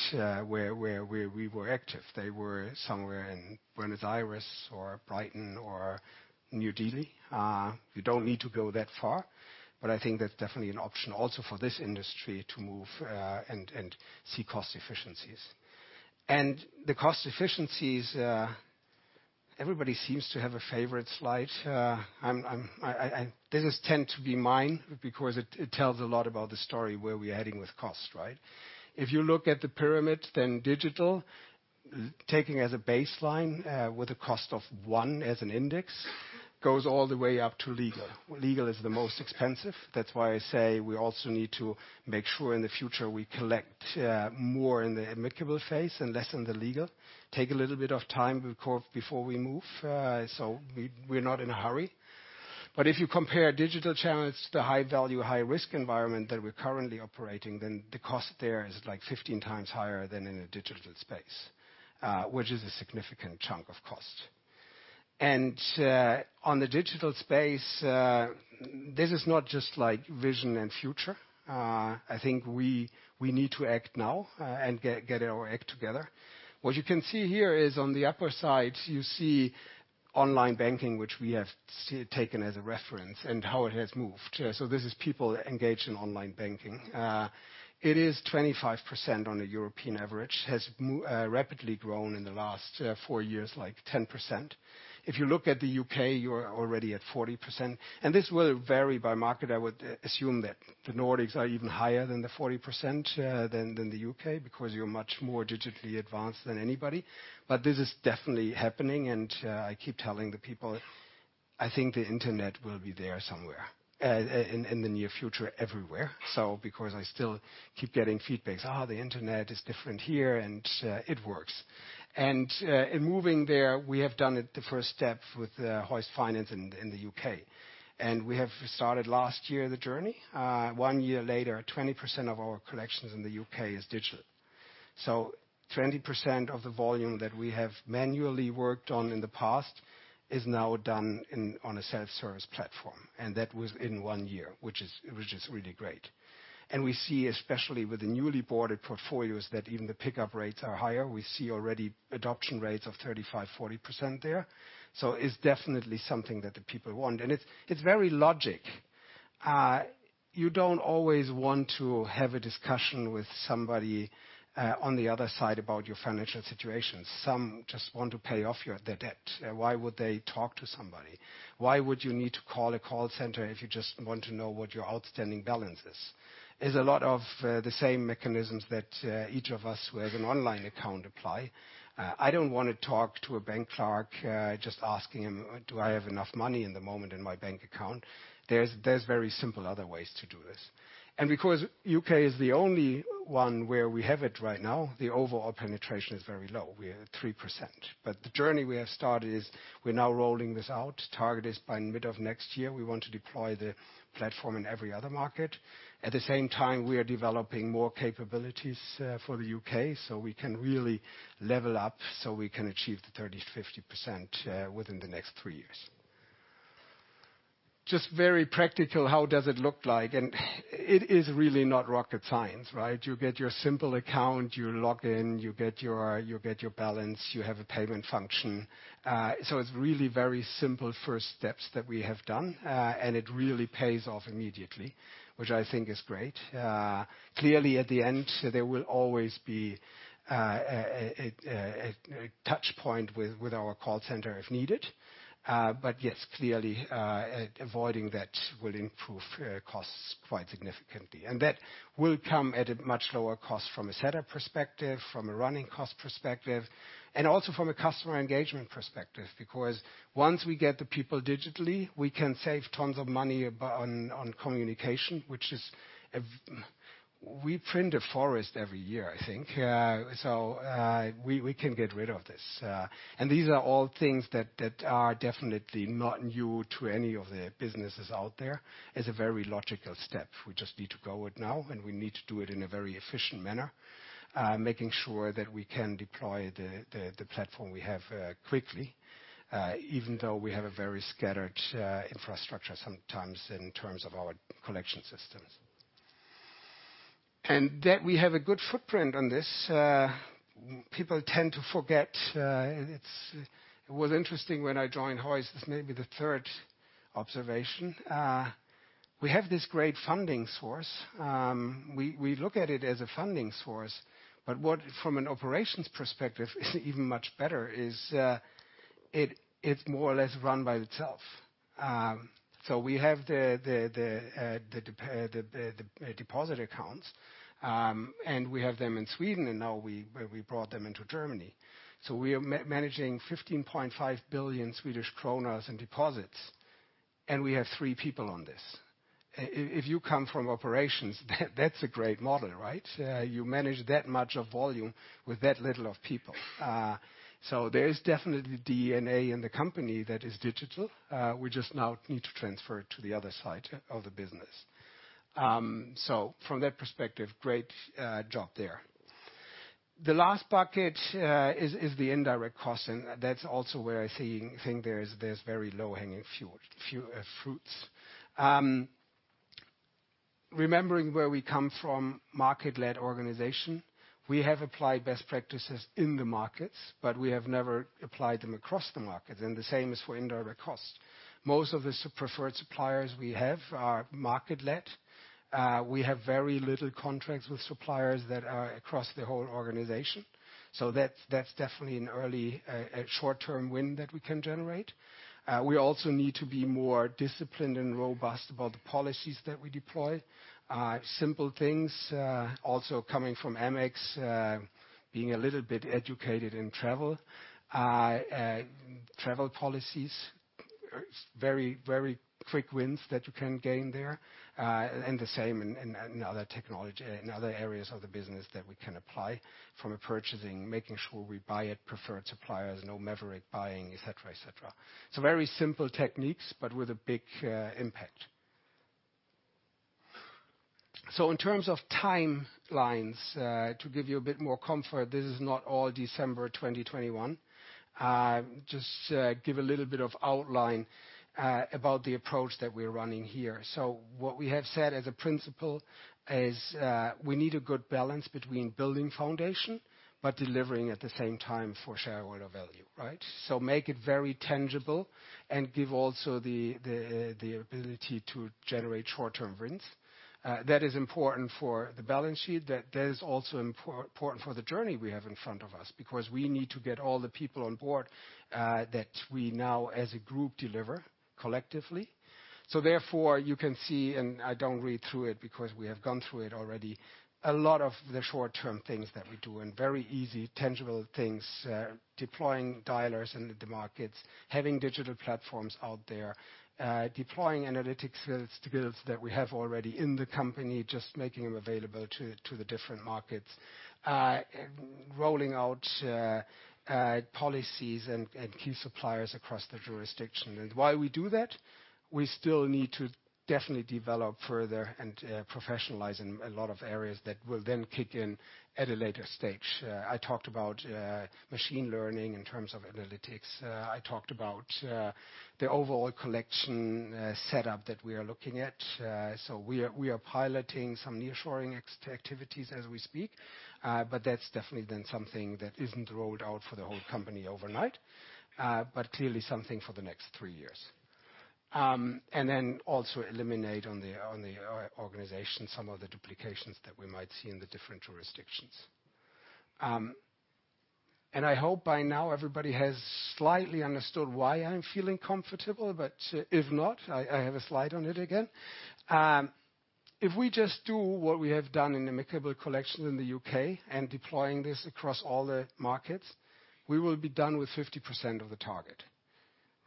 where we were active. They were somewhere in Buenos Aires or Brighton or New Delhi. You don't need to go that far, I think that's definitely an option also for this industry to move, and see cost efficiencies. The cost efficiencies, everybody seems to have a favorite slide. This tends to be mine because it tells a lot about the story where we're heading with cost, right? If you look at the pyramid, digital, taking as a baseline with a cost of one as an index, goes all the way up to legal. Legal is the most expensive. That's why I say we also need to make sure in the future we collect more in the amicable phase and less in the legal. Take a little bit of time before we move. We're not in a hurry. If you compare digital channels to high value, high risk environment that we're currently operating, the cost there is like 15 times higher than in a digital space, which is a significant chunk of cost. On the digital space, this is not just vision and future. I think we need to act now and get our act together. What you can see here is on the upper side, you see online banking, which we have taken as a reference, and how it has moved. This is people engaged in online banking. It is 25% on a European average. Has rapidly grown in the last four years, like 10%. If you look at the U.K., you're already at 40%. This will vary by market. I would assume that the Nordics are even higher than the 40% than the U.K. because you're much more digitally advanced than anybody. This is definitely happening, and I keep telling the people, I think the internet will be there somewhere, in the near future everywhere. Because I still keep getting feedback, "Oh, the internet is different here," and it works. In moving there, we have done it the first step with Hoist Finance in the U.K. We have started last year, the journey. One year later, 20% of our collections in the U.K. is digital. 20% of the volume that we have manually worked on in the past is now done on a self-service platform, and that was in one year, which is really great. We see, especially with the newly boarded portfolios, that even the pickup rates are higher. We see already adoption rates of 35, 40% there. It's definitely something that the people want, and it's very logical. You don't always want to have a discussion with somebody on the other side about your financial situation. Some just want to pay off their debt. Why would they talk to somebody? Why would you need to call a call center if you just want to know what your outstanding balance is? It is a lot of the same mechanisms that each of us who has an online account apply. I don't want to talk to a bank clerk, just asking him, do I have enough money in the moment in my bank account? There's very simple other ways to do this. Because U.K. is the only one where we have it right now, the overall penetration is very low. We are 3%. The journey we have started is we're now rolling this out. Target is by mid of next year, we want to deploy the platform in every other market. At the same time, we are developing more capabilities for the U.K., so we can really level up, so we can achieve the 30%-50% within the next three years. Just very practical, how does it look like? It is really not rocket science, right? You get your simple account, you log in, you get your balance, you have a payment function. It is really very simple first steps that we have done. It really pays off immediately, which I think is great. Clearly, at the end, there will always be a touch point with our call center if needed. But yes, clearly avoiding that will improve costs quite significantly. That will come at a much lower cost from a setup perspective, from a running cost perspective, and also from a customer engagement perspective. Because once we get the people digitally, we can save tons of money on communication, which is we print a forest every year, I think. So we can get rid of this. These are all things that are definitely not new to any of the businesses out there. It is a very logical step. We just need to go it now, and we need to do it in a very efficient manner, making sure that we can deploy the platform we have quickly, even though we have a very scattered infrastructure sometimes in terms of our collection systems. That we have a good footprint on this. People tend to forget, it was interesting when I joined Hoist, this may be the third observation. We have this great funding source. We look at it as a funding source, but from an operations perspective, it is even much better, it more or less run by itself. So we have the deposit accounts, and we have them in Sweden, and now we brought them into Germany. So we are managing 15.5 billion Swedish kronor in deposits, and we have three people on this. If you come from operations, that is a great model, right? You manage that much of volume with that little of people. So there is definitely DNA in the company that is digital. We just now need to transfer it to the other side of the business. So from that perspective, great job there. The last bucket is the indirect cost, and that is also where I think there is very low-hanging fruits. Remembering where we come from, market-led organization, we have applied best practices in the markets, but we have never applied them across the markets, and the same is for indirect costs. Most of the preferred suppliers we have are market led. We have very little contracts with suppliers that are across the whole organization. So that is definitely an early short-term win that we can generate. We also need to be more disciplined and robust about the policies that we deploy. Simple things, also coming from Amex, being a little bit educated in travel. Travel policies, very quick wins that you can gain there. The same in other areas of the business that we can apply. From a purchasing, making sure we buy at preferred suppliers, no maverick buying, et cetera. Very simple techniques, but with a big impact. In terms of timelines, to give you a bit more comfort, this is not all December 2021. Just give a little bit of outline about the approach that we're running here. What we have said as a principle is we need a good balance between building foundation, but delivering at the same time for shareholder value. Right. Make it very tangible and give also the ability to generate short-term wins. That is important for the balance sheet. That is also important for the journey we have in front of us because we need to get all the people on board that we now, as a group, deliver collectively. Therefore, you can see, and I don't read through it because we have gone through it already, a lot of the short-term things that we do and very easy tangible things. Deploying dialers into the markets, having digital platforms out there. Deploying analytics skills that we have already in the company, just making them available to the different markets. Rolling out policies and key suppliers across the jurisdiction. Why we do that. We still need to definitely develop further and professionalize in a lot of areas that will then kick in at a later stage. I talked about machine learning in terms of analytics. I talked about the overall collection setup that we are looking at. We are piloting some nearshoring activities as we speak. That's definitely then something that isn't rolled out for the whole company overnight. Clearly something for the next three years. Also eliminate on the organization some of the duplications that we might see in the different jurisdictions. I hope by now everybody has slightly understood why I'm feeling comfortable. If not, I have a slide on it again. If we just do what we have done in amicable collection in the U.K. and deploying this across all the markets, we will be done with 50% of the target.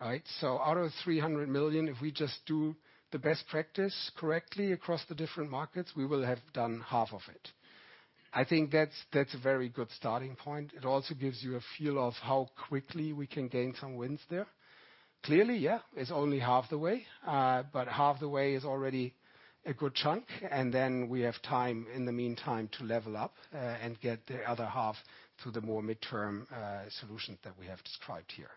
Right. Out of 300 million, if we just do the best practice correctly across the different markets, we will have done half of it. I think that's a very good starting point. It also gives you a feel of how quickly we can gain some wins there. Clearly, yeah, it's only half the way. Half the way is already a good chunk, we have time in the meantime to level up and get the other half through the more midterm solutions that we have described here.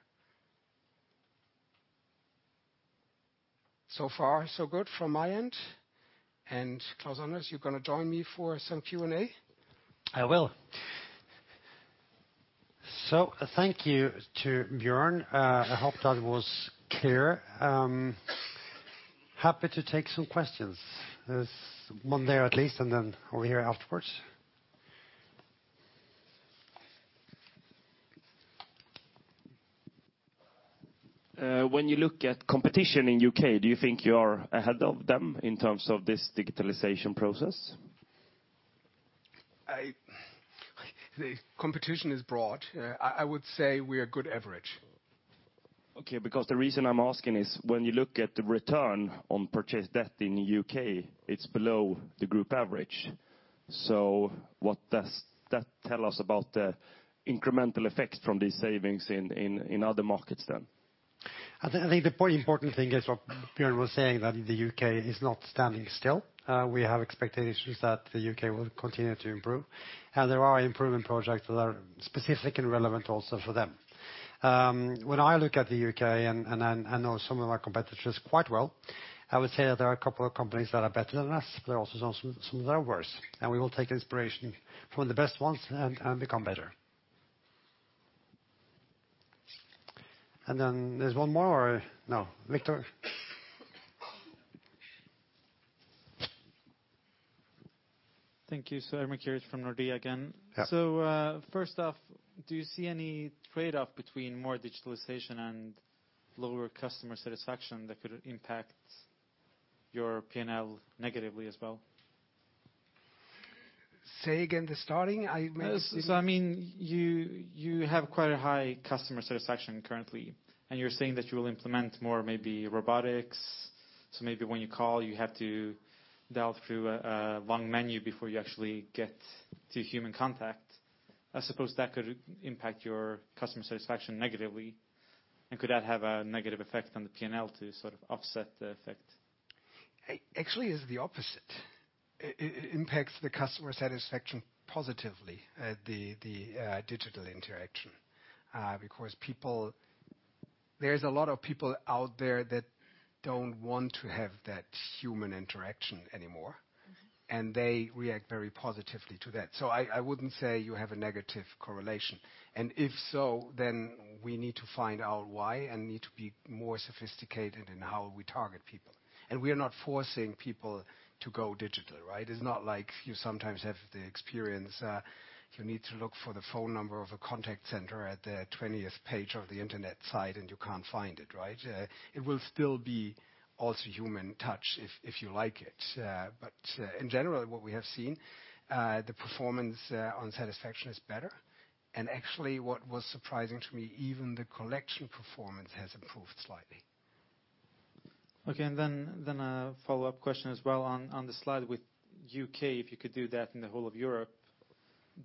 Far so good from my end. Klaus-Anders, you're going to join me for some Q&A? I will. Thank you to Björn. I hope that was clear. Happy to take some questions. There is one there at least, then over here afterwards. When you look at competition in U.K., do you think you are ahead of them in terms of this digitalization process? The competition is broad. I would say we are good average. Okay, the reason I am asking is when you look at the return on purchased debt in U.K., it is below the group average. What does that tell us about the incremental effect from these savings in other markets then? I think the important thing is what Björn was saying, that the U.K. is not standing still. We have expectations that the U.K. will continue to improve, and there are improvement projects that are specific and relevant also for them. When I look at the U.K. and I know some of our competitors quite well, I would say that there are a couple of companies that are better than us. There are also some that are worse, and we will take inspiration from the best ones and become better. Then there's one more or no, Viktor? Thank you, sir. Ermin Keric from Nordea again. Yeah. First off, do you see any trade-off between more digitalization and lower customer satisfaction that could impact your P&L negatively as well? Say again the starting? I mean, you have quite a high customer satisfaction currently, and you're saying that you will implement more maybe robotics. Maybe when you call, you have to dial through a long menu before you actually get to human contact. I suppose that could impact your customer satisfaction negatively. Could that have a negative effect on the P&L to sort of offset the effect? Actually, it's the opposite. It impacts the customer satisfaction positively, the digital interaction. There's a lot of people out there that don't want to have that human interaction anymore, and they react very positively to that. I wouldn't say you have a negative correlation. If so, then we need to find out why and need to be more sophisticated in how we target people. We are not forcing people to go digital, right? It's not like you sometimes have the experience, you need to look for the phone number of a contact center at the 20th page of the internet site, and you can't find it, right? It will still be also human touch if you like it. In general, what we have seen, the performance on satisfaction is better. Actually what was surprising to me, even the collection performance has improved slightly. A follow-up question as well on the slide with U.K. If you could do that in the whole of Europe?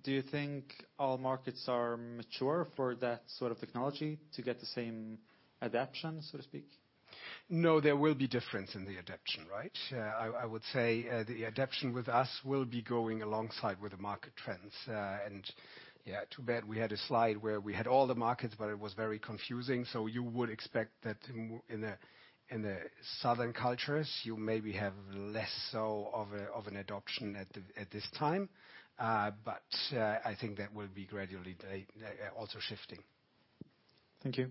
Do you think all markets are mature for that sort of technology to get the same adaption, so to speak? No, there will be difference in the adaption, right? I would say the adaption with us will be going alongside with the market trends. Yeah, too bad we had a slide where we had all the markets, but it was very confusing. You would expect that in the southern cultures, you maybe have less so of an adoption at this time. I think that will be gradually also shifting. Thank you.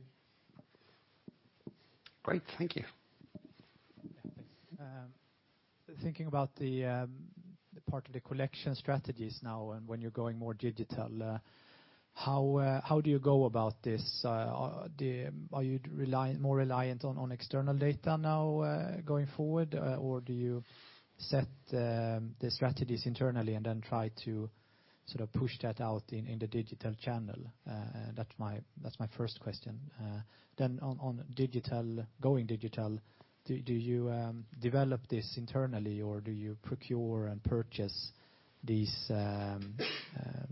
Great. Thank you. Thanks. Thinking about the part of the collection strategies now, and when you're going more digital, how do you go about this? Are you more reliant on external data now, going forward? Do you set the strategies internally and then try to push that out in the digital channel? That's my first question. On going digital, do you develop this internally or do you procure and purchase these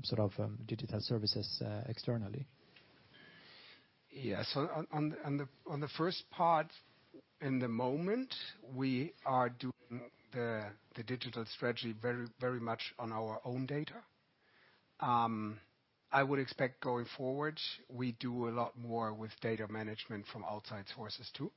sort of digital services externally? Yeah. On the first part, in the moment, we are doing the digital strategy very much on our own data. I would expect going forward, we do a lot more with data management from outside sources too,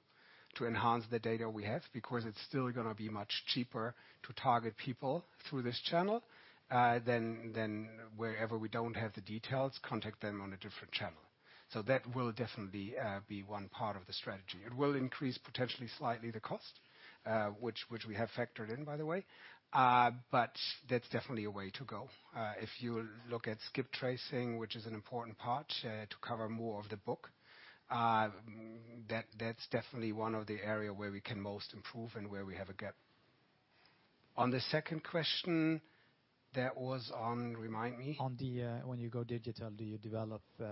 to enhance the data we have, because it's still going to be much cheaper to target people through this channel, than wherever we don't have the details, contact them on a different channel. That will definitely be one part of the strategy. It will increase potentially slightly the cost, which we have factored in, by the way. That's definitely a way to go. If you look at skip tracing, which is an important part to cover more of the book, that's definitely one of the area where we can most improve and where we have a gap. On the second question, that was on, remind me. When you go digital, do you develop the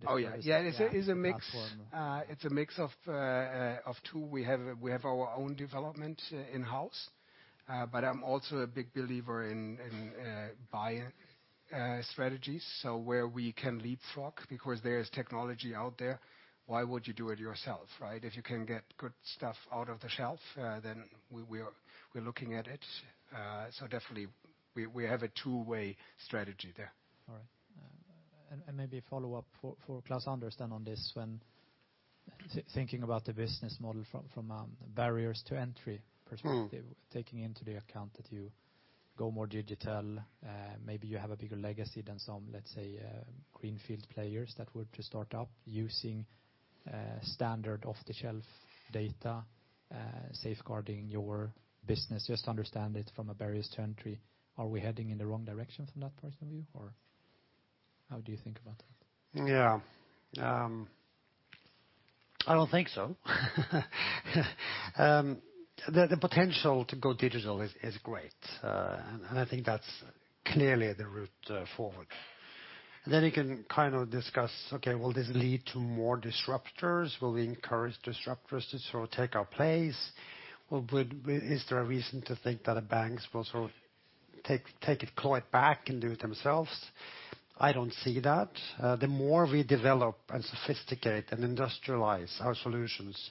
platform? Oh, yeah. It's a mix of two. We have our own development in-house, but I'm also a big believer in buy strategies, so where we can leapfrog because there is technology out there. Why would you do it yourself, right? If you can get good stuff out of the shelf, then we're looking at it. Definitely we have a two-way strategy there. All right. Maybe a follow-up for Klaus-Anders then on this one. Thinking about the business model from barriers to entry perspective. Taking into account that you go more digital, maybe you have a bigger legacy than some, let's say, greenfield players that would just start up using standard off-the-shelf data, safeguarding your business, just to understand it from a barrier to entry. Are we heading in the wrong direction from that point of view, or how do you think about that? Yeah. I don't think so. The potential to go digital is great. I think that's clearly the route forward. Then you can discuss, okay, will this lead to more disruptors? Will we encourage disruptors to take our place? Is there a reason to think that the banks will take it quite back and do it themselves? I don't see that. The more we develop and sophisticate and industrialize our solutions,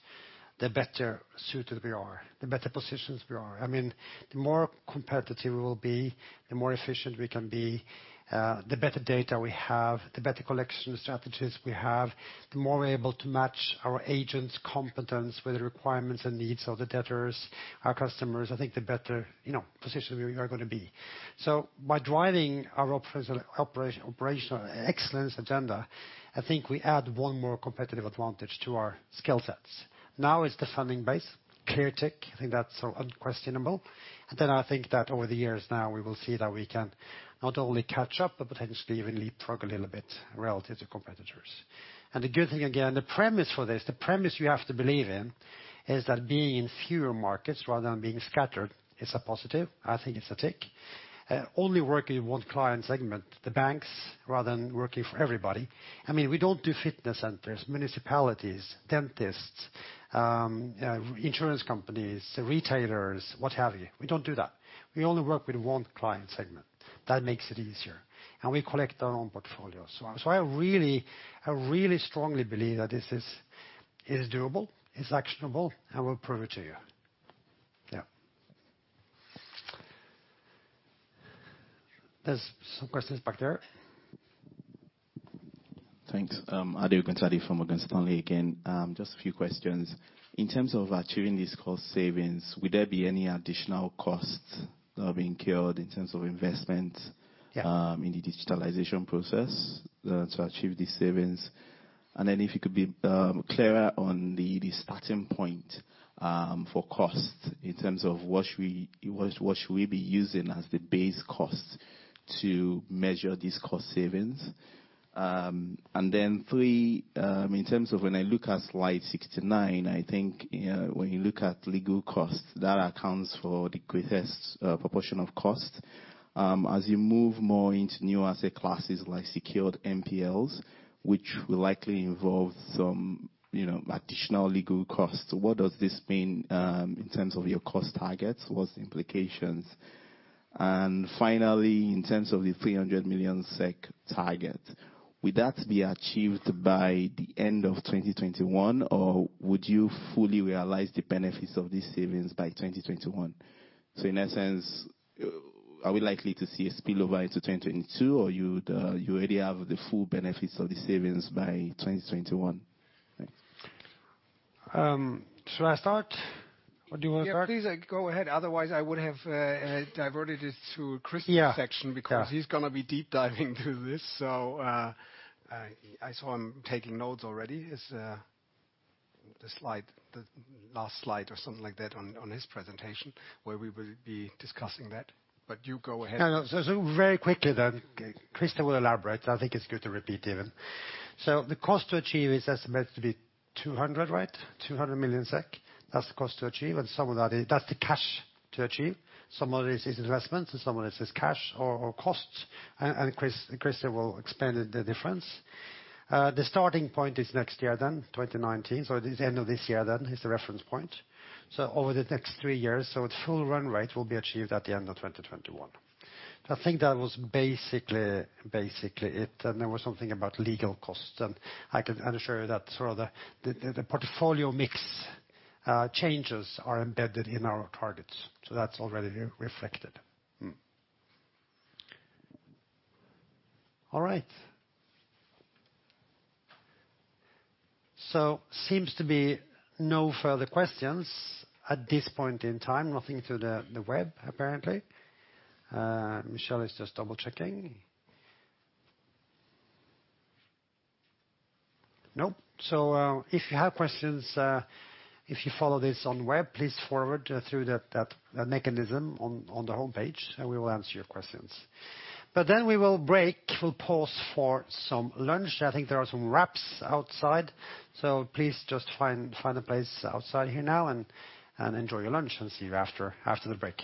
the better suited we are, the better positioned we are. The more competitive we will be, the more efficient we can be. The better data we have, the better collection strategies we have, the more we're able to match our agents' competence with the requirements and needs of the debtors, our customers, I think the better position we are going to be. By driving our operational excellence agenda, I think I add one more competitive advantage to our skill sets. Now it's the funding base, clear tick, I think that's unquestionable. Then I think that over the years now, we will see that we can not only catch up, but potentially even leapfrog a little bit relative to competitors. The good thing, again, the premise for this, the premise you have to believe in, is that being in fewer markets rather than being scattered is a positive. I think it's a tick. Only working in one client segment, the banks, rather than working for everybody. We don't do fitness centers, municipalities, dentists, insurance companies, retailers, what have you. We don't do that. We only work with one client segment. That makes it easier. We collect our own portfolios. I really strongly believe that this is doable, is actionable. We'll prove it to you. Yeah. There's some questions back there. Thanks. Ade Ogunade from Morgan Stanley again. Just a few questions. In terms of achieving these cost savings, would there be any additional costs that are being incurred in terms of investment- Yeah in the digitalization process to achieve these savings? If you could be clearer on the starting point for cost in terms of what should we be using as the base cost to measure these cost savings? 3, in terms of when I look at slide 69, I think when you look at legal costs, that accounts for the greatest proportion of cost. As you move more into new asset classes like secured NPLs, which will likely involve some additional legal costs, what does this mean in terms of your cost targets? What's the implications? Finally, in terms of the 300 million SEK target, would that be achieved by the end of 2021? Or would you fully realize the benefits of these savings by 2021? In that sense, are we likely to see a spill over into 2022, or you already have the full benefits of the savings by 2021? Thanks. Should I start? Or do you want to start? Yeah, please, go ahead. Otherwise, I would have diverted it to Christer's section. Yeah He's going to be deep-diving to this. I saw him taking notes already. The last slide or something like that on his presentation where we will be discussing that, you go ahead. Very quickly, Christer will elaborate. I think it's good to repeat even. The cost to achieve is estimated to be 200, right? 200 million SEK. That's the cost to achieve. That's the cash to achieve. Some of this is investment, and some of this is cash or costs. Christer will explain the difference. The starting point is next year, 2019. The end of this year is the reference point. Over the next three years, so its full run rate will be achieved at the end of 2021. I think that was basically it, there was something about legal costs, and I can assure you that sort of the portfolio mix changes are embedded in our targets. That's already reflected. All right. Seems to be no further questions at this point in time. Nothing to the web, apparently. Michel is just double-checking. Nope. If you have questions, if you follow this on the web, please forward through that mechanism on the homepage, and we will answer your questions. We will break. We'll pause for some lunch. I think there are some wraps outside. Please just find a place outside here now and enjoy your lunch, and see you after the break.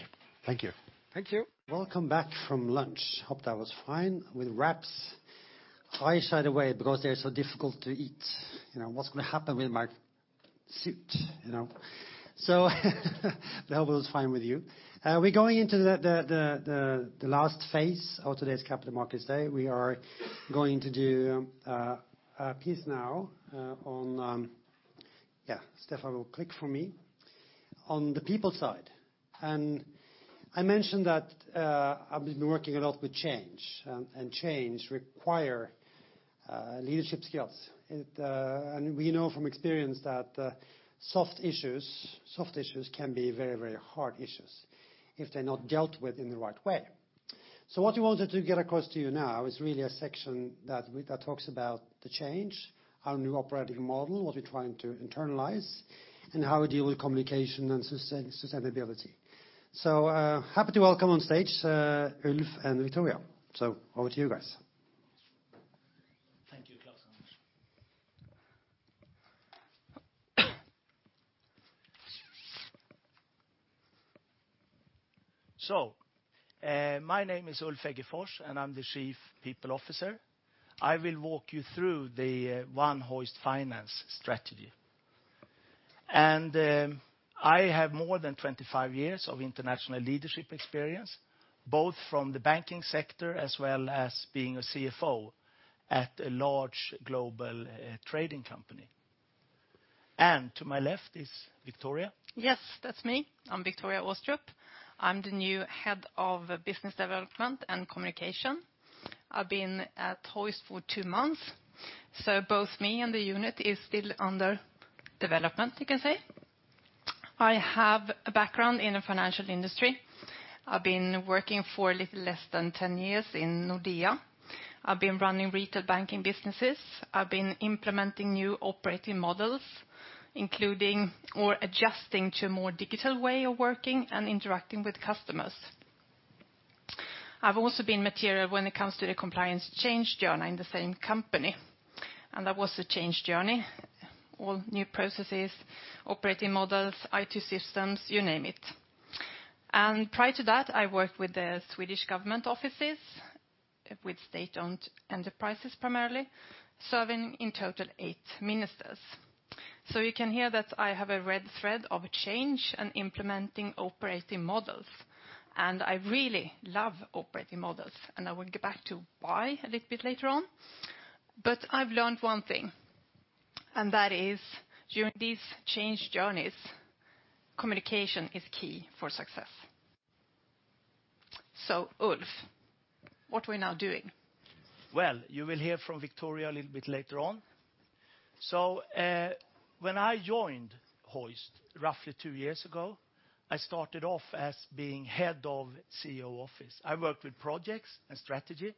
Thank you. Thank you. Welcome back from lunch. Hope that was fine with wraps. I shied away because they're so difficult to eat. What's going to happen with my suit? I hope it was fine with you. We're going into the last phase of today's Capital Markets Day. We are going to do a piece now. Stephan will click for me, on the people side. I mentioned that I've been working a lot with change, and change require leadership skills. We know from experience that soft issues can be very, very hard issues if they're not dealt with in the right way. What we wanted to get across to you now is really a section that talks about the change, our new operating model, what we're trying to internalize, and how we deal with communication and sustainability. Happy to welcome on stage Ulf and Viktoria. Over to you guys. Thank you, Klaus-Anders. My name is Ulf Eggefors, and I'm the Chief People Officer. I will walk you through the One Hoist Finance strategy. I have more than 25 years of international leadership experience, both from the banking sector as well as being a CFO at a large global trading company. To my left is Viktoria. Yes, that's me. I'm Viktoria Aastrup. I'm the new Head of Business Development and Communication. I've been at Hoist for two months. Both me and the unit is still under development, you can say. I have a background in the financial industry. I've been working for a little less than 10 years in Nordea. I've been running retail banking businesses. I've been implementing new operating models, including or adjusting to a more digital way of working and interacting with customers. I've also been material when it comes to the compliance change journey in the same company, and that was a change journey. All new processes, operating models, IT systems, you name it. Prior to that, I worked with the Swedish Government Offices, with state-owned enterprises, primarily, serving in total eight ministers. You can hear that I have a red thread of change and implementing operating models. I really love operating models, and I will get back to why a little bit later on. I've learned one thing, and that is during these change journeys, communication is key for success. Ulf, what are we now doing? Well, you will hear from Viktoria a little bit later on. When I joined Hoist roughly two years ago, I started off as being Head of CEO Office. I worked with projects and strategy.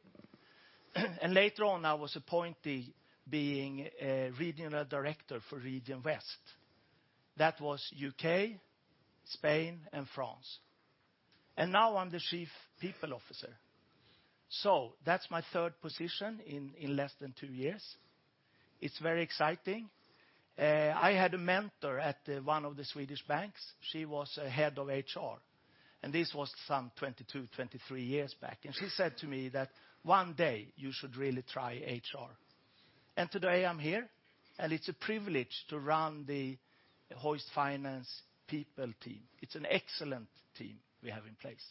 Later on I was appointed being a Regional Director for Region West. That was U.K., Spain, and France. Now I'm the Chief People Officer. That's my third position in less than two years. It's very exciting. I had a mentor at one of the Swedish banks. She was Head of HR. This was some 22, 23 years back, and she said to me that, "One day you should really try HR." Today I'm here, and it's a privilege to run the Hoist Finance people team. It's an excellent team we have in place.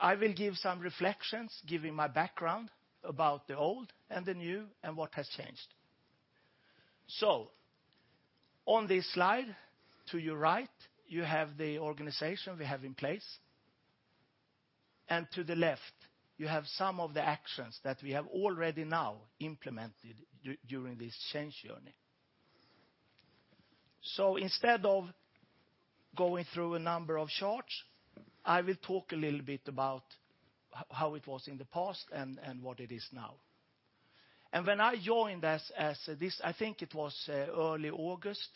I will give some reflections, giving my background about the old and the new, and what has changed. On this slide to your right, you have the organization we have in place, and to the left, you have some of the actions that we have already now implemented during this change journey. Instead of going through a number of charts, I will talk a little bit about how it was in the past and what it is now. When I joined us as this, I think it was early August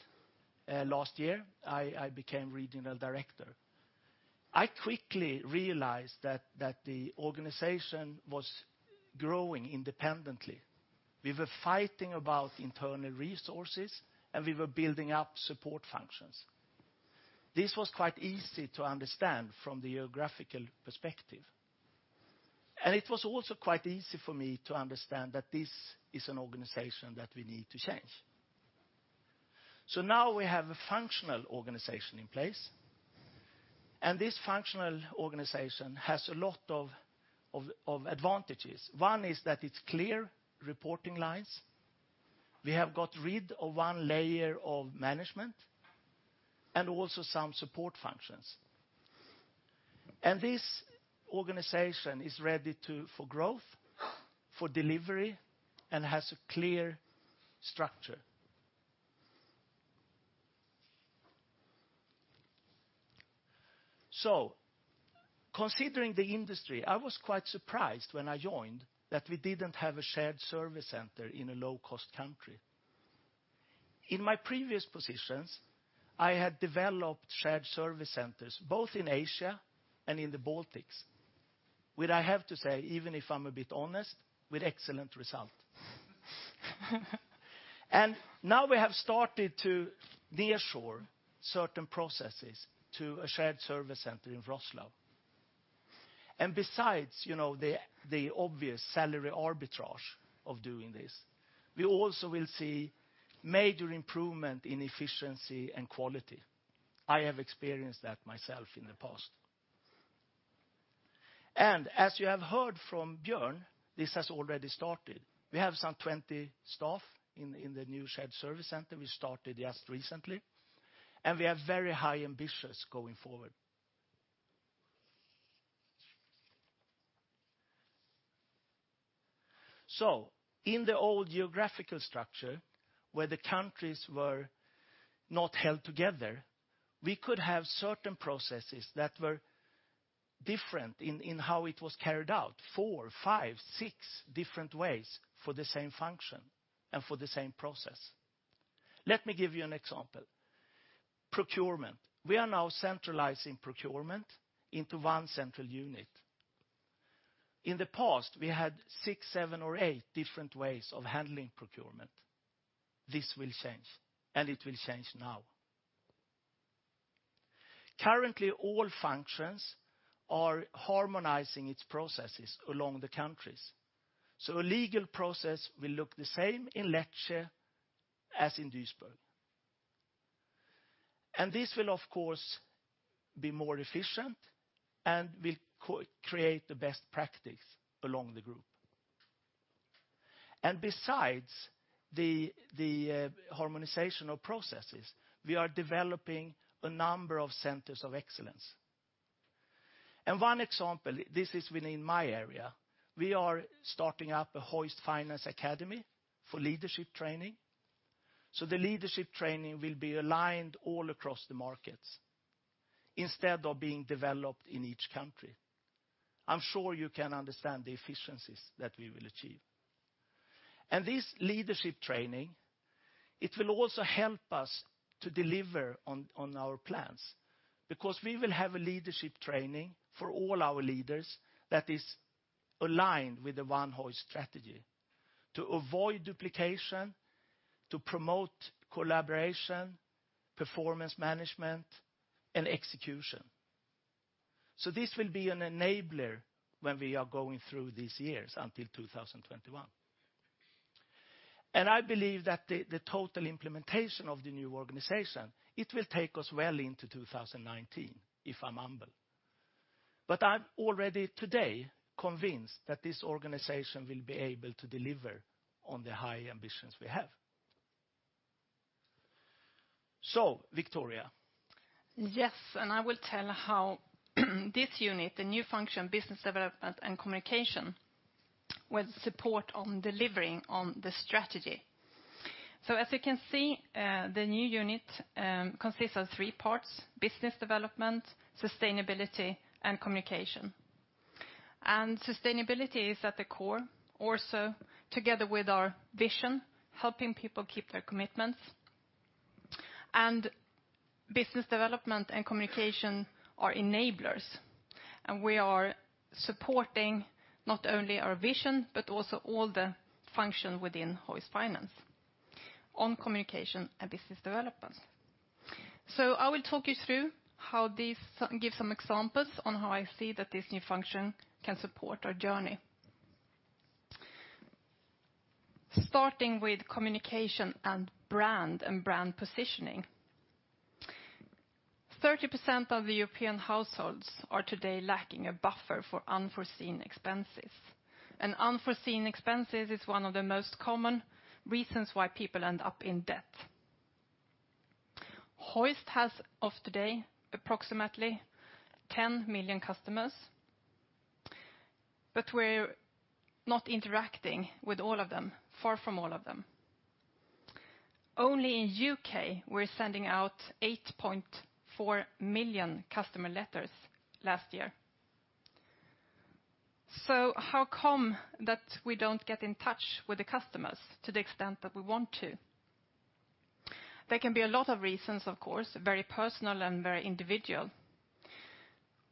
last year, I became regional director. I quickly realized that the organization was growing independently. We were fighting about internal resources and we were building up support functions. This was quite easy to understand from the geographical perspective. It was also quite easy for me to understand that this is an organization that we need to change. Now we have a functional organization in place, and this functional organization has a lot of advantages. One is that it's clear reporting lines. We have got rid of one layer of management and also some support functions. This organization is ready for growth, for delivery, and has a clear structure. Considering the industry, I was quite surprised when I joined that we didn't have a shared service center in a low-cost country. In my previous positions, I had developed shared service centers, both in Asia and in the Baltics, where I have to say, even if I'm a bit honest, with excellent result. Now we have started to near-shore certain processes to a shared service center in Wroclaw. Besides the obvious salary arbitrage of doing this, we also will see major improvement in efficiency and quality. I have experienced that myself in the past. As you have heard from Björn, this has already started. We have some 20 staff in the new shared service center. We started just recently, and we have very high ambitions going forward. In the old geographical structure, where the countries were not held together, we could have certain processes that were different in how it was carried out. Four, five, six different ways for the same function and for the same process. Let me give you an example. Procurement. We are now centralizing procurement into one central unit. In the past, we had six, seven, or eight different ways of handling procurement. This will change, and it will change now. Currently, all functions are harmonizing its processes along the countries. A legal process will look the same in Lecce as in Duisburg. This will, of course, be more efficient and will create the best practice along the group. Besides the harmonization of processes, we are developing a number of centers of excellence. One example, this is within my area, we are starting up a Hoist Finance Academy for leadership training. The leadership training will be aligned all across the markets instead of being developed in each country. I'm sure you can understand the efficiencies that we will achieve. This leadership training, it will also help us to deliver on our plans because we will have a leadership training for all our leaders that is aligned with the One Hoist strategy to avoid duplication, to promote collaboration, performance management, and execution. This will be an enabler when we are going through these years until 2021. I believe that the total implementation of the new organization, it will take us well into 2019, if I'm humble. I'm already today convinced that this organization will be able to deliver on the high ambitions we have. Victoria. Yes, I will tell how this unit, the new function, business development and communication, will support on delivering on the strategy. As you can see, the new unit consists of three parts, business development, sustainability, and communication. Sustainability is at the core also together with our vision, helping people keep their commitments. Business development and communication are enablers, and we are supporting not only our vision, but also all the function within Hoist Finance on communication and business development. I will talk you through, give some examples on how I see that this new function can support our journey. Starting with communication and brand and brand positioning. 30% of the European households are today lacking a buffer for unforeseen expenses. Unforeseen expenses is one of the most common reasons why people end up in debt. Hoist has of today approximately 10 million customers, but we're not interacting with all of them, far from all of them. Only in U.K. we're sending out 8.4 million customer letters last year. How come that we don't get in touch with the customers to the extent that we want to? There can be a lot of reasons, of course, very personal and very individual.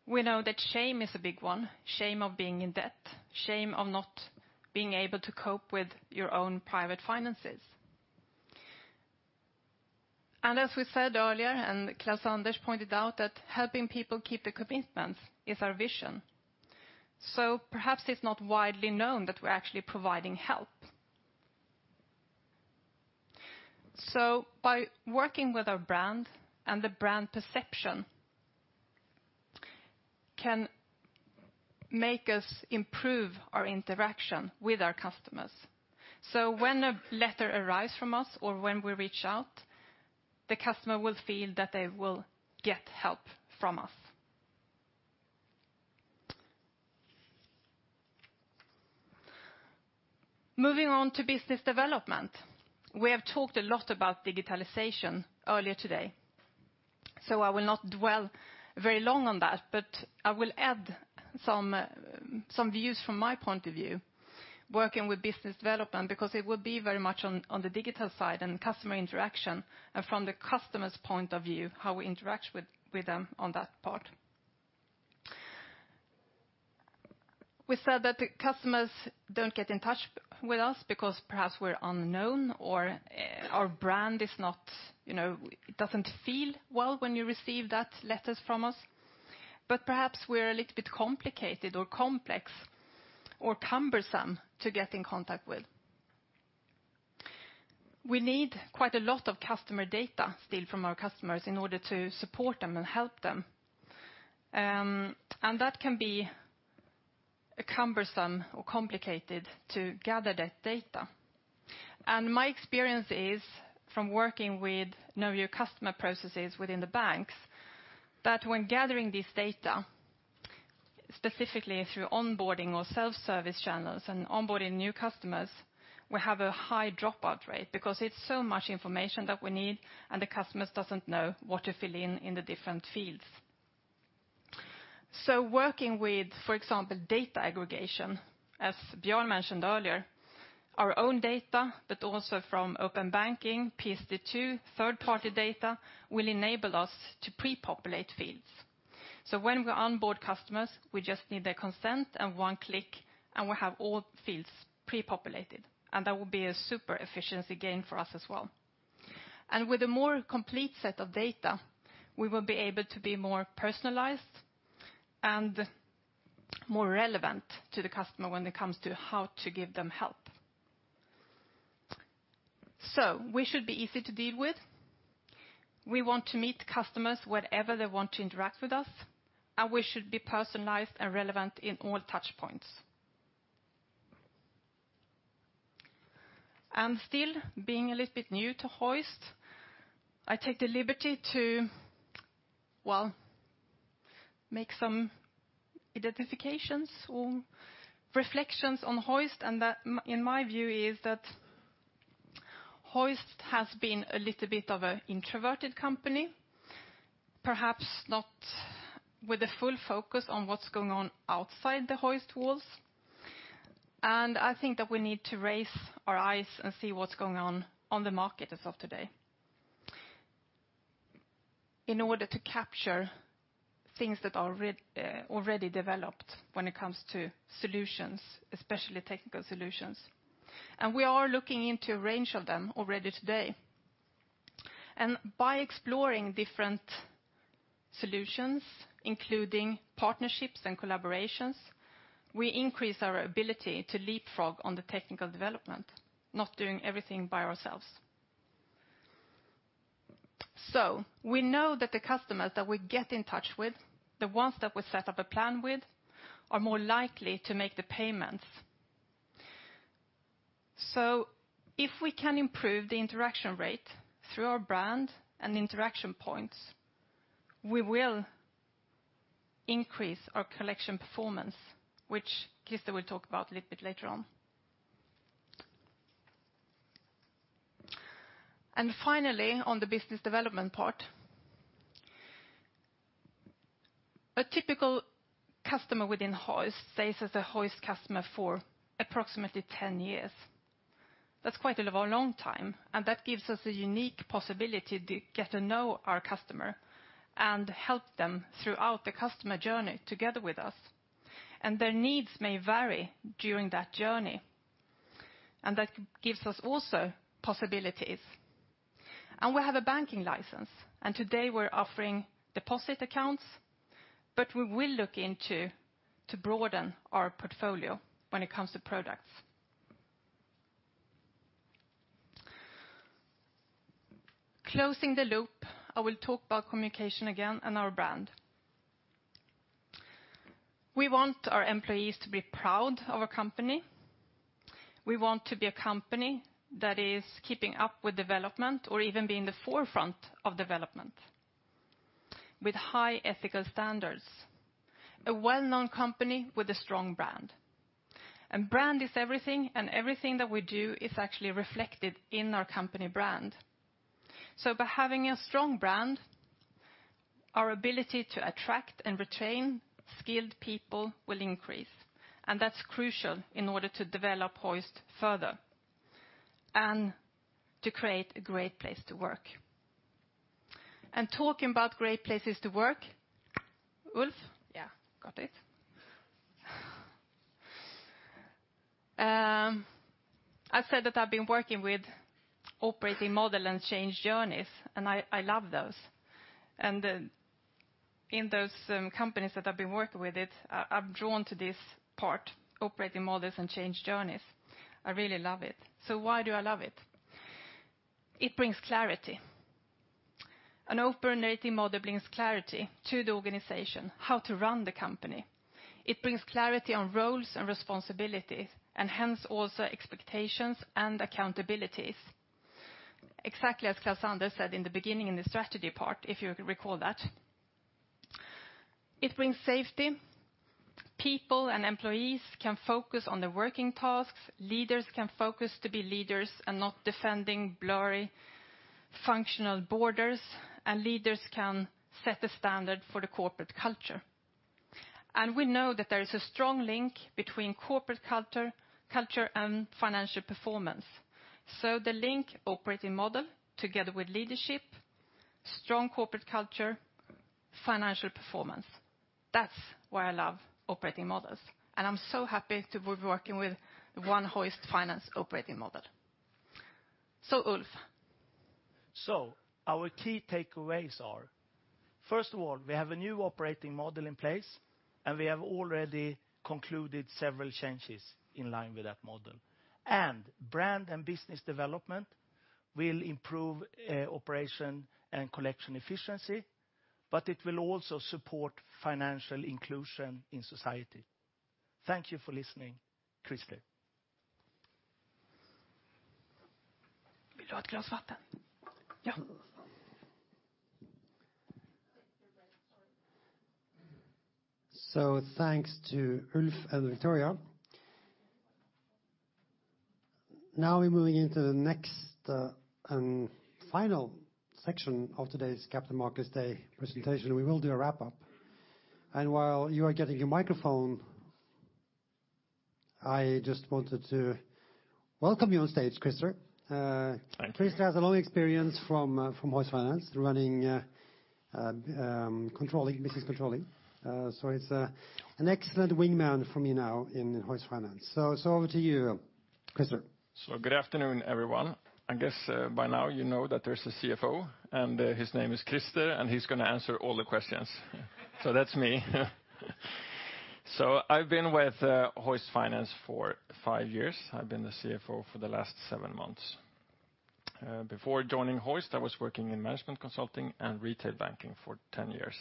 We know that shame is a big one, shame of being in debt, shame of not being able to cope with your own private finances. As we said earlier, and Klaus-Anders pointed out, that helping people keep the commitments is our vision. Perhaps it's not widely known that we're actually providing help. By working with our brand and the brand perception can make us improve our interaction with our customers. When a letter arrives from us or when we reach out, the customer will feel that they will get help from us. Moving on to business development. We have talked a lot about digitalization earlier today, I will not dwell very long on that, but I will add some views from my point of view working with business development, because it will be very much on the digital side and customer interaction and from the customer's point of view, how we interact with them on that part. We said that the customers don't get in touch with us because perhaps we're unknown or our brand doesn't feel well when you receive that letters from us. Perhaps we're a little bit complicated or complex or cumbersome to get in contact with. We need quite a lot of customer data still from our customers in order to support them and help them. That can be cumbersome or complicated to gather that data. My experience is from working with know your customer processes within the banks, that when gathering this data, specifically through onboarding or self-service channels and onboarding new customers, we have a high dropout rate because it's so much information that we need and the customers doesn't know what to fill in in the different fields. Working with, for example, data aggregation, as Björn mentioned earlier, our own data, but also from open banking, PSD2, third party data, will enable us to pre-populate fields. When we onboard customers, we just need their consent and one click, and we have all fields pre-populated, and that will be a super efficiency gain for us as well. With a more complete set of data, we will be able to be more personalized and more relevant to the customer when it comes to how to give them help. We should be easy to deal with. We want to meet customers wherever they want to interact with us, and we should be personalized and relevant in all touch points. Still being a little bit new to Hoist, I take the liberty to, well, make some identifications or reflections on Hoist and that in my view is that Hoist has been a little bit of an introverted company, perhaps not with a full focus on what's going on outside the Hoist walls. I think that we need to raise our eyes and see what's going on on the market as of today in order to capture things that are already developed when it comes to solutions, especially technical solutions. We are looking into a range of them already today. By exploring different solutions, including partnerships and collaborations, we increase our ability to leapfrog on the technical development, not doing everything by ourselves. We know that the customers that we get in touch with, the ones that we set up a plan with, are more likely to make the payments. If we can improve the interaction rate through our brand and interaction points, we will increase our collection performance, which Christer will talk about a little bit later on. Finally, on the business development part. A typical customer within Hoist stays as a Hoist customer for approximately 10 years. That's quite a long time, and that gives us a unique possibility to get to know our customer and help them throughout the customer journey together with us. Their needs may vary during that journey. That gives us also possibilities. We have a banking license, and today we're offering deposit accounts, but we will look into to broaden our portfolio when it comes to products. Closing the loop, I will talk about communication again and our brand. We want our employees to be proud of our company. We want to be a company that is keeping up with development or even be in the forefront of development with high ethical standards. A well-known company with a strong brand. Brand is everything, and everything that we do is actually reflected in our company brand. By having a strong brand, our ability to attract and retain skilled people will increase. That's crucial in order to develop Hoist further and to create a great place to work. Talking about great places to work, Ulf. Yeah, got it. I said that I've been working with operating model and change journeys, I love those. In those companies that I've been working with it, I am drawn to this part, operating models and change journeys. I really love it. Why do I love it? It brings clarity. An operating model brings clarity to the organization, how to run the company. It brings clarity on roles and responsibilities, and hence also expectations and accountabilities. Exactly as Klaus-Anders said in the beginning in the strategy part, if you recall that. It brings safety. People and employees can focus on the working tasks. Leaders can focus to be leaders and not defending blurry functional borders. Leaders can set the standard for the corporate culture. We know that there is a strong link between corporate culture and financial performance. The link operating model together with leadership, strong corporate culture, financial performance. That's why I love operating models. I am so happy to be working with One Hoist Finance operating model. Ulf. Our key takeaways are, first of all, we have a new operating model in place, we have already concluded several changes in line with that model. Brand and business development will improve operation and collection efficiency, but it will also support financial inclusion in society. Thank you for listening. Christer. Do you want a glass of water? Yeah. Thanks to Ulf and Victoria. Now we're moving into the next and final section of today's Capital Markets Day presentation. We will do a wrap-up. While you are getting your microphone, I just wanted to welcome you on stage, Christer. Hi. Christer has a long experience from Hoist Finance running business controlling. He's an excellent wingman for me now in Hoist Finance. Over to you, Christer. Good afternoon, everyone. I guess by now you know that there's a CFO and his name is Christer, and he's going to answer all the questions. That's me. I've been with Hoist Finance for 5 years. I've been the CFO for the last 7 months. Before joining Hoist, I was working in management consulting and retail banking for 10 years.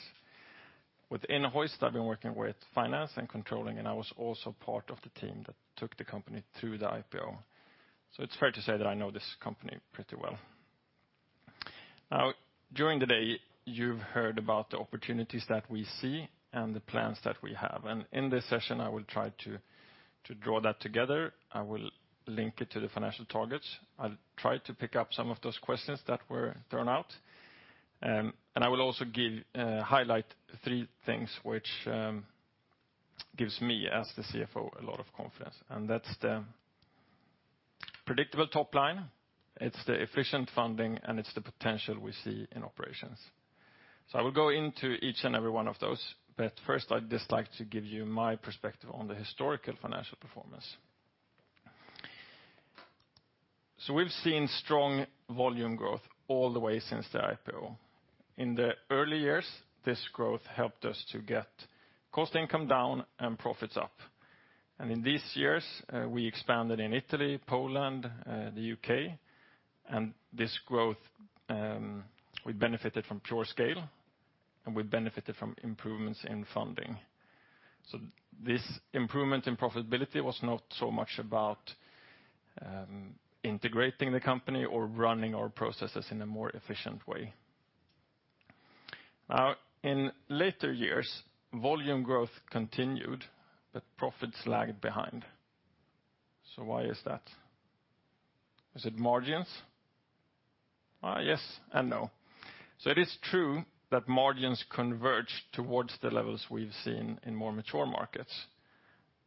Within Hoist, I've been working with finance and controlling, and I was also part of the team that took the company through the IPO. It's fair to say that I know this company pretty well. During the day, you've heard about the opportunities that we see and the plans that we have. In this session, I will try to draw that together. I will link it to the financial targets. I'll try to pick up some of those questions that were thrown out. I will also highlight three things which gives me, as the CFO, a lot of confidence. That's the predictable top line, it's the efficient funding, and it's the potential we see in operations. I will go into each and every one of those, but first I'd just like to give you my perspective on the historical financial performance. We've seen strong volume growth all the way since the IPO. In the early years, this growth helped us to get cost income down and profits up. In these years, we expanded in Italy, Poland, the U.K., this growth, we benefited from pure scale, and we benefited from improvements in funding. This improvement in profitability was not so much about integrating the company or running our processes in a more efficient way. In later years, volume growth continued, but profits lagged behind. Why is that? Is it margins? Yes and no. It is true that margins converged towards the levels we've seen in more mature markets.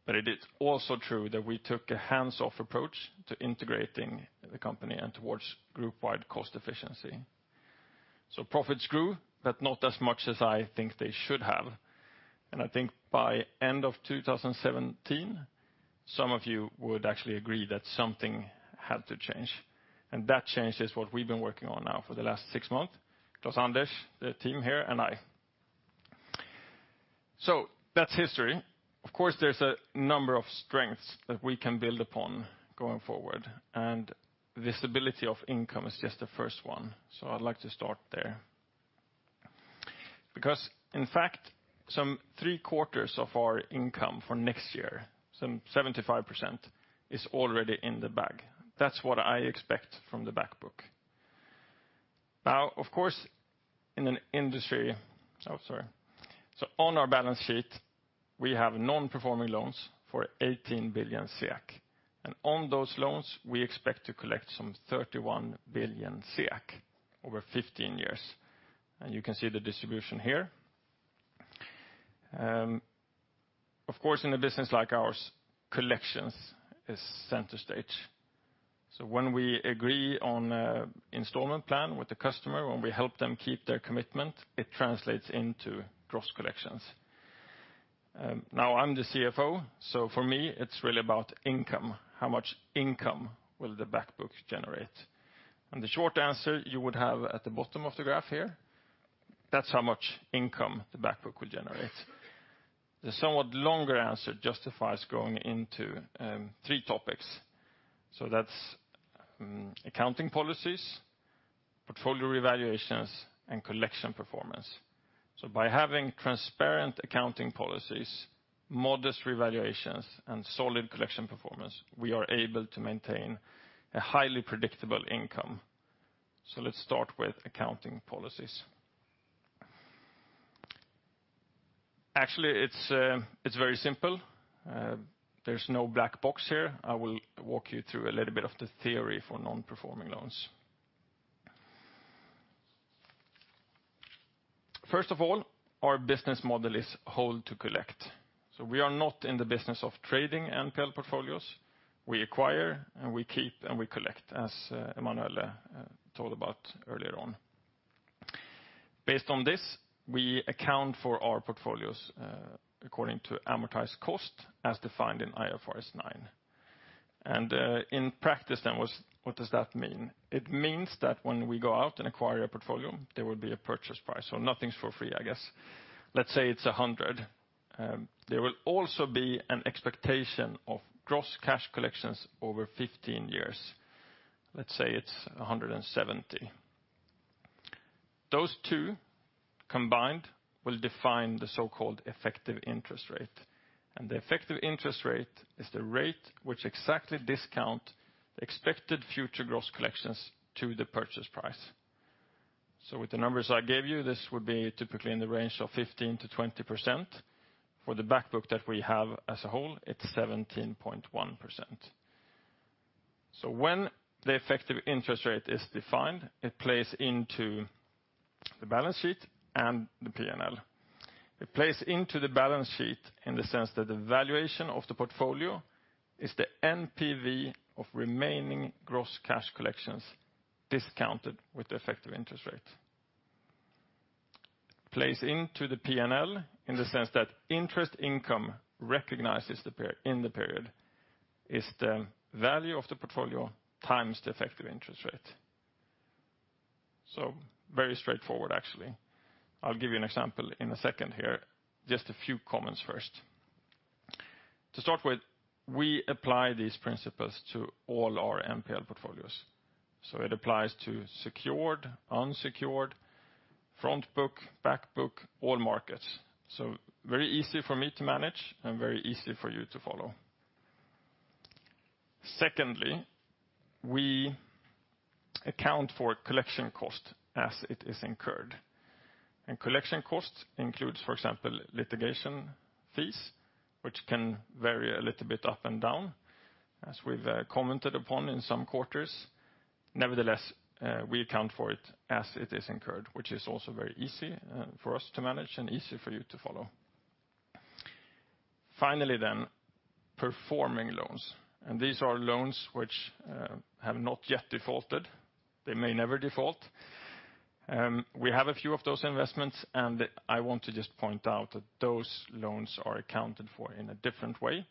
It is also true that we took a hands-off approach to integrating the company and towards group-wide cost efficiency. Profits grew, but not as much as I think they should have. I think by end of 2017, some of you would actually agree that something had to change, and that change is what we've been working on now for the last six months. Klaus-Anders, the team here, and I. That's history. Of course, there's a number of strengths that we can build upon going forward, and the stability of income is just the first one. I'd like to start there. Because in fact, some three-quarters of our income for next year, some 75%, is already in the bag. That's what I expect from the back book. On our balance sheet, we have non-performing loans for 18 billion, and on those loans, we expect to collect some 31 billion over 15 years. You can see the distribution here. Of course, in a business like ours, collections is center stage. When we agree on an installment plan with the customer, when we help them keep their commitment, it translates into gross collections. I'm the CFO, so for me, it's really about income. How much income will the back book generate? The short answer you would have at the bottom of the graph here, that's how much income the back book will generate. The somewhat longer answer justifies going into three topics. That's accounting policies, portfolio revaluations, and collection performance. By having transparent accounting policies, modest revaluations, and solid collection performance, we are able to maintain a highly predictable income. Let's start with accounting policies. Actually, it's very simple. There's no black box here. I will walk you through a little bit of the theory for non-performing loans. First of all, our business model is hold to collect. We are not in the business of trading NPL portfolios. We acquire, and we keep, and we collect, as Emanuele told about earlier on. Based on this, we account for our portfolios according to amortized cost as defined in IFRS 9. In practice then, what does that mean? It means that when we go out and acquire a portfolio, there will be a purchase price, so nothing's for free, I guess. Let's say it's 100. There will also be an expectation of gross cash collections over 15 years. Let's say it's 170. Those two combined will define the so-called effective interest rate, and the effective interest rate is the rate which exactly discount expected future gross collections to the purchase price. With the numbers I gave you, this would be typically in the range of 15%-20%. For the back book that we have as a whole, it's 17.1%. When the effective interest rate is defined, it plays into the balance sheet and the P&L. It plays into the balance sheet in the sense that the valuation of the portfolio is the NPV of remaining gross cash collections discounted with the effective interest rate. Plays into the P&L in the sense that interest income recognizes in the period is the value of the portfolio times the effective interest rate. Very straightforward actually. I'll give you an example in a second here. Just a few comments first. We apply these principles to all our NPL portfolios. It applies to secured, unsecured, front book, back book, all markets. Very easy for me to manage and very easy for you to follow. Secondly, we account for collection cost as it is incurred. Collection costs includes, for example, litigation fees, which can vary a little bit up and down, as we've commented upon in some quarters. Nevertheless, we account for it as it is incurred, which is also very easy for us to manage and easy for you to follow. Finally, performing loans. These are loans which have not yet defaulted. They may never default. We have a few of those investments, and I want to just point out that those loans are accounted for in a different way.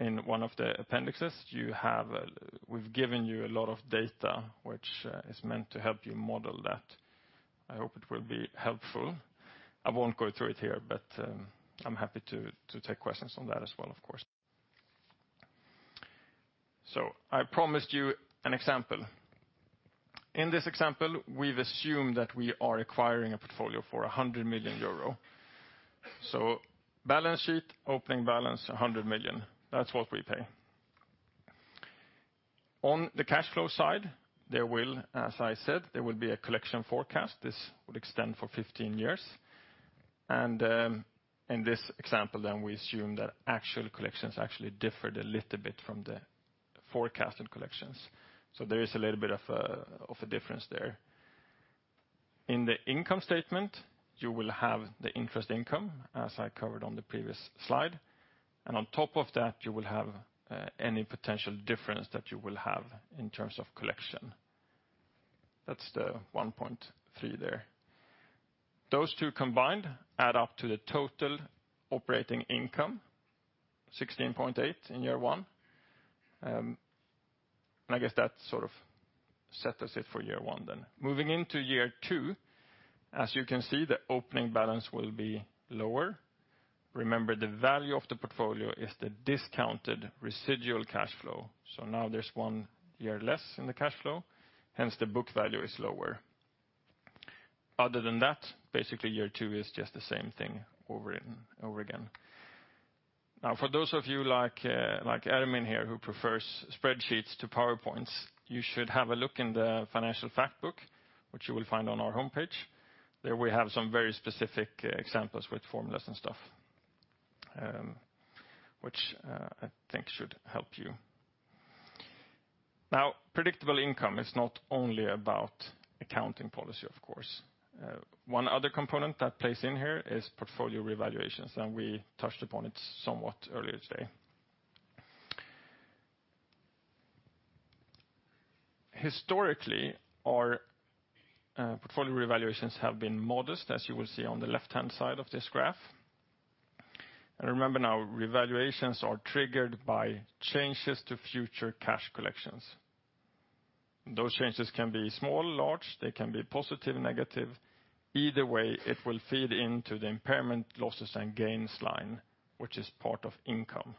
In one of the appendices, we've given you a lot of data which is meant to help you model that. I hope it will be helpful. I won't go through it here, but I'm happy to take questions on that as well, of course. I promised you an example. In this example, we've assumed that we are acquiring a portfolio for 100 million euro. Balance sheet, opening balance, 100 million. That's what we pay. On the cash flow side, there will be a collection forecast. This would extend for 15 years. In this example, we assume that actual collections differed a little bit from the forecasted collections. There is a little bit of a difference there. In the income statement, you will have the interest income as I covered on the previous slide. On top of that, you will have any potential difference that you will have in terms of collection. That's the 1.3 there. Those two combined add up to the total operating income, 16.8 in year one. I guess that sort of settles it for year one. Moving into year two, as you can see, the opening balance will be lower. Remember, the value of the portfolio is the discounted residual cash flow. Now there's one year less in the cash flow, hence the book value is lower. Other than that, basically year two is just the same thing over again. For those of you like Ermin here, who prefers spreadsheets to PowerPoints, you should have a look in the financial fact book, which you will find on our homepage. There we have some very specific examples with formulas and stuff, which I think should help you. Predictable income is not only about accounting policy, of course. One other component that plays in here is portfolio revaluations, and we touched upon it somewhat earlier today. Historically, our portfolio revaluations have been modest, as you will see on the left-hand side of this graph. Remember, revaluations are triggered by changes to future cash collections. Those changes can be small or large, they can be positive or negative. Either way, it will feed into the impairment losses and gains line, which is part of income.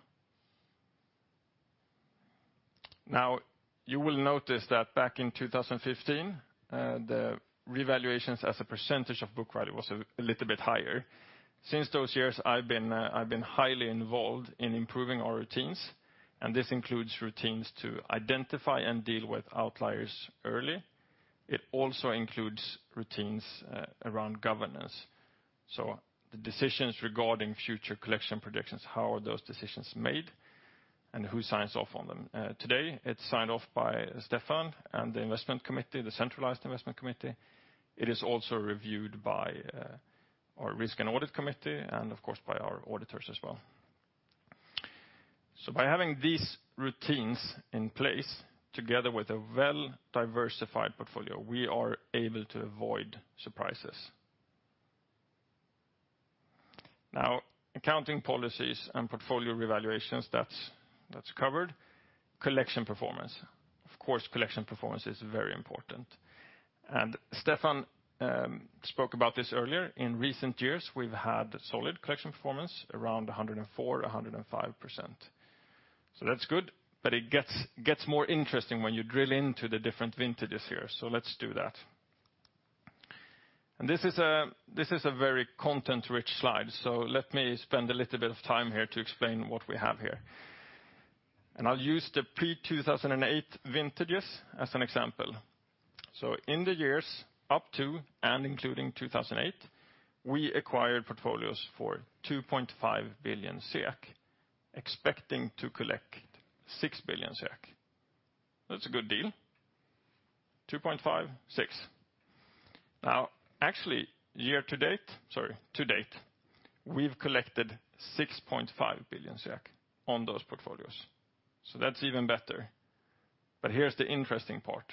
You will notice that back in 2015, the revaluations as a % of book value was a little bit higher. Since those years I've been highly involved in improving our routines, and this includes routines to identify and deal with outliers early. It also includes routines around governance. The decisions regarding future collection predictions, how are those decisions made and who signs off on them? Today, it's signed off by Stephan and the investment committee, the centralized investment committee. It is also reviewed by our risk and audit committee and of course by our auditors as well. By having these routines in place together with a well diversified portfolio, we are able to avoid surprises. Accounting policies and portfolio revaluations, that's covered. Collection performance. Of course, collection performance is very important. Stephan spoke about this earlier. In recent years, we've had solid collection performance around 104%-105%. That's good, but it gets more interesting when you drill into the different vintages here. Let's do that. This is a very content-rich slide. Let me spend a little bit of time here to explain what we have here. I'll use the pre-2008 vintages as an example. In the years up to and including 2008, we acquired portfolios for 2.5 billion SEK, expecting to collect 6 billion SEK. That's a good deal. 2.5, 6. Actually year to date, sorry, to date, we've collected 6.5 billion on those portfolios. That's even better. Here's the interesting part.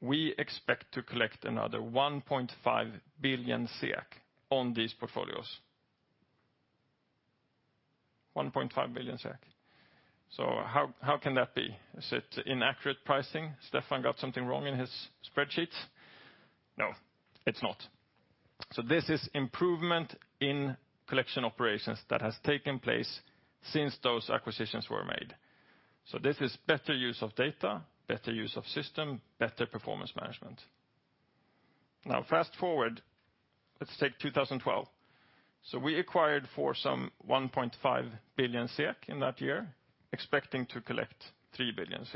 We expect to collect another 1.5 billion on these portfolios. 1.5 billion. How can that be? Is it inaccurate pricing? Stephan got something wrong in his spreadsheets? No, it's not. This is improvement in collection operations that has taken place since those acquisitions were made. This is better use of data, better use of system, better performance management. Fast-forward, let's take 2012. We acquired for some 1.5 billion in that year, expecting to collect 3 billion.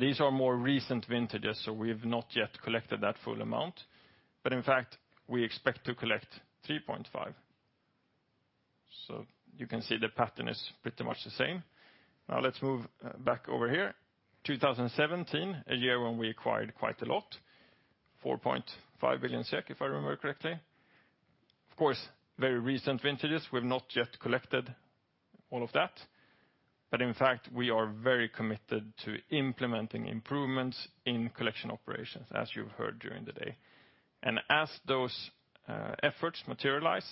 These are more recent vintages, so we have not yet collected that full amount. In fact, we expect to collect 3.5 billion. You can see the pattern is pretty much the same. Let's move back over here. 2017, a year when we acquired quite a lot, 4.5 billion, if I remember correctly. Of course, very recent vintages. We've not yet collected all of that. In fact, we are very committed to implementing improvements in collection operations, as you've heard during the day. As those efforts materialize,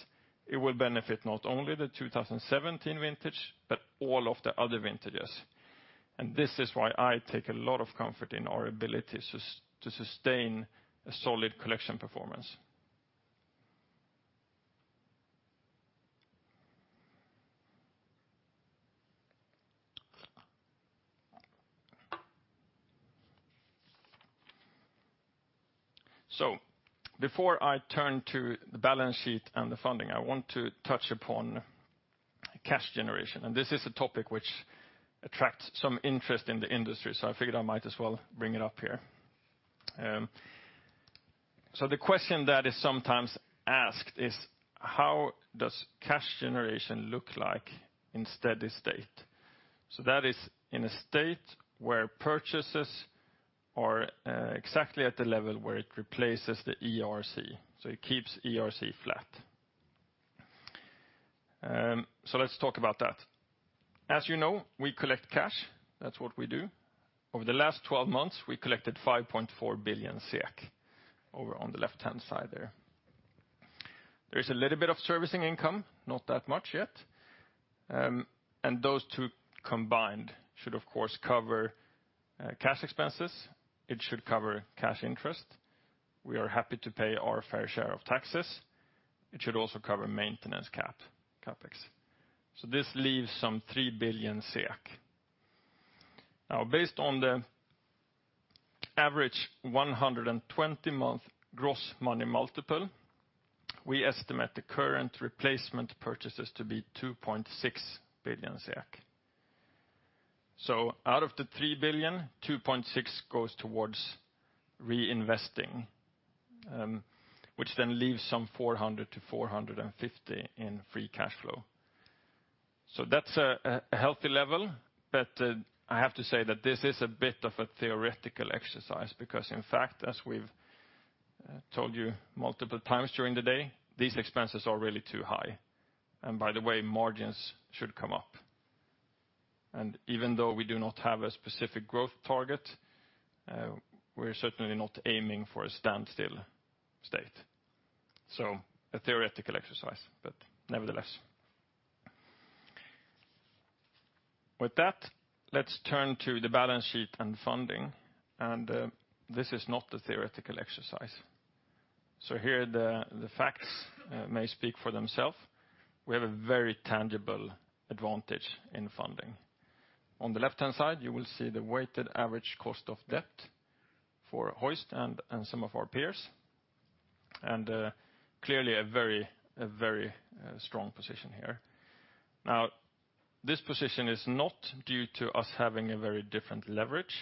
it will benefit not only the 2017 vintage, but all of the other vintages. This is why I take a lot of comfort in our ability to sustain a solid collection performance. Before I turn to the balance sheet and the funding, I want to touch upon cash generation. This is a topic which attracts some interest in the industry, I figured I might as well bring it up here. The question that is sometimes asked is, how does cash generation look like in steady state? That is in a state where purchases are exactly at the level where it replaces the ERC, it keeps ERC flat. Let's talk about that. As you know, we collect cash. That's what we do. Over the last 12 months, we collected 5.4 billion over on the left-hand side there. There is a little bit of servicing income, not that much yet. Those two combined should, of course, cover cash expenses. It should cover cash interest. We are happy to pay our fair share of taxes. It should also cover maintenance CapEx. This leaves some 3 billion SEK. Based on the average 120-month gross money multiple, we estimate the current replacement purchases to be 2.6 billion. Out of the 3 billion, 2.6 goes towards reinvesting, which leaves some 400-450 in free cash flow. That's a healthy level, but I have to say that this is a bit of a theoretical exercise because in fact, as we've told you multiple times during the day, these expenses are really too high, and by the way, margins should come up. Even though we do not have a specific growth target, we're certainly not aiming for a standstill state. A theoretical exercise, but nevertheless. With that, let's turn to the balance sheet and funding. This is not a theoretical exercise. Here the facts may speak for themselves. We have a very tangible advantage in funding. On the left-hand side, you will see the weighted average cost of debt for Hoist and some of our peers, and clearly a very strong position here. This position is not due to us having a very different leverage.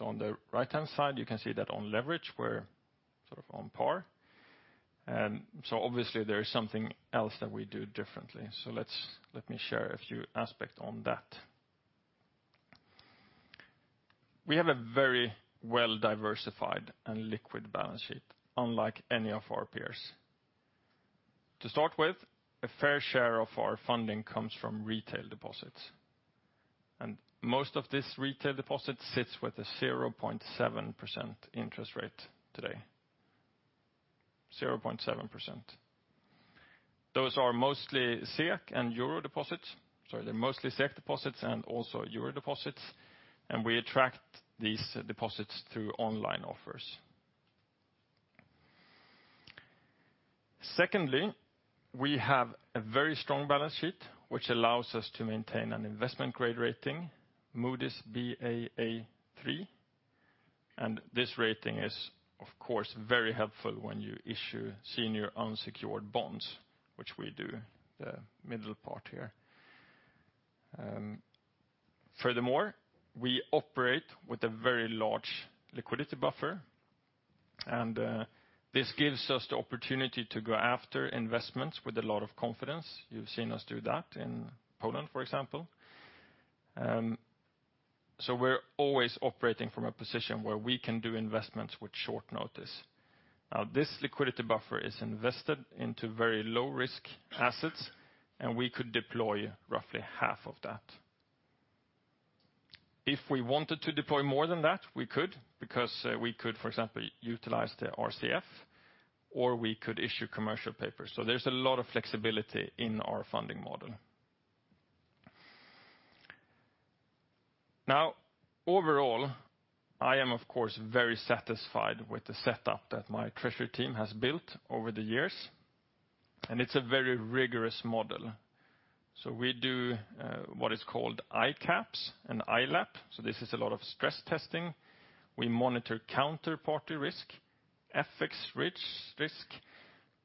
On the right-hand side, you can see that on leverage, we're sort of on par. Obviously there is something else that we do differently. Let me share a few aspects on that. We have a very well-diversified and liquid balance sheet, unlike any of our peers. To start with, a fair share of our funding comes from retail deposits, and most of this retail deposit sits with a 0.7% interest rate today. 0.7%. Those are mostly SEK deposits and also EUR deposits, and we attract these deposits through online offers. Secondly, we have a very strong balance sheet, which allows us to maintain an investment-grade rating, Moody's Baa3. This rating is, of course, very helpful when you issue senior unsecured bonds, which we do, the middle part here. Furthermore, we operate with a very large liquidity buffer, and this gives us the opportunity to go after investments with a lot of confidence. You've seen us do that in Poland, for example. We're always operating from a position where we can do investments with short notice. This liquidity buffer is invested into very low-risk assets, and we could deploy roughly half of that. If we wanted to deploy more than that, we could, because we could, for example, utilize the RCF, or we could issue commercial papers. There's a lot of flexibility in our funding model. Overall, I am, of course, very satisfied with the setup that my treasury team has built over the years, and it's a very rigorous model. We do what is called ICAAP and ILAAP. This is a lot of stress testing. We monitor counterparty risk, FX risk.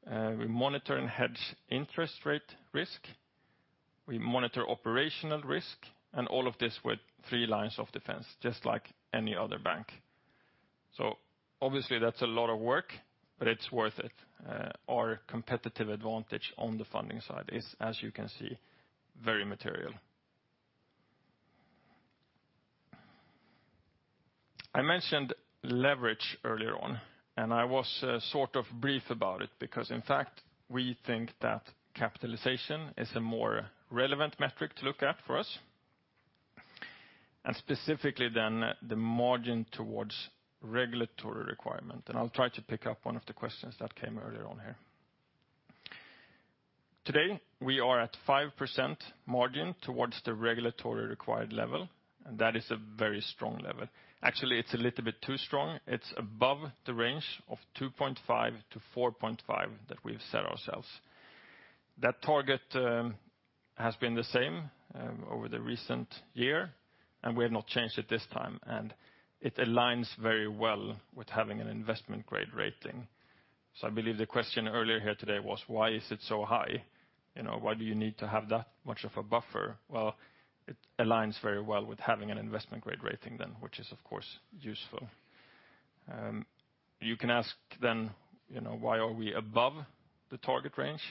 We monitor and hedge interest rate risk. We monitor operational risk, and all of this with three lines of defense, just like any other bank. Obviously that's a lot of work, but it's worth it. Our competitive advantage on the funding side is, as you can see, very material. I mentioned leverage earlier on, and I was sort of brief about it because, in fact, we think that capitalization is a more relevant metric to look at for us, and specifically the margin towards regulatory requirement. I will try to pick up one of the questions that came earlier on here. Today, we are at 5% margin towards the regulatory required level. That is a very strong level. Actually, it is a little bit too strong. It is above the range of 2.5%-4.5% that we have set ourselves. That target has been the same over the recent year. We have not changed it this time. It aligns very well with having an investment-grade rating. I believe the question earlier here today was, why is it so high? Why do you need to have that much of a buffer? Well, it aligns very well with having an investment-grade rating then, which is, of course, useful. You can ask then, why are we above the target range?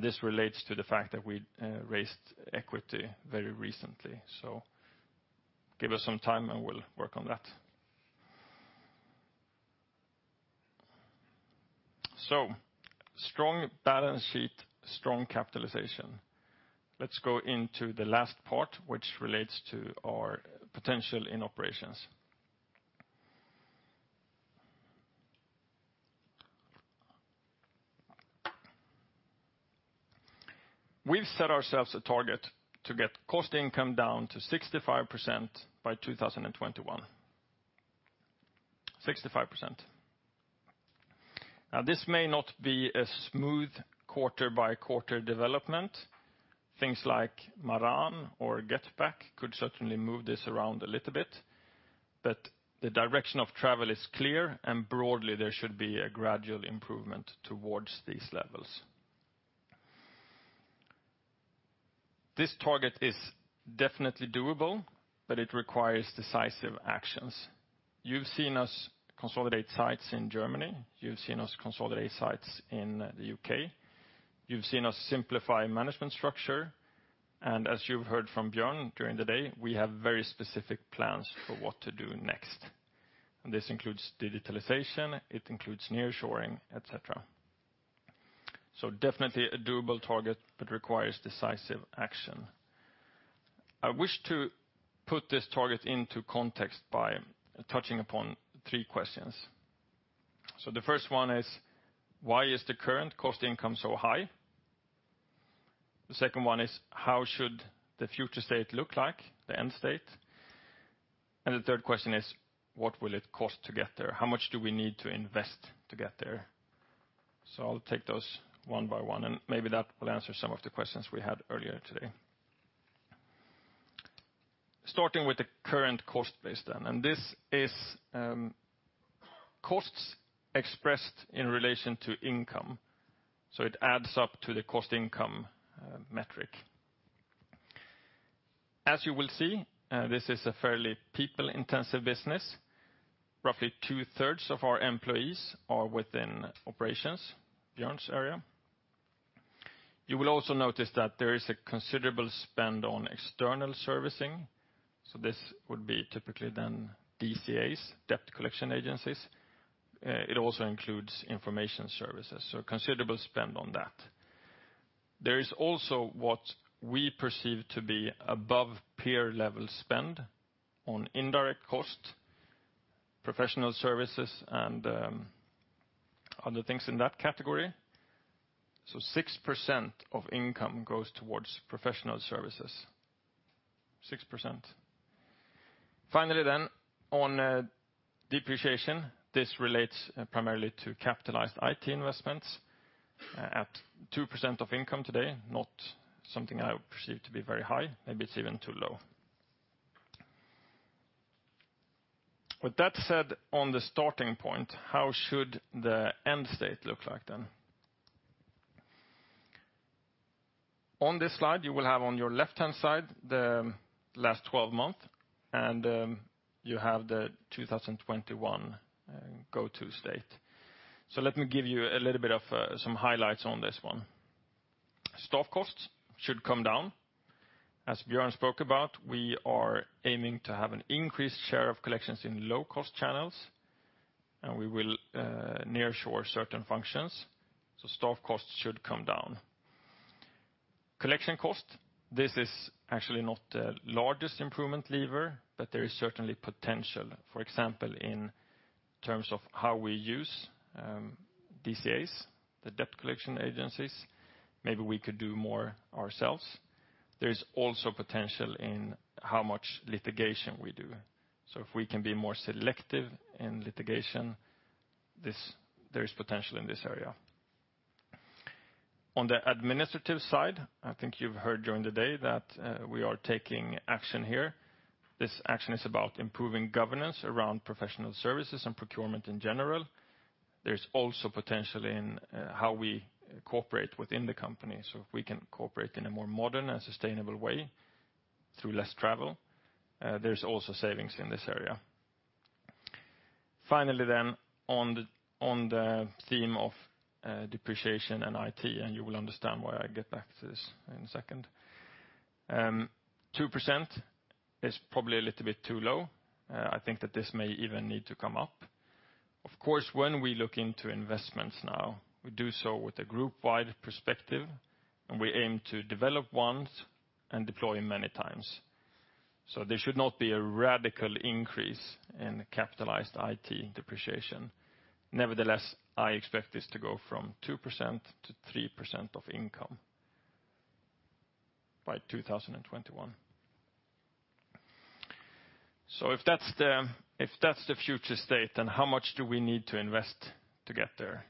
This relates to the fact that we raised equity very recently. Give us some time, and we will work on that. Strong balance sheet, strong capitalization. Let us go into the last part, which relates to our potential in operations. We have set ourselves a target to get cost income down to 65% by 2021. 65%. This may not be a smooth quarter-by-quarter development. Things like Maran or GetBack could certainly move this around a little bit. The direction of travel is clear. Broadly, there should be a gradual improvement towards these levels. This target is definitely doable. It requires decisive actions. You have seen us consolidate sites in Germany. You have seen us consolidate sites in the U.K. You have seen us simplify management structure. As you have heard from Björn during the day, we have very specific plans for what to do next. This includes digitalization, it includes nearshoring, et cetera. Definitely a doable target. It requires decisive action. I wish to put this target into context by touching upon three questions. The first one is, why is the current cost income so high? The second one is, how should the future state look like, the end state? The third question is, what will it cost to get there? How much do we need to invest to get there? I will take those one by one. Maybe that will answer some of the questions we had earlier today. Starting with the current cost base then. This is costs expressed in relation to income. It adds up to the cost income metric. As you will see, this is a fairly people-intensive business. Roughly two-thirds of our employees are within operations, Björn's area. You will also notice that there is a considerable spend on external servicing. This would be typically then DCAs, debt collection agencies. It also includes information services, a considerable spend on that. There is also what we perceive to be above peer level spend on indirect cost, professional services, other things in that category. 6% of income goes towards professional services. 6%. Finally then, on depreciation. This relates primarily to capitalized IT investments at 2% of income today. Not something I would perceive to be very high. Maybe it is even too low. With that said, on the starting point, how should the end state look like then? On this slide, you will have on your left-hand side the last 12 month. You have the 2021 go-to state. Let me give you a little bit of some highlights on this one. Staff costs should come down. As Björn spoke about, we are aiming to have an increased share of collections in low-cost channels, and we will nearshore certain functions. Staff costs should come down. Collection cost. This is actually not the largest improvement lever, but there is certainly potential. For example, in terms of how we use DCAs, the debt collection agencies. Maybe we could do more ourselves. There is also potential in how much litigation we do. If we can be more selective in litigation, there is potential in this area. On the administrative side, you've heard during the day that we are taking action here. This action is about improving governance around professional services and procurement in general. There is also potential in how we cooperate within the company. If we can cooperate in a more modern and sustainable way through less travel, there is also savings in this area. Finally then, on the theme of depreciation and IT. You will understand why I get back to this in a second. 2% is probably a little bit too low. I think that this may even need to come up. Of course, when we look into investments now, we do so with a group wide perspective, and we aim to develop once and deploy many times. There should not be a radical increase in capitalized IT depreciation. Nevertheless, I expect this to go from 2%-3% of income by 2021. If that's the future state, then how much do we need to invest to get there?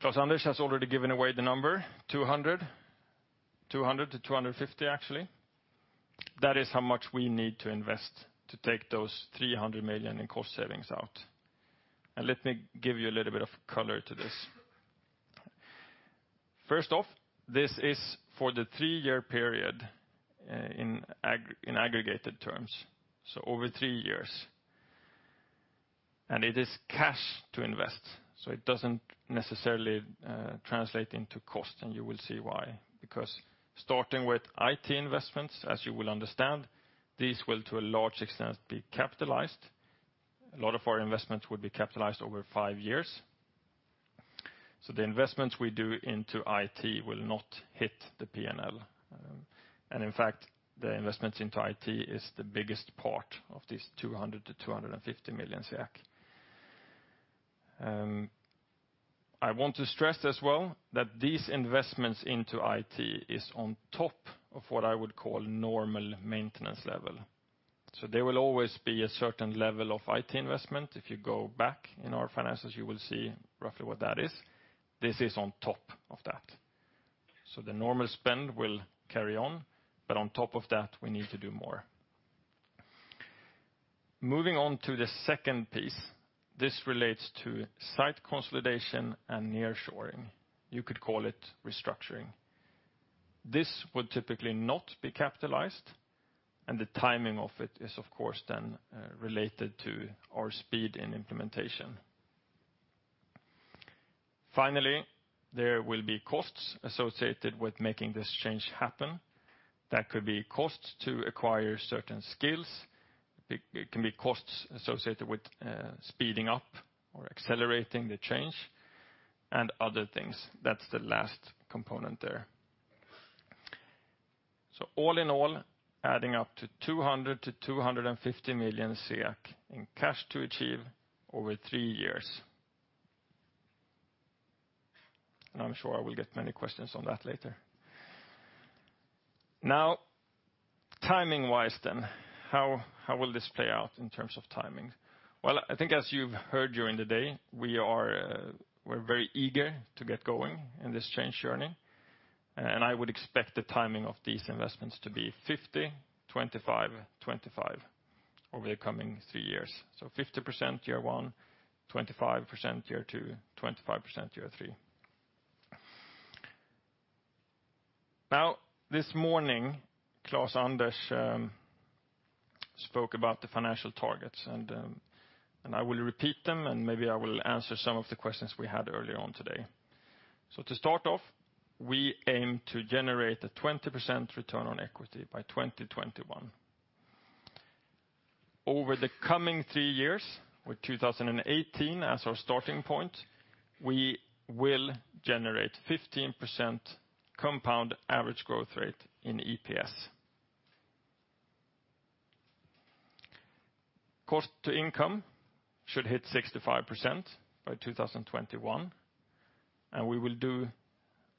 Klaus-Anders has already given away the number, 200 million. 200 million-250 million, actually. That is how much we need to invest to take those 300 million in cost savings out. Let me give you a little bit of color to this. First off, this is for the three-year period in aggregated terms, over three years. It is cash to invest, so it doesn't necessarily translate into cost, and you will see why. Starting with IT investments, as you will understand, these will, to a large extent, be capitalized. A lot of our investments will be capitalized over five years. The investments we do into IT will not hit the P&L. In fact, the investments into IT is the biggest part of this 200 million-250 million. I want to stress as well that these investments into IT are on top of what I would call normal maintenance level. There will always be a certain level of IT investment. If you go back in our finances, you will see roughly what that is. This is on top of that. The normal spend will carry on, but on top of that, we need to do more. Moving on to the second piece, this relates to site consolidation and nearshoring. You could call it restructuring. This would typically not be capitalized, and the timing of it is, of course, related to our speed in implementation. Finally, there will be costs associated with making this change happen. That could be costs to acquire certain skills. It can be costs associated with speeding up or accelerating the change, and other things. That's the last component there. All in all, adding up to 200 million-250 million in cash to achieve over three years. I'm sure I will get many questions on that later. Timing-wise, how will this play out in terms of timing? Well, I think as you've heard during the day, we're very eager to get going in this change journey. I would expect the timing of these investments to be 50/25/25 over the coming three years. 50% year one, 25% year two, 25% year three. This morning, Klaus-Anders spoke about the financial targets, and I will repeat them, and maybe I will answer some of the questions we had early on today. To start off, we aim to generate a 20% return on equity by 2021. Over the coming three years, with 2018 as our starting point, we will generate 15% compound average growth rate in EPS. Cost to income should hit 65% by 2021, and we will do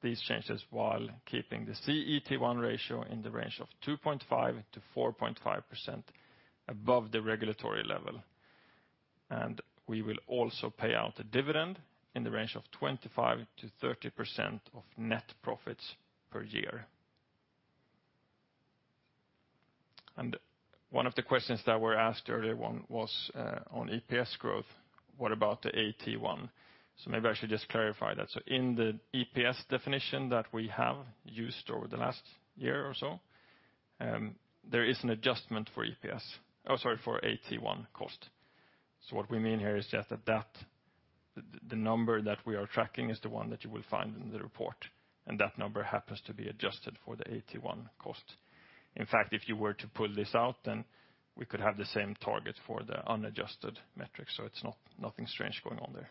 these changes while keeping the CET1 ratio in the range of 2.5%-4.5% above the regulatory level. We will also pay out a dividend in the range of 25%-30% of net profits per year. One of the questions that were asked earlier on was on EPS growth. What about the AT1? Maybe I should just clarify that. In the EPS definition that we have used over the last year or so, there is an adjustment for AT1 cost. What we mean here is just that the number that we are tracking is the one that you will find in the report, and that number happens to be adjusted for the AT1 cost. In fact, if you were to pull this out, then we could have the same target for the unadjusted metric. It's nothing strange going on there.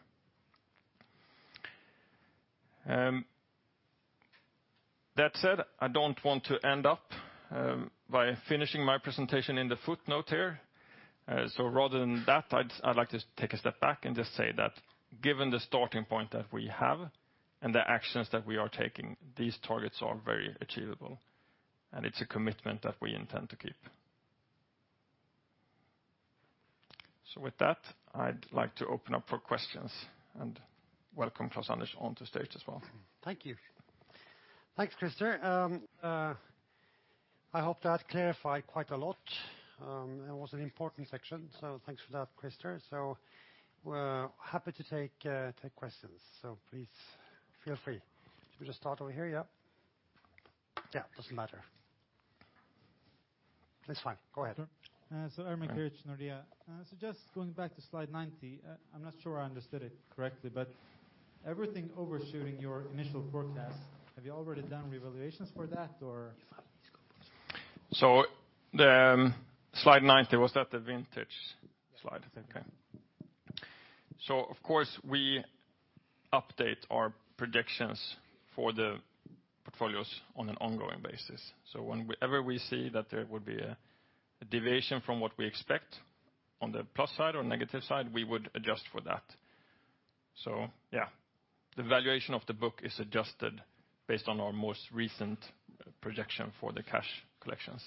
That said, I don't want to end up by finishing my presentation in the footnote here. Rather than that, I'd like to take a step back and just say that given the starting point that we have and the actions that we are taking, these targets are very achievable, and it's a commitment that we intend to keep. With that, I'd like to open up for questions and welcome Klaus-Anders onto stage as well. Thank you. Thanks, Christer. I hope that clarified quite a lot. It was an important section, so thanks for that, Christer. We're happy to take questions. Please feel free. Should we just start over here, yeah? Yeah, doesn't matter. That's fine. Go ahead. Sure. Ermin Keric, Nordea. Just going back to slide 90, I'm not sure I understood it correctly, everything overshooting your initial forecast, have you already done revaluations for that or? The slide 90, was that the vintage slide? Yeah. Okay. Of course, we update our predictions for the portfolios on an ongoing basis. Whenever we see that there would be a deviation from what we expect on the plus side or negative side, we would adjust for that. Yeah, the valuation of the book is adjusted based on our most recent projection for the cash collections.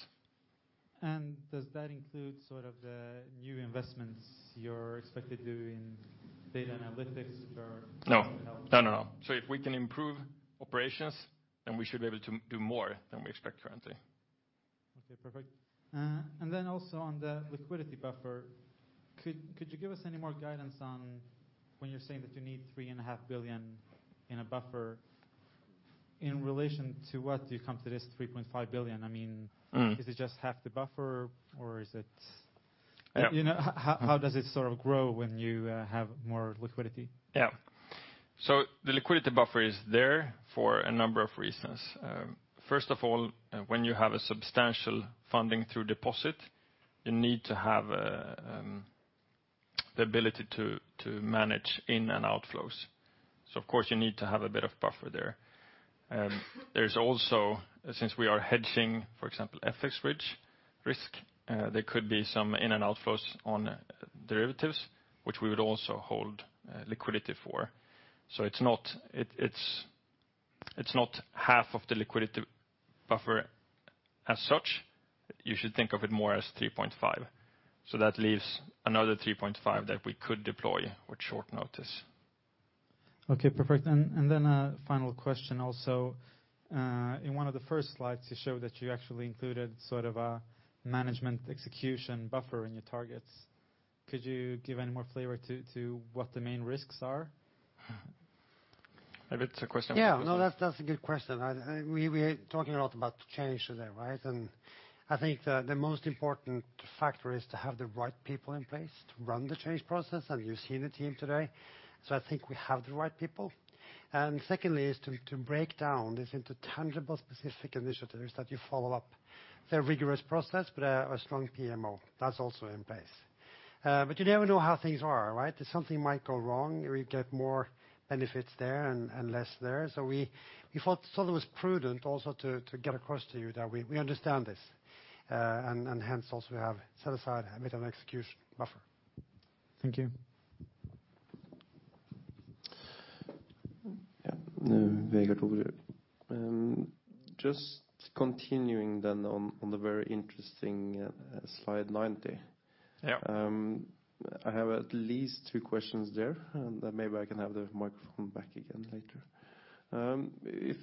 Does that include sort of the new investments you're expected to do in data analytics or technology? If we can improve operations, we should be able to do more than we expect currently. Okay, perfect. Then also on the liquidity buffer, could you give us any more guidance on when you're saying that you need 3.5 billion in a buffer in relation to what you come to this 3.5 billion? I mean- Is it just half the buffer or how does it sort of grow when you have more liquidity? The liquidity buffer is there for a number of reasons. First of all, when you have a substantial funding through deposit, you need to have the ability to manage in and outflows. Of course you need to have a bit of buffer there. There's also, since we are hedging, for example, FX risk, there could be some in and outflows on derivatives which we would also hold liquidity for. It's not half of the liquidity buffer as such. You should think of it more as 3.5 billion. That leaves another 3.5 billion that we could deploy with short notice. Okay, perfect. A final question also. In one of the first slides you showed that you actually included sort of a management execution buffer in your targets. Could you give any more flavor to what the main risks are? Maybe it's a question for- Yeah. No, that's a good question. We are talking a lot about change today, right? I think the most important factor is to have the right people in place to run the change process and you've seen the team today. I think we have the right people. Secondly is to break down this into tangible specific initiatives that you follow up. They're a rigorous process, but a strong PMO that's also in place. You never know how things are, right? That something might go wrong or you get more benefits there and less there. We thought it was prudent also to get across to you that we understand this, and hence also we have set aside a bit of execution buffer. Thank you. Yeah. Vegard Toverud. Just continuing then on the very interesting slide 90. Yeah. I have at least two questions there and then maybe I can have the microphone back again later.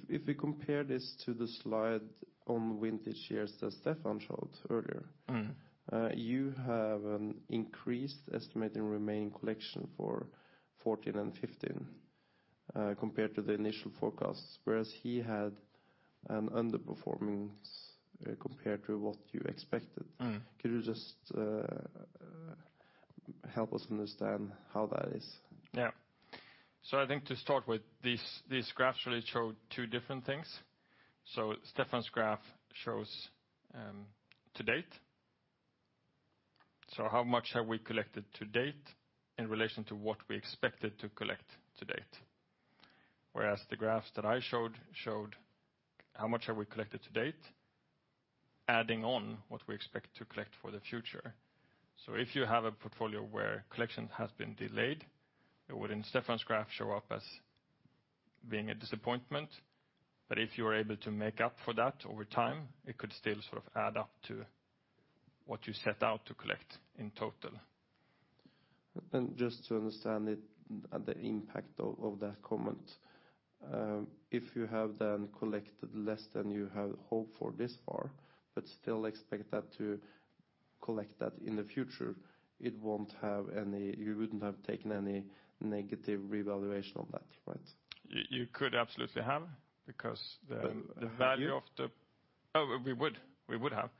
If we compare this to the slide on vintage years that Stephan showed earlier. You have an increased estimate in remaining collection for 2014 and 2015, compared to the initial forecasts, whereas he had an underperformance compared to what you expected. Could you just help us understand how that is? I think to start with these graphs really show two different things. Stephan's graph shows to date. How much have we collected to date in relation to what we expected to collect to date? Whereas the graphs that I showed showed how much have we collected to date, adding on what we expect to collect for the future. If you have a portfolio where collection has been delayed, it would in Stephan's graph show up as being a disappointment. But if you are able to make up for that over time, it could still sort of add up to what you set out to collect in total. Just to understand the impact of that comment. If you have then collected less than you have hoped for this far, but still expect that to collect that in the future, you wouldn't have taken any negative revaluation on that, right? You could absolutely have because the value of the Have you? We would have.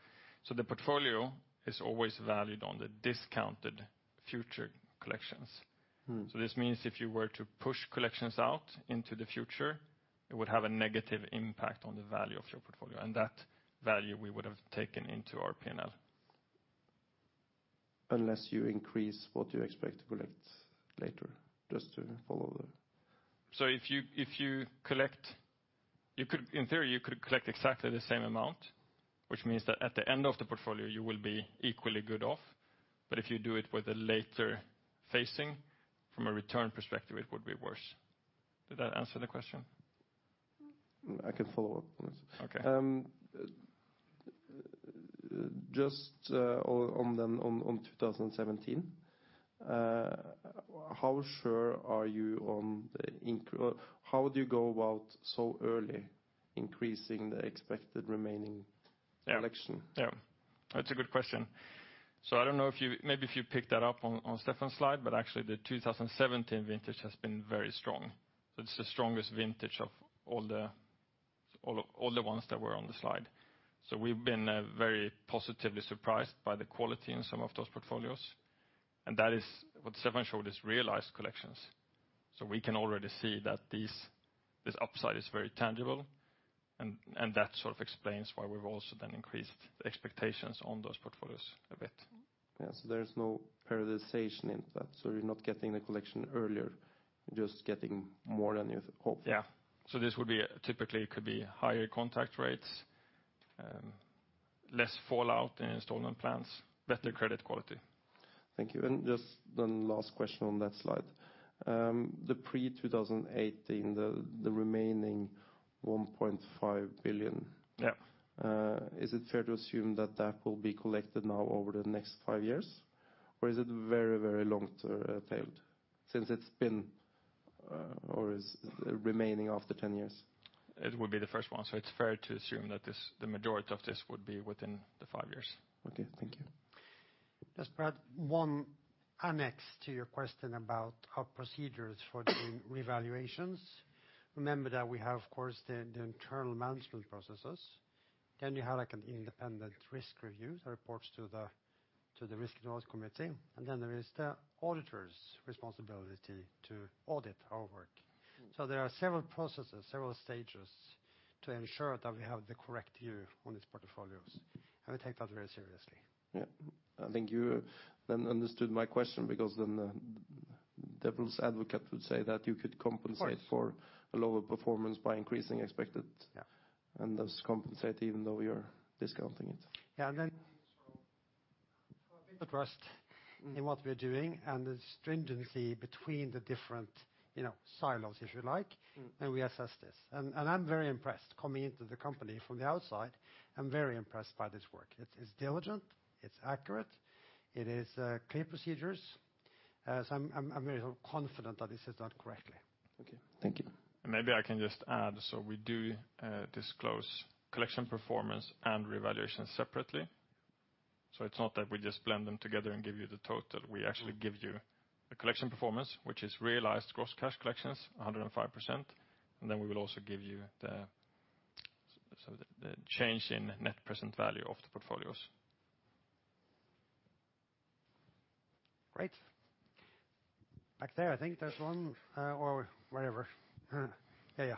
The portfolio is always valued on the discounted future collections. This means if you were to push collections out into the future, it would have a negative impact on the value of your portfolio and that value we would have taken into our P&L. Unless you increase what you expect to collect later, just to follow the- If you collect, in theory you could collect exactly the same amount, which means that at the end of the portfolio you will be equally good off. If you do it with a later facing from a return perspective, it would be worse. Did that answer the question? I can follow up on this. Okay. On 2017, how sure are you? How do you go about so early increasing the expected remaining collection? That's a good question. I don't know, maybe if you picked that up on Stephan's slide, but actually the 2017 vintage has been very strong. It's the strongest vintage of all the ones that were on the slide. We've been very positively surprised by the quality in some of those portfolios. That is what Stephan showed is realized collections. We can already see that this upside is very tangible and that sort of explains why we've also then increased the expectations on those portfolios a bit. There is no prioritization in that? You're not getting the collection earlier, you're just getting more than you've hoped for? Yeah. This would be typically could be higher contact rates, less fallout in installment plans, better credit quality. Thank you. Just then last question on that slide. The pre-2018 the remaining 1.5 billion. Yeah. Is it fair to assume that that will be collected now over the next five years? Is it very long-term tailed or is it remaining after 10 years? It would be the first one. It's fair to assume that the majority of this would be within the five years. Okay. Thank you. Just Brad, one annex to your question about our procedures for the revaluations. Remember that we have, of course, the internal management processes. Then you have an independent risk review that reports to the risk and audit committee. Then there is the auditor's responsibility to audit our work. There are several processes, several stages to ensure that we have the correct view on these portfolios. We take that very seriously. Yeah. I think you understood my question, because the devil's advocate would say that you could compensate- Of course for a lower performance by increasing expected- Yeah Thus compensate even though you're discounting it. Yeah. Then trust in what we are doing and the stringency between the different silos, if you like, when we assess this. I'm very impressed. Coming into the company from the outside, I'm very impressed by this work. It's diligent, it's accurate, it is clear procedures. I'm very confident that this is done correctly. Okay. Thank you. Maybe I can just add, we do disclose collection performance and revaluation separately. It's not that we just blend them together and give you the total. We actually give you the collection performance, which is realized gross cash collections, 105%. Then we will also give you the change in net present value of the portfolios. Great. Back there, I think there's one, or wherever. Yeah.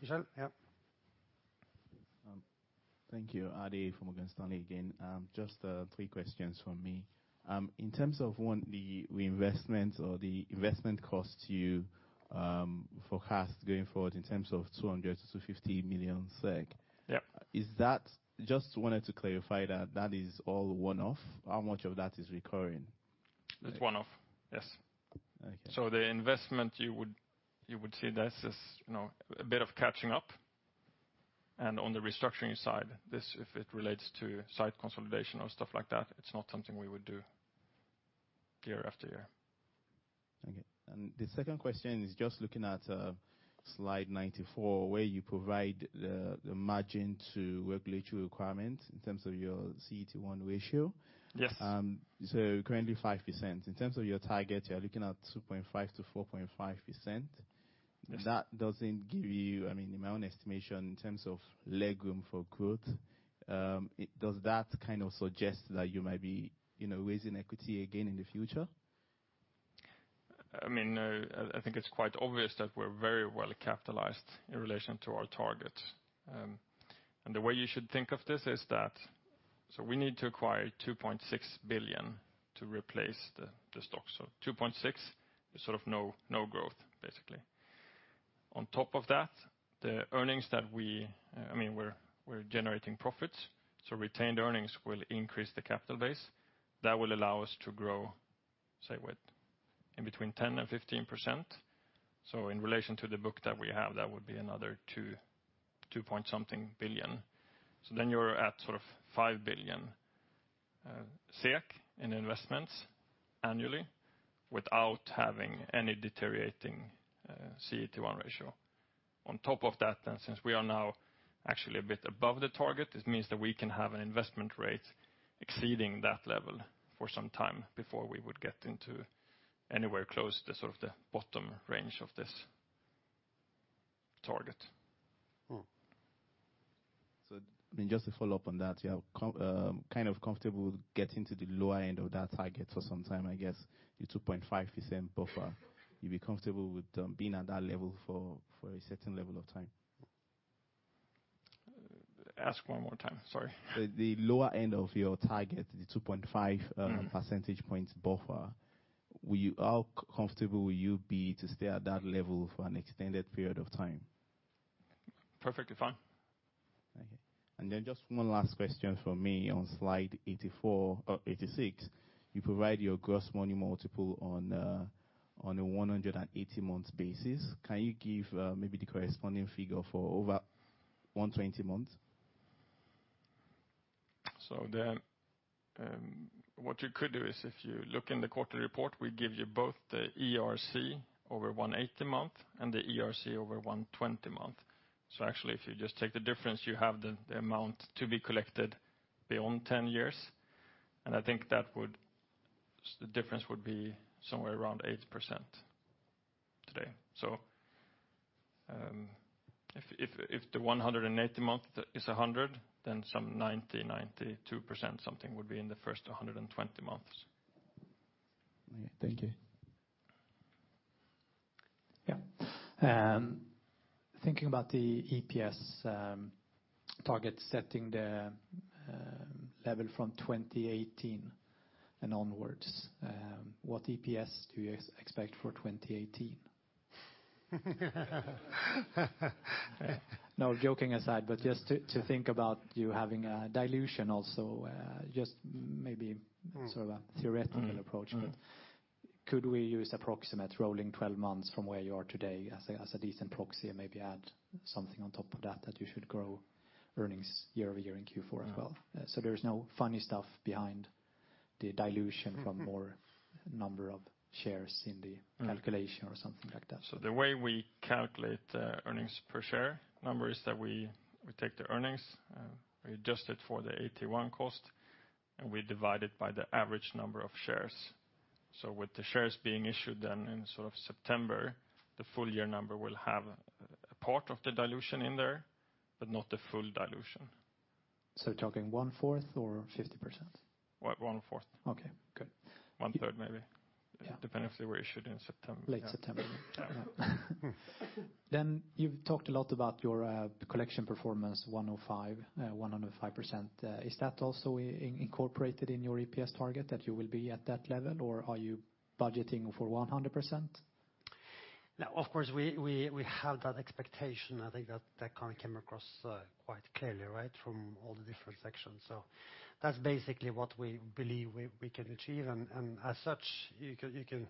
Michel? Yep. Thank you. Ade from Morgan Stanley again. Just three questions from me. In terms of, one, the reinvestment or the investment cost you forecast going forward in terms of 200 million-250 million SEK. Yeah. Just wanted to clarify that that is all one-off. How much of that is recurring? It's one-off. Yes. Okay. The investment you would see this as a bit of catching up. On the restructuring side, if it relates to site consolidation or stuff like that, it's not something we would do year after year. Okay. The second question is just looking at slide 94, where you provide the margin to regulatory requirement in terms of your CET1 ratio. Yes. Currently 5%. In terms of your target, you're looking at 2.5% to 4.5%. Yes. That doesn't give you, in my own estimation, in terms of legroom for growth. Does that suggest that you may be raising equity again in the future? I think it's quite obvious that we're very well capitalized in relation to our target. The way you should think of this is that we need to acquire 2.6 billion to replace the stock. 2.6 is sort of no growth, basically. On top of that, we're generating profits, so retained earnings will increase the capital base. That will allow us to grow, say what? In between 10% and 15%. In relation to the book that we have, that would be another 2 point something billion. You're at 5 billion SEK in investments annually without having any deteriorating CET1 ratio. On top of that, since we are now actually a bit above the target, it means that we can have an investment rate exceeding that level for some time before we would get into anywhere close to the bottom range of this target. Just to follow up on that, you are kind of comfortable getting to the lower end of that target for some time. I guess your 2.5% buffer, you'd be comfortable with being at that level for a certain level of time. Ask one more time. Sorry. The lower end of your target, the 2.5 percentage points buffer. How comfortable will you be to stay at that level for an extended period of time? Perfectly fine. Then just one last question from me. On slide 86, you provide your gross money multiple on a 180-month basis. Can you give maybe the corresponding figure for over 120 months? What you could do is if you look in the quarterly report, we give you both the ERC over 180 month and the ERC over 120 month. Actually, if you just take the difference, you have the amount to be collected beyond 10 years. I think the difference would be somewhere around 8% today. If the 180 month is 100, then some 90, 92%, something would be in the first 120 months. Okay. Thank you. Yeah. Thinking about the EPS target setting the level from 2018 and onwards. What EPS do you expect for 2018? No, joking aside, but just to think about you having a dilution also, just maybe sort of a theoretical approach. Could we use approximate rolling 12 months from where you are today as a decent proxy, and maybe add something on top of that you should grow earnings year-over-year in Q4 as well? There is no funny stuff behind the dilution from more number of shares in the calculation or something like that. The way we calculate the earnings per share number is that we take the earnings, we adjust it for the AT1 cost, and we divide it by the average number of shares. With the shares being issued then in September, the full year number will have a part of the dilution in there, but not the full dilution. You're talking one-fourth or 50%? One-fourth. Okay, good. One-third maybe. Yeah. Depending if they were issued in September. Late September. Yeah. You've talked a lot about your collection performance, 105%. Is that also incorporated in your EPS target, that you will be at that level? Or are you budgeting for 100%? No, of course, we have that expectation. I think that came across quite clearly, from all the different sections. That's basically what we believe we can achieve. As such, you can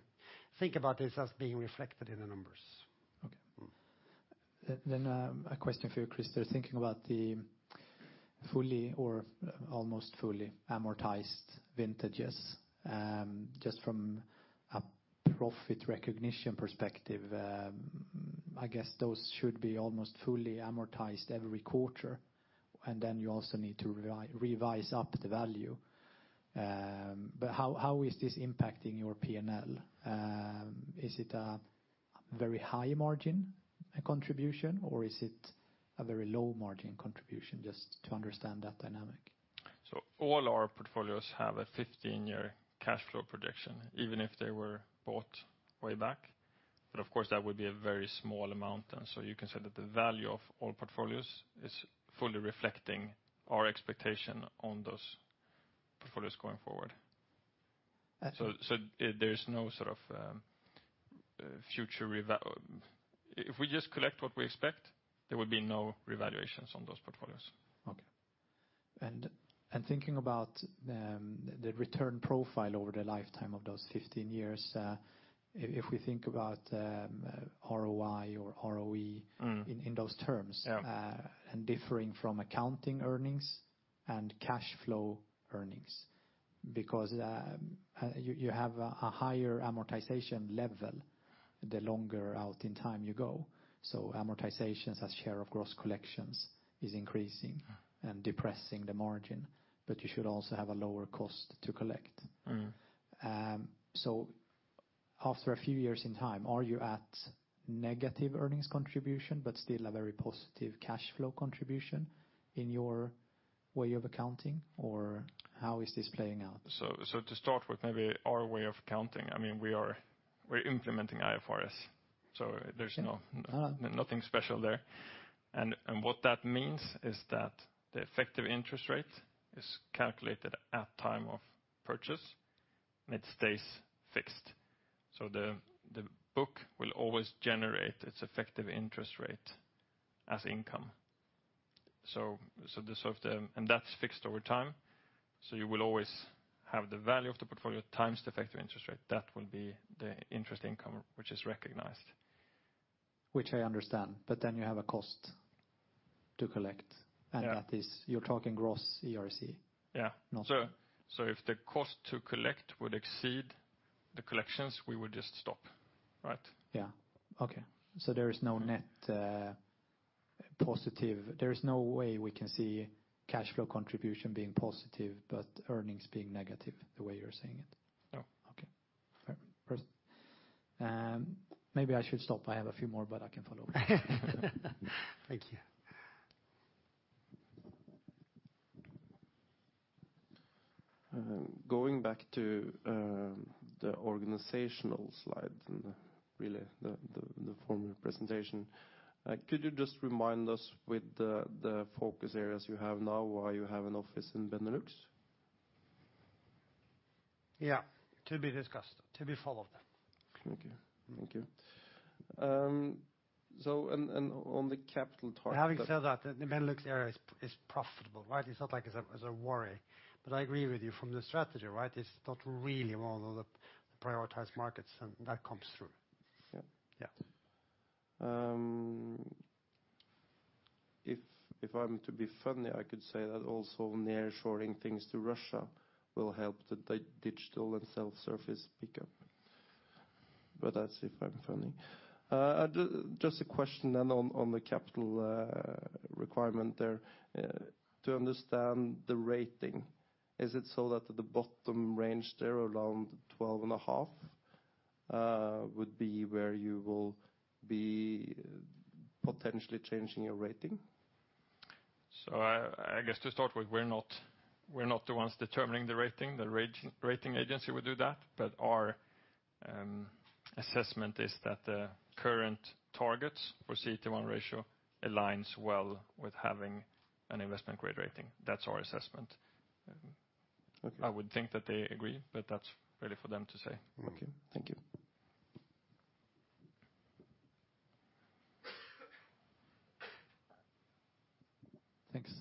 think about this as being reflected in the numbers. Okay. A question for you, Christer. Thinking about the fully or almost fully amortized vintages. Just from a profit recognition perspective, I guess those should be almost fully amortized every quarter, and then you also need to revise up the value. How is this impacting your P&L? Is it a very high margin contribution or is it a very low margin contribution? Just to understand that dynamic. All our portfolios have a 15-year cash flow projection, even if they were bought way back. Of course, that would be a very small amount. You can say that the value of all portfolios is fully reflecting our expectation on those portfolios going forward. That's- There is no future reval-- If we just collect what we expect, there will be no revaluations on those portfolios. Okay. Thinking about the return profile over the lifetime of those 15 years, if we think about ROI or ROE. In those terms. Yeah. Differing from accounting earnings and cash flow earnings. You have a higher amortization level the longer out in time you go. Amortizations as share of gross collections is increasing and depressing the margin, but you should also have a lower cost to collect. After a few years in time, are you at negative earnings contribution but still a very positive cash flow contribution in your way of accounting? How is this playing out? To start with maybe our way of accounting. We're implementing IFRS, so there's nothing special there. What that means is that the effective interest rate is calculated at time of purchase and it stays fixed. The book will always generate its effective interest rate as income. That's fixed over time. You will always have the value of the portfolio times the effective interest rate. That will be the interest income which is recognized. Which I understand, but then you have a cost to collect. Yeah. That is, you're talking gross ERC? Yeah. Not- If the cost to collect would exceed the collections, we would just stop, right? Yeah. Okay. There is no way we can see cash flow contribution being positive, but earnings being negative, the way you're saying it? No. Okay. Fair. Maybe I should stop. I have a few more, but I can follow up. Thank you. Going back to the organizational slide and really the formal presentation. Could you just remind us with the focus areas you have now why you have an office in Benelux? Yeah. To be discussed. To be followed up. Okay. Thank you. On the capital target- Having said that, the Benelux area is profitable. It's not like it's a worry, but I agree with you from the strategy. It's not really one of the prioritized markets, and that comes through. Yeah. Yeah. If I'm to be funny, I could say that also nearshoring things to Russia will help the digital and self-service pick up, but that's if I'm funny. A question then on the capital requirement there. To understand the rating, is it so that at the bottom range there around 12.5 would be where you will be potentially changing your rating? I guess to start with, we're not the ones determining the rating. The rating agency would do that, our assessment is that the current targets for CET1 ratio aligns well with having an investment-grade rating. That's our assessment. Okay. I would think that they agree, that's really for them to say. Okay. Thank you. Thanks.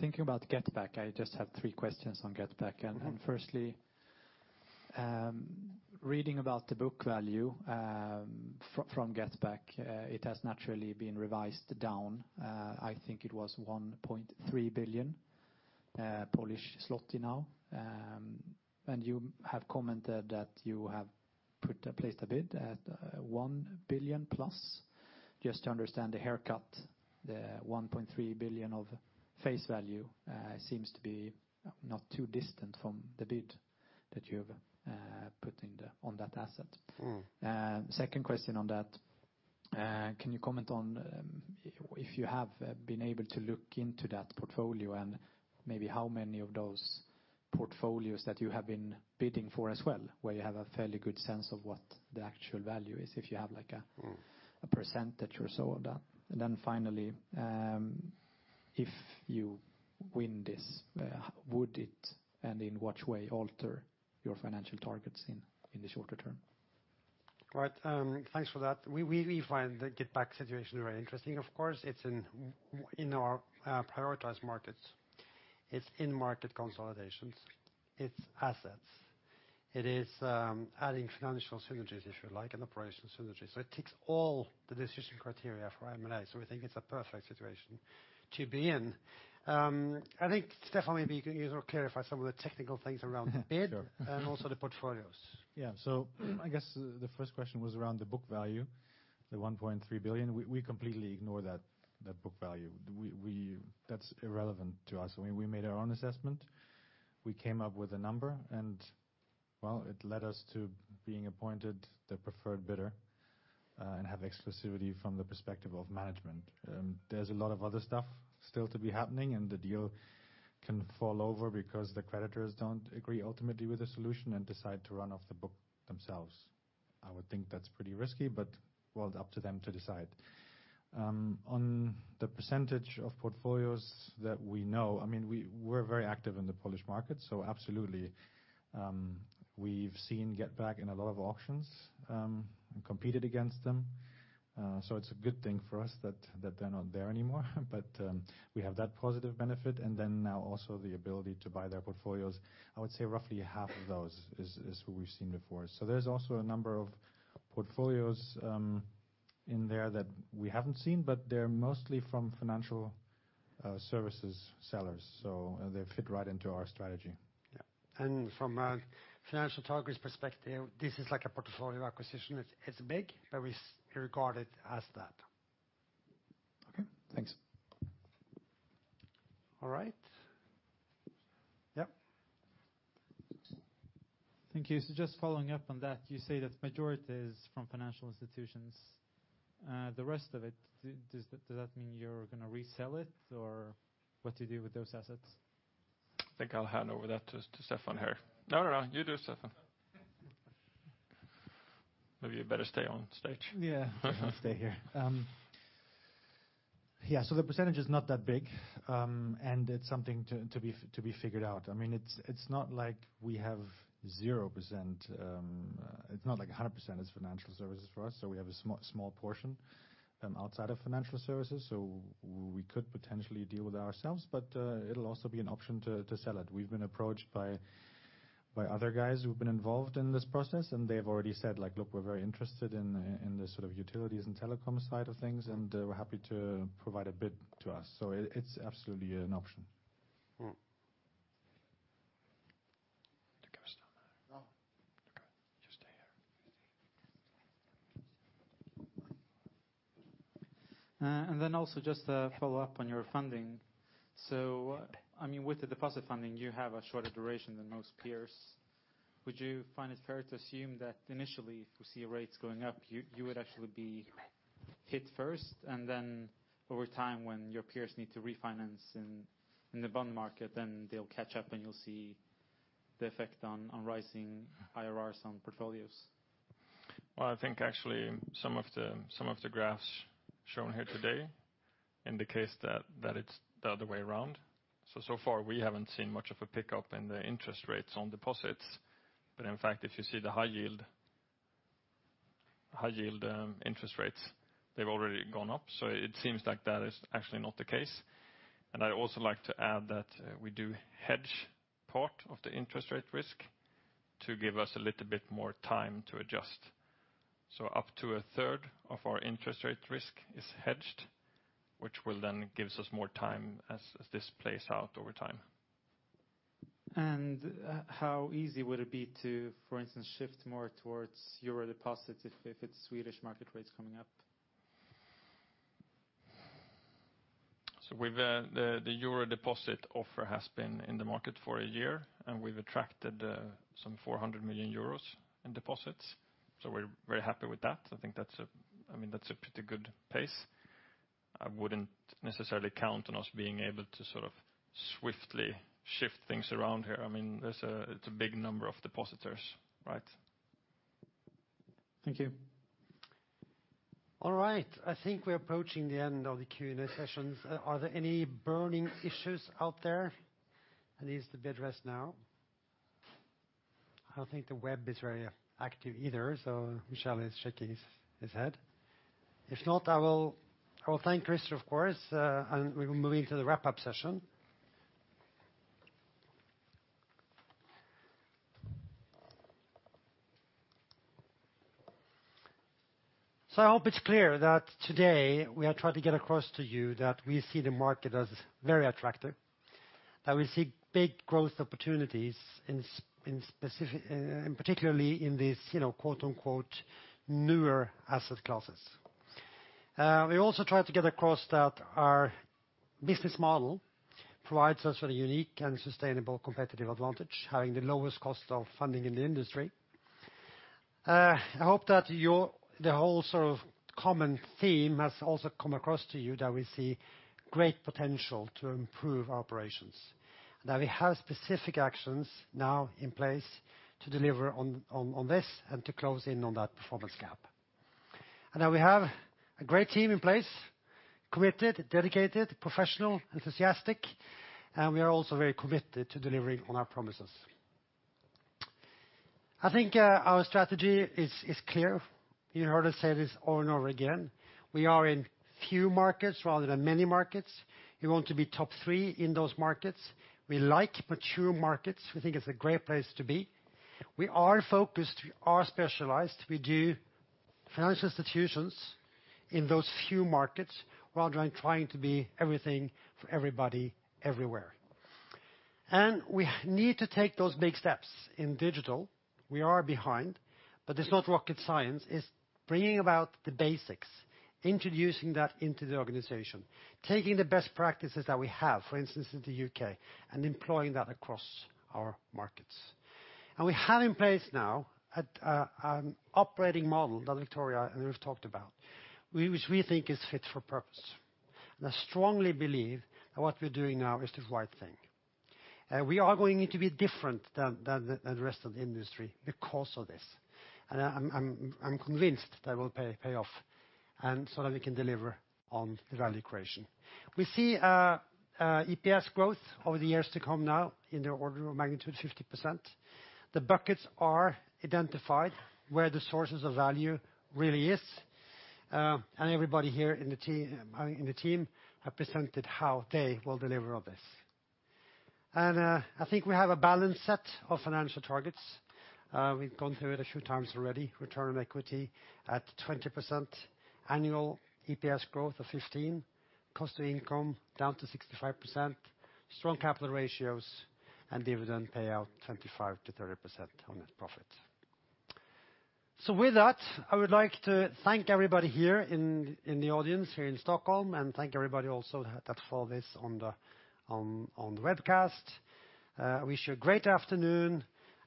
Thinking about GetBack, I just have three questions on GetBack. Firstly, reading about the book value from GetBack, it has naturally been revised down. I think it was 1.3 billion Polish zloty now. You have commented that you have placed a bid at 1 billion plus. Just to understand the haircut, the 1.3 billion of face value seems to be not too distant from the bid that you have put on that asset. Second question on that, can you comment on if you have been able to look into that portfolio and maybe how many of those portfolios that you have been bidding for as well, where you have a fairly good sense of what the actual value is, if you have like a percentage or so of that? Finally, if you win this, would it, and in what way, alter your financial targets in the shorter term? Right. Thanks for that. We find the GetBack situation very interesting. Of course, it's in our prioritized markets. It's in-market consolidations. It's assets. It is adding financial synergies, if you like, and operational synergies. It ticks all the decision criteria for M&A. We think it's a perfect situation to be in. I think Stefan, maybe you can clarify some of the technical things around the bid- Sure and also the portfolios. I guess the first question was around the book value, the 1.3 billion PLN. We completely ignore that book value. That's irrelevant to us. We made our own assessment. We came up with a number and, well, it led us to being appointed the preferred bidder, and have exclusivity from the perspective of management. There's a lot of other stuff still to be happening, and the deal can fall over because the creditors don't agree ultimately with the solution and decide to run off the book themselves. I would think that's pretty risky, but, well, up to them to decide. On the percentage of portfolios that we know. We're very active in the Polish market. Absolutely, we've seen GetBack in a lot of auctions, and competed against them. It's a good thing for us that they're not there anymore but we have that positive benefit and now also the ability to buy their portfolios. I would say roughly half of those is who we've seen before. There's also a number of portfolios in there that we haven't seen, but they're mostly from financial services sellers, they fit right into our strategy. From a financial targets perspective, this is like a portfolio acquisition. It's big, but we regard it as that. Okay, thanks. All right. Yep. Thank you. Just following up on that, you say that the majority is from financial institutions. The rest of it, does that mean you're going to resell it, or what do you do with those assets? I think I'll hand over that to Stephan here. No, you do it, Stephan. Maybe you better stay on stage. Yeah. I'll stay here. Yeah, the percentage is not that big, and it's something to be figured out. It's not like we have 0%. It's not like 100% is financial services for us. We have a small portion outside of financial services. We could potentially deal with it ourselves. It'll also be an option to sell it. We've been approached by other guys who've been involved in this process, and they've already said, "Look, we're very interested in the utilities and telecom side of things, and we're happy to provide a bid to us." It's absolutely an option. Think I'll stand there. No. Okay. Just stay here. Also just to follow up on your funding. With the deposit funding, you have a shorter duration than most peers. Would you find it fair to assume that initially if we see rates going up, you would actually be hit first, over time when your peers need to refinance in the bond market, they'll catch up and you'll see the effect on rising IRRs on portfolios? Well, I think actually some of the graphs shown here today indicate that it's the other way around. So far we haven't seen much of a pickup in the interest rates on deposits. In fact, if you see the high yield interest rates, they've already gone up. It seems like that is actually not the case. I'd also like to add that we do hedge part of the interest rate risk to give us a little bit more time to adjust. Up to a third of our interest rate risk is hedged, which will give us more time as this plays out over time. How easy would it be to, for instance, shift more towards EUR deposits if it's Swedish market rates coming up? The EUR deposit offer has been in the market for a year, and we've attracted some 400 million euros in deposits. We're very happy with that. I think that's a pretty good pace. I wouldn't necessarily count on us being able to swiftly shift things around here. It's a big number of depositors. Right? Thank you. All right. I think we're approaching the end of the Q&A sessions. Are there any burning issues out there? Is the web active now? I don't think the web is very active either, Michel is shaking his head. If not, I will thank Christer, of course, and we will move into the wrap-up session. I hope it's clear that today we are trying to get across to you that we see the market as very attractive, that we see big growth opportunities, and particularly in these "newer" asset classes. We also try to get across that our business model provides us with a unique and sustainable competitive advantage, having the lowest cost of funding in the industry. I hope that the whole sort of common theme has also come across to you, that we see great potential to improve our operations, that we have specific actions now in place to deliver on this and to close in on that performance gap. That we have a great team in place, committed, dedicated, professional, enthusiastic, and we are also very committed to delivering on our promises. I think our strategy is clear. You heard us say this over and over again. We are in few markets rather than many markets. We want to be top three in those markets. We like mature markets. We think it's a great place to be. We are focused, we are specialized. We do financial institutions in those few markets while trying to be everything for everybody, everywhere. We need to take those big steps in digital. We are behind, but it's not rocket science. It's bringing about the basics, introducing that into the organization, taking the best practices that we have, for instance, in the U.K., and employing that across our markets. We have in place now an operating model that Victoria and Ulf talked about, which we think is fit for purpose. I strongly believe that what we're doing now is the right thing. We are going to be different than the rest of the industry because of this, and I'm convinced that it will pay off, so that we can deliver on the value equation. We see EPS growth over the years to come now in the order of magnitude 50%. The buckets are identified where the sources of value really is. Everybody here in the team have presented how they will deliver on this. I think we have a balanced set of financial targets. We've gone through it a few times already. Return on equity at 20%, annual EPS growth of 15%, cost to income down to 65%, strong capital ratios, and dividend payout 25%-30% on net profit. With that, I would like to thank everybody here in the audience here in Stockholm and thank everybody also that followed this on the webcast. Wish you a great afternoon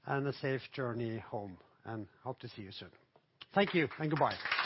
and a safe journey home, and hope to see you soon. Thank you, and goodbye.